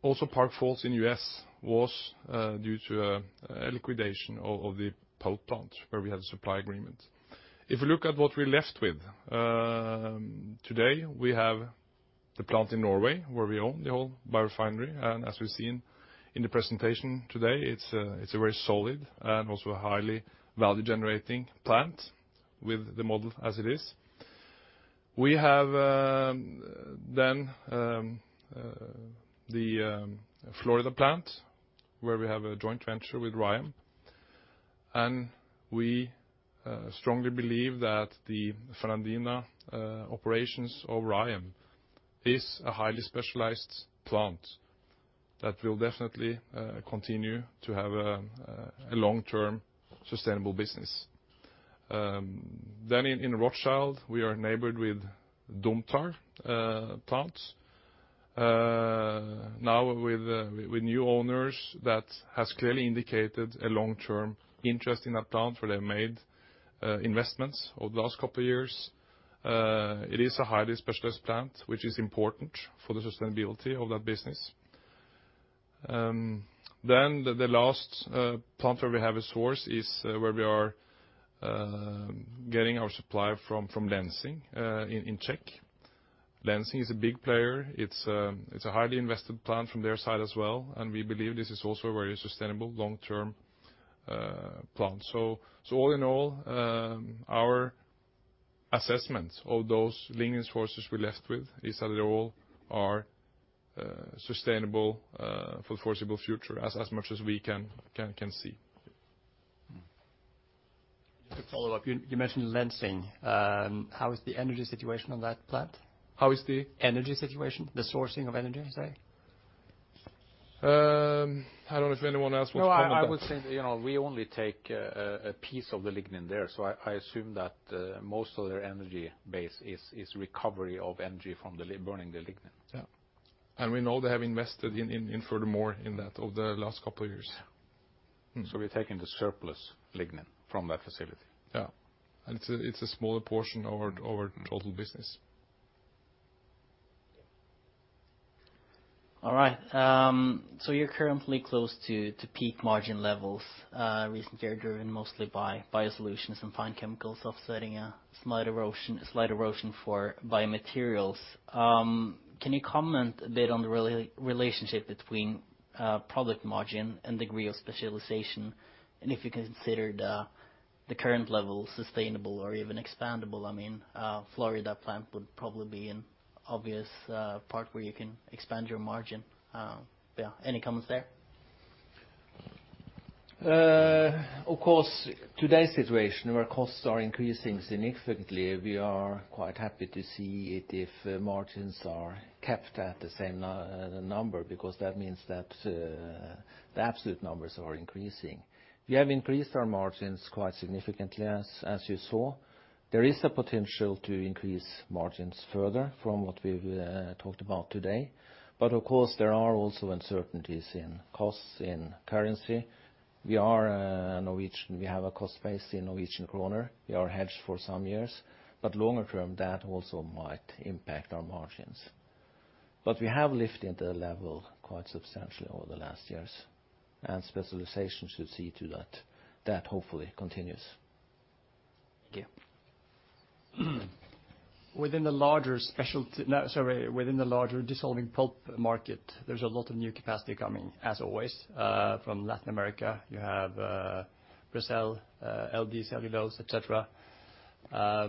Also Park Falls in U.S. was due to a liquidation of the pulp plant where we had a supply agreement. If you look at what we're left with, today we have the plant in Norway where we own the whole biorefinery. As we've seen in the presentation today, it's a very solid and also a highly value-generating plant with the model as it is. We have the Florida plant where we have a joint venture with RYAM. We strongly believe that the Fernandina operations of RYAM is a highly specialized plant that will definitely continue to have a long-term sustainable business. In Rothschild, we are neighbored with Domtar plant. Now with new owners that has clearly indicated a long-term interest in that plant where they've made investments over the last couple years. It is a highly specialized plant, which is important for the sustainability of that business. The last plant where we have a source is where we are getting our supply from Lenzing in the Czech Republic. Lenzing is a big player. It's a highly invested plant from their side as well, and we believe this is also a very sustainable long-term plant. All in all, our assessment of those lignin sources we're left with is that they all are sustainable for foreseeable future as much as we can see. Just to follow up, you mentioned Lenzing. How is the energy situation on that plant? How is the? Energy situation, the sourcing of energy, say. I don't know if anyone else wants to comment on that. No, I would say, you know, we only take a piece of the lignin there. I assume that most of their energy base is recovery of energy from burning the lignin. Yeah. We know they have invested in furthermore in that over the last couple years. We're taking the surplus lignin from that facility. Yeah. It's a smaller portion of our total business. All right. You're currently close to peak margin levels, recently driven mostly by BioSolutions and Fine Chemicals offsetting a slight erosion for BioMaterials. Can you comment a bit on the relationship between product margin and degree of specialization? If you consider the current level sustainable or even expandable, I mean, Florida plant would probably be an obvious part where you can expand your margin. Yeah. Any comments there? Of course, today's situation where costs are increasing significantly, we are quite happy to see it if margins are kept at the same number, because that means that the absolute numbers are increasing. We have increased our margins quite significantly, as you saw. There is the potential to increase margins further from what we've talked about today. Of course, there are also uncertainties in costs, in currency. We are Norwegian. We have a cost base in Norwegian kroner. We are hedged for some years. Longer term, that also might impact our margins. We have lifted the level quite substantially over the last years, and specialization should see to that. That hopefully continues. Thank you. Within the larger dissolving pulp market, there's a lot of new capacity coming, as always. From Latin America, you have Brazil, LD Celulose, et cetera. I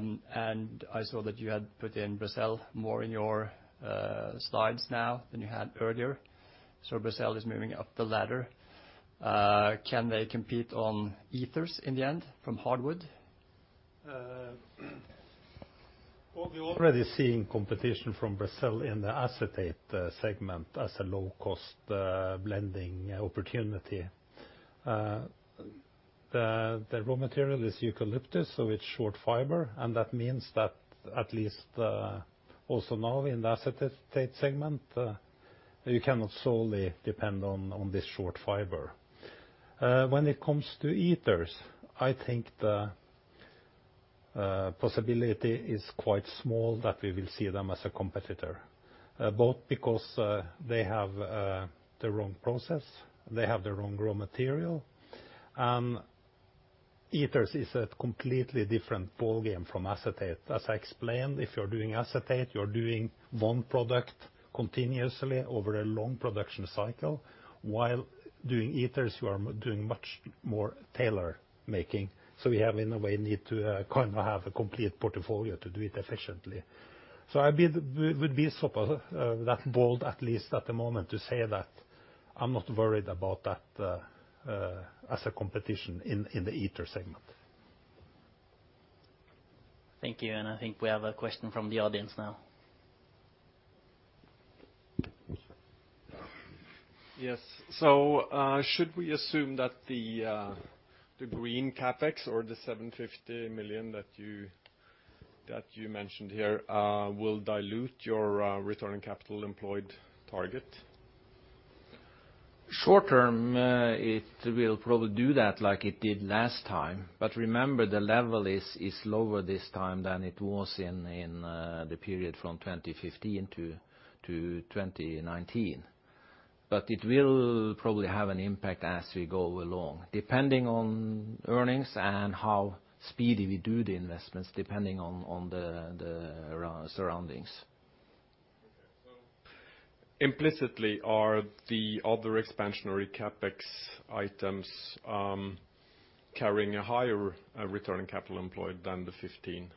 saw that you had put in Brazil more in your slides now than you had earlier. Brazil is moving up the ladder. Can they compete on ethers in the end from hardwood? Well, we're already seeing competition from Brazil in the acetate segment as a low-cost blending opportunity. The raw material is eucalyptus, so it's short fiber, and that means that at least also now in the acetate segment, you cannot solely depend on this short fiber. When it comes to ethers, I think the possibility is quite small that we will see them as a competitor, both because they have the wrong process, they have the wrong raw material. Ethers is a completely different ballgame from acetate. As I explained, if you're doing acetate, you're doing one product continuously over a long production cycle. While doing ethers, you are doing much more tailor making. We have, in a way, need to kind of have a complete portfolio to do it efficiently. I would be sort of that bold, at least at the moment, to say that I'm not worried about that as a competition in the other segment. Thank you. I think we have a question from the audience now. Should we assume that the green CapEx or the 750 million that you mentioned here will dilute your return on capital employed target? Short-term, it will probably do that like it did last time. Remember, the level is lower this time than it was in the period from 2015 to 2019. It will probably have an impact as we go along, depending on earnings and how speedy we do the investments, depending on the surroundings. Implicitly, are the other expansionary CapEx items carrying a higher return on capital employed than the 15%?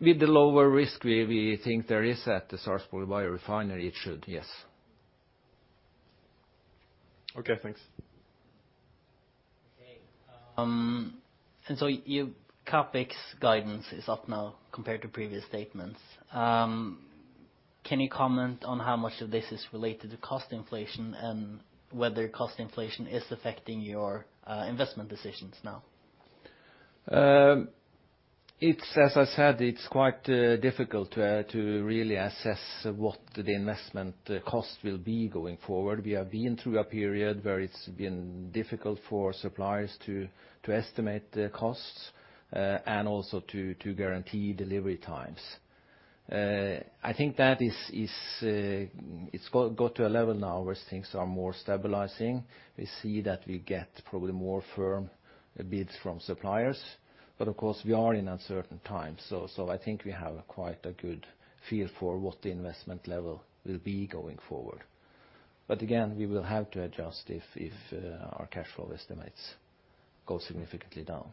With the lower risk we think there is at the Sarpsborg biorefinery, it should, yes. Okay, thanks. Your CapEx guidance is up now compared to previous statements. Can you comment on how much of this is related to cost inflation and whether cost inflation is affecting your investment decisions now? It's, as I said, it's quite difficult to really assess what the investment cost will be going forward. We have been through a period where it's been difficult for suppliers to estimate the costs, and also to guarantee delivery times. I think that is, it's got to a level now where things are more stabilizing. We see that we get probably more firm bids from suppliers. But of course, we are in uncertain times, so I think we have quite a good feel for what the investment level will be going forward. But again, we will have to adjust if our cash flow estimates go significantly down.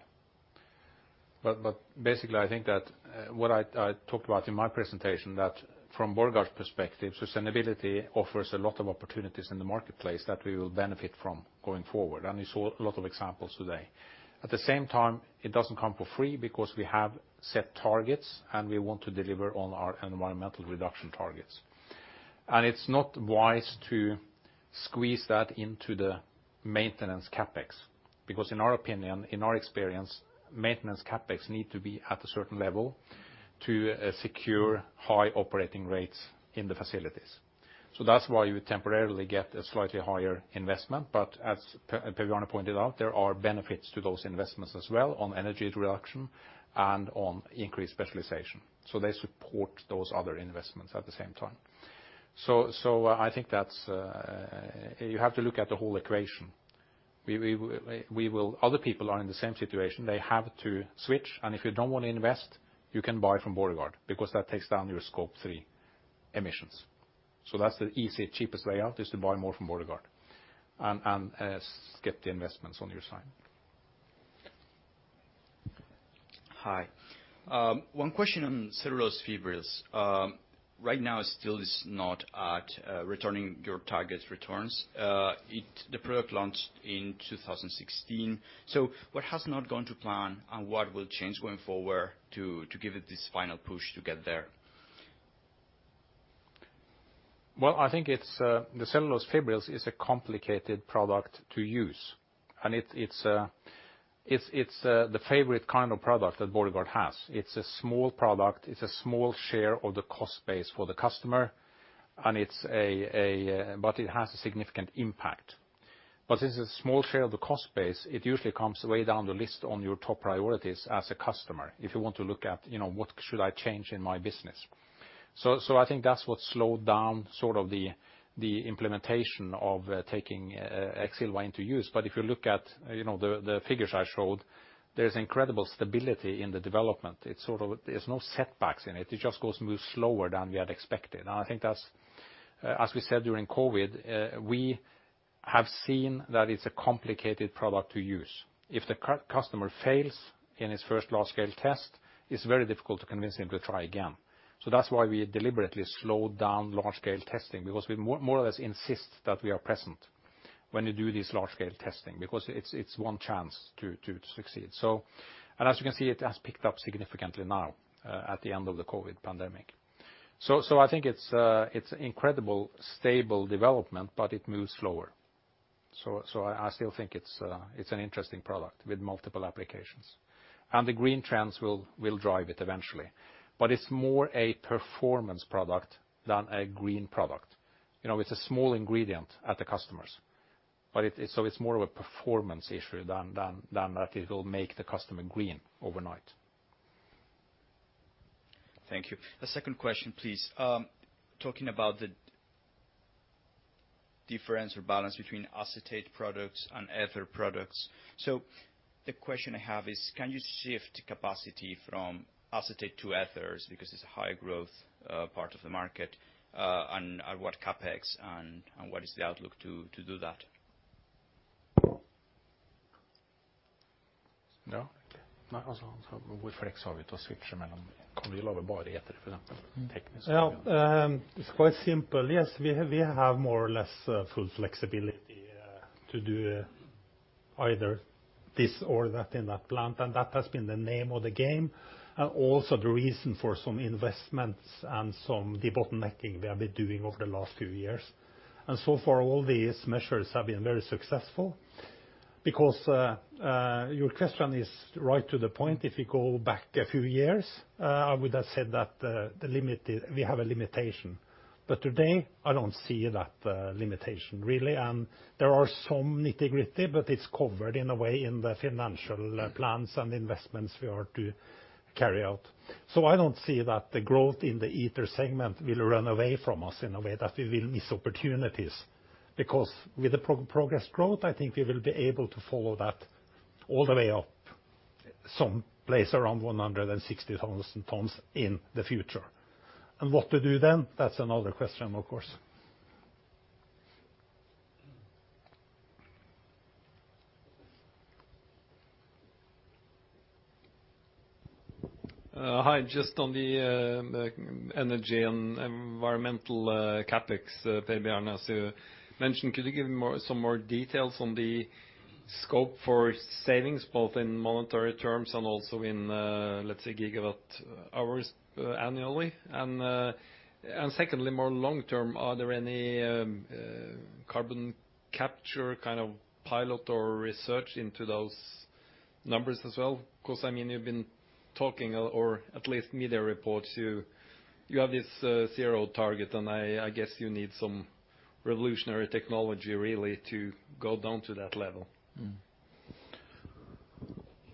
Basically, I think that what I talked about in my presentation, that from Borregaard's perspective, sustainability offers a lot of opportunities in the marketplace that we will benefit from going forward. You saw a lot of examples today. At the same time, it doesn't come for free because we have set targets, and we want to deliver on our environmental reduction targets. It's not wise to squeeze that into the maintenance CapEx. Because in our opinion, in our experience, maintenance CapEx need to be at a certain level to secure high operating rates in the facilities. That's why you temporarily get a slightly higher investment. As Per Bjarne pointed out, there are benefits to those investments as well on energy reduction and on increased specialization. They support those other investments at the same time. I think that's. You have to look at the whole equation. Other people are in the same situation. They have to switch, and if you don't want to invest, you can buy from Borregaard because that takes down your Scope 3 emissions. That's the easy, cheapest way out, is to buy more from Borregaard and skip the investments on your side. Hi. One question on cellulose fibrils. Right now it still is not at returning your target returns. The product launched in 2016. What has not gone to plan, and what will change going forward to give it this final push to get there? Well, I think it's the cellulose fibrils is a complicated product to use, and it's the favorite kind of product that Borregaard has. It's a small product. It's a small share of the cost base for the customer, and it's. It has a significant impact. Since it's a small share of the cost base, it usually comes way down the list on your top priorities as a customer if you want to look at, you know, what should I change in my business. I think that's what slowed down sort of the implementation of taking Exilva into use. If you look at, you know, the figures I showed, there's incredible stability in the development. It's sort of. There's no setbacks in it. It just moves slower than we had expected. I think that's, as we said during COVID, we have seen that it's a complicated product to use. If the customer fails in his first large-scale test, it's very difficult to convince him to try again. That's why we deliberately slowed down large-scale testing, because we more or less insist that we are present when you do this large-scale testing, because it's one chance to succeed. As you can see, it has picked up significantly now, at the end of the COVID pandemic. I think it's incredibly stable development, but it moves slower. I still think it's an interesting product with multiple applications. The green trends will drive it eventually. It's more a performance product than a green product. You know, it's a small ingredient at the customers, but it's more of a performance issue than that it will make the customer green overnight. Thank you. A second question, please. Talking about the difference or balance between acetate products and ether products. The question I have is, can you shift capacity from acetate to ethers because it's a high growth part of the market, and at what CapEx and what is the outlook to do that? No. Well, it's quite simple. Yes, we have more or less full flexibility to do either this or that in that plant, and that has been the name of the game. Also the reason for some investments and some debottlenecking we have been doing over the last few years. So far all these measures have been very successful because your question is right to the point. If you go back a few years, I would have said that we have a limitation. Today I don't see that limitation really. There are some nitty-gritty, but it's covered in a way in the financial plans and investments we are to carry out. I don't see that the growth in the ether segment will run away from us in a way that we will miss opportunities. Because with the projected growth, I think we will be able to follow that all the way up some place around 160,000 tons in the future. What to do then, that's another question, of course. Hi. Just on the energy and environmental CapEx Per Bjarne Lyngstad mentioned. Could you give some more details on the scope for savings both in monetary terms and also in let's say gigawatt hours annually? And secondly, more long term, are there any carbon capture kind of pilot or research into those numbers as well? Because I mean you've been talking or at least media reports you have this zero target and I guess you need some revolutionary technology really to go down to that level.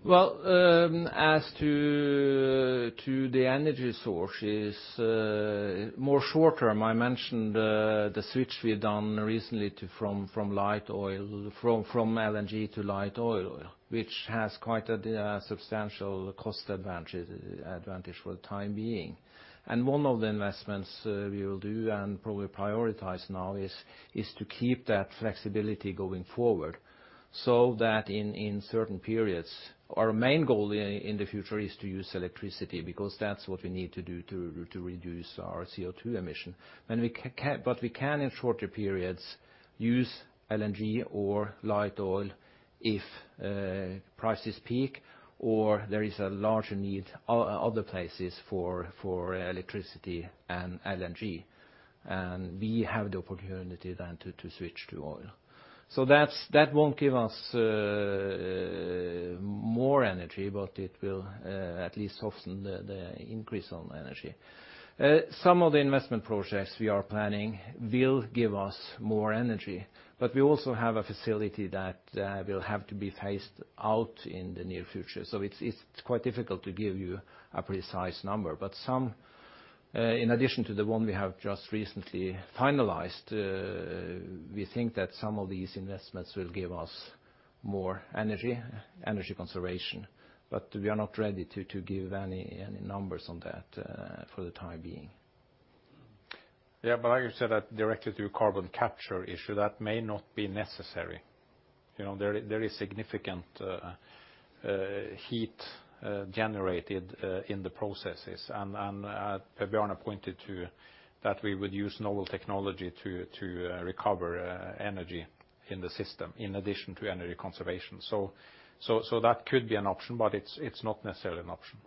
As to the energy sources, more short term, I mentioned the switch we have done recently from LNG to light oil, which has quite a substantial cost advantage for the time being. One of the investments we will do and probably prioritize now is to keep that flexibility going forward so that in certain periods, our main goal in the future is to use electricity because that's what we need to do to reduce our CO2 emission. We can in shorter periods use LNG or light oil if prices peak or there is a larger need other places for electricity and LNG. We have the opportunity then to switch to oil. That won't give us more energy, but it will at least soften the increase on energy. Some of the investment projects we are planning will give us more energy, but we also have a facility that will have to be phased out in the near future. It's quite difficult to give you a precise number. Some, in addition to the one we have just recently finalized, we think that some of these investments will give us more energy conservation. We are not ready to give any numbers on that for the time being. I will say that directly to your carbon capture issue, that may not be necessary. You know, there is significant heat generated in the processes. Per Bjarne Lyngstad pointed to that we would use novel technology to recover energy in the system in addition to energy conservation. That could be an option, but it's not necessarily an option.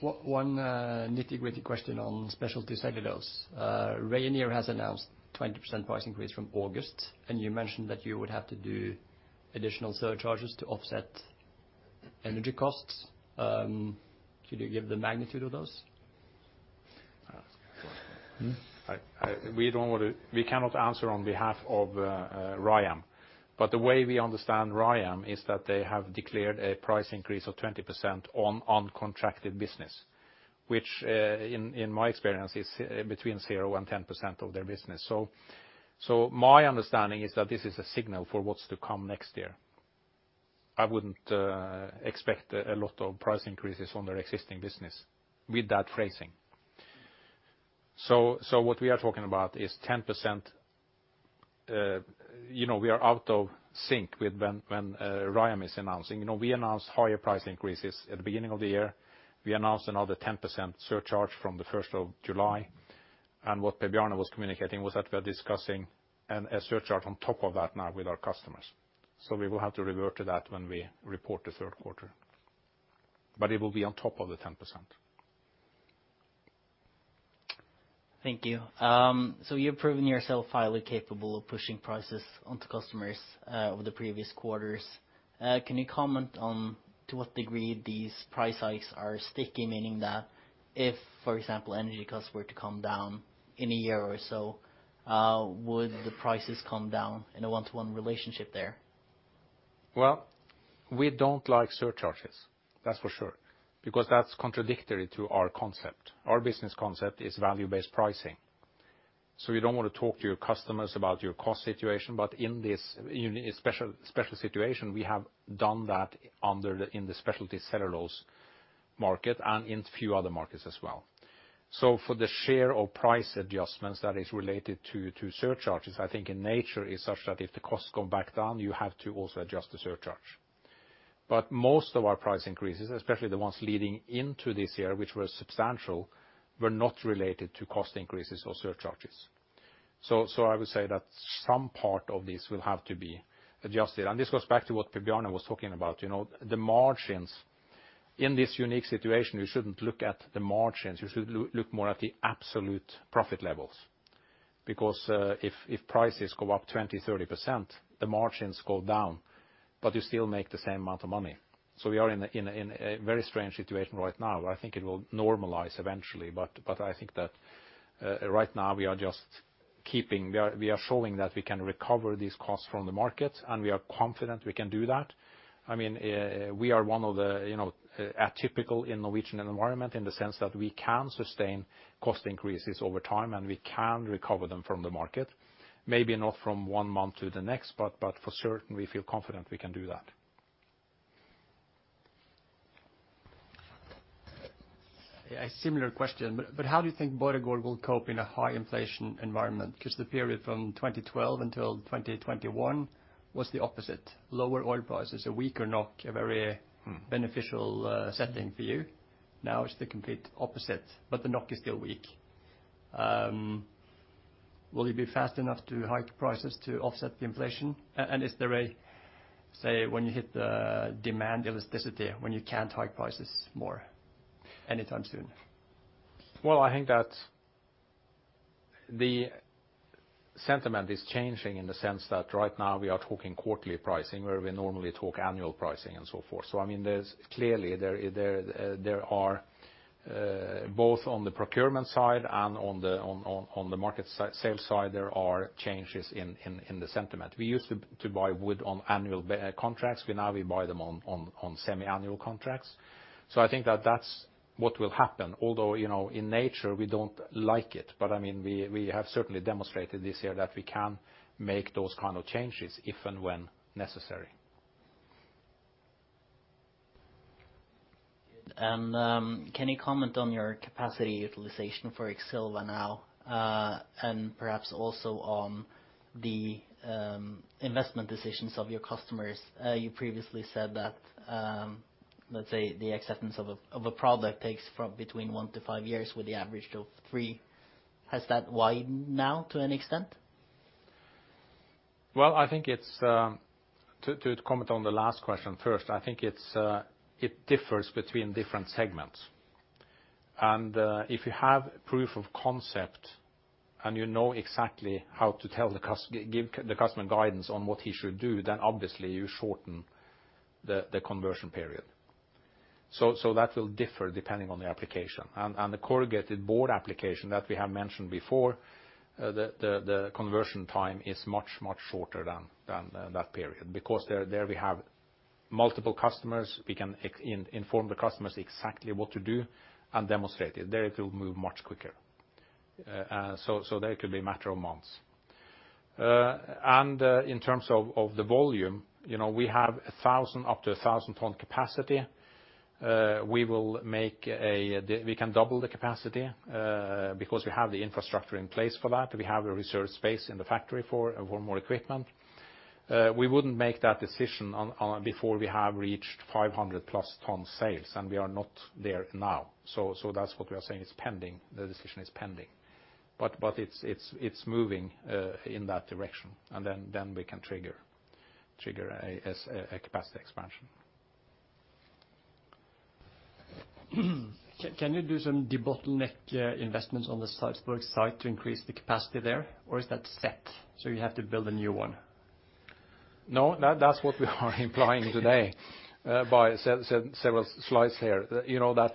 One nitty-gritty question on specialty cellulose. Rayonier has announced 20% price increase from August, and you mentioned that you would have to do additional surcharges to offset energy costs. Could you give the magnitude of those? We cannot answer on behalf of Rayonier. The way we understand Rayonier is that they have declared a price increase of 20% on uncontracted business, which, in my experience, is between 0%-10% of their business. My understanding is that this is a signal for what's to come next year. I wouldn't expect a lot of price increases on their existing business with that phrasing. What we are talking about is 10%. You know, we are out of sync with when Rayonier is announcing. You know, we announced higher price increases at the beginning of the year. We announced another 10% surcharge from the first of July. What Per Bjarne Lyngstad was communicating was that we are discussing a surcharge on top of that now with our customers. We will have to revert to that when we report the Q3. It will be on top of the 10%. Thank you. You've proven yourself highly capable of pushing prices onto customers over the previous quarters. Can you comment on to what degree these price hikes are sticky, meaning that if, for example, energy costs were to come down in a year or so, would the prices come down in a one-to-one relationship there? Well, we don't like surcharges, that's for sure, because that's contradictory to our concept. Our business concept is value-based pricing, so we don't wanna talk to your customers about your cost situation, but in this special situation, we have done that in the specialty cellulose market, and in few other markets as well. So for the surcharge price adjustments that is related to surcharges, I think in nature is such that if the costs come back down, you have to also adjust the surcharge. But most of our price increases, especially the ones leading into this year, which were substantial, were not related to cost increases or surcharges. So I would say that some part of this will have to be adjusted. This goes back to what Per Bjarne was talking about, you know, the margins. In this unique situation, you shouldn't look at the margins, you should look more at the absolute profit levels. If prices go up 20%-30%, the margins go down, but you still make the same amount of money. We are in a very strange situation right now, but I think it will normalize eventually. I think that right now we are showing that we can recover these costs from the market, and we are confident we can do that. I mean, we are one of the, you know, atypical in Norwegian environment in the sense that we can sustain cost increases over time, and we can recover them from the market. Maybe not from one month to the next, but for certain, we feel confident we can do that. A similar question. How do you think Borregaard will cope in a high inflation environment? 'Cause the period from 2012 until 2021 was the opposite. Lower oil prices, a weaker NOK. Mm. Beneficial setting for you. Now it's the complete opposite, but the NOK is still weak. Will you be fast enough to hike prices to offset the inflation? Is there a, say, when you hit the demand elasticity, when you can't hike prices more anytime soon? Well, I think that the sentiment is changing in the sense that right now we are talking quarterly pricing, where we normally talk annual pricing, and so forth. I mean, there's clearly there there. There are both on the procurement side and on the market side, sales side, there are changes in the sentiment. We used to buy wood on annual contracts. We now buy them on semiannual contracts. I think that that's what will happen. Although, you know, in nature we don't like it, but I mean, we have certainly demonstrated this year that we can make those kind of changes if and when necessary. Can you comment on your capacity utilization for Exilva now, and perhaps also on the investment decisions of your customers? You previously said that, let's say the acceptance of a product takes from between one to five years, with the average of three. Has that widened now to any extent? Well, I think it's. To comment on the last question first, I think it differs between different segments. If you have proof of concept and you know exactly how to give the customer guidance on what he should do, then obviously you shorten the conversion period. That will differ depending on the application. The corrugated board application that we have mentioned before, the conversion time is much shorter than that period. Because there we have multiple customers, we can inform the customers exactly what to do and demonstrate it. There it will move much quicker. There it could be a matter of months. In terms of the volume, you know, we have 1,000, up to 1,000 ton capacity. We can double the capacity, because we have the infrastructure in place for that. We have a reserve space in the factory for more equipment. We wouldn't make that decision before we have reached 500+ ton sales, and we are not there now. That's what we are saying, it's pending. The decision is pending. It's moving in that direction, and then we can trigger a capacity expansion. Can you do some debottleneck investments on the Sarpsborg site to increase the capacity there? Or is that set, so you have to build a new one? No, that's what we are implying today, by several slides here. You know that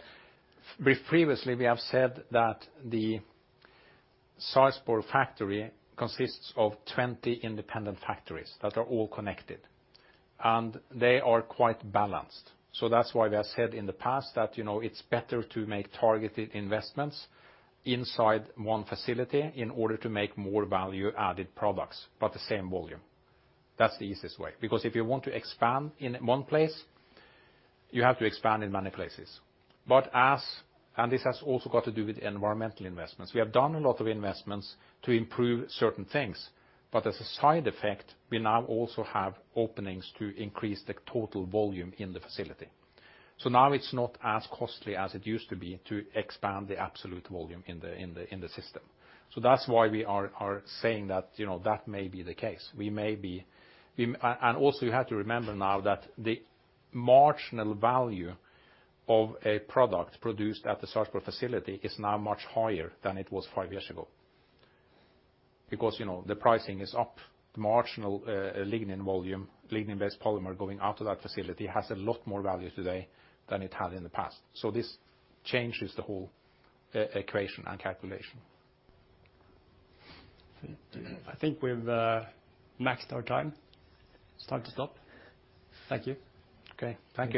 we previously have said that the Sarpsborg factory consists of 20 independent factories that are all connected, and they are quite balanced. That's why we have said in the past that, you know, it's better to make targeted investments inside one facility in order to make more value-added products, but the same volume. That's the easiest way, because if you want to expand in one place, you have to expand in many places. This has also got to do with environmental investments. We have done a lot of investments to improve certain things, but as a side effect, we now also have openings to increase the total volume in the facility. Now it's not as costly as it used to be to expand the absolute volume in the system. That's why we are saying that, you know, that may be the case. Also you have to remember now that the marginal value of a product produced at the Sarpsborg facility is now much higher than it was five years ago. Because, you know, the pricing is up, the marginal lignin volume, lignin-based polymer going out to that facility has a lot more value today than it had in the past. This changes the whole equation and calculation. I think we've maxed our time. It's time to stop. Thank you. Okay. Thank you.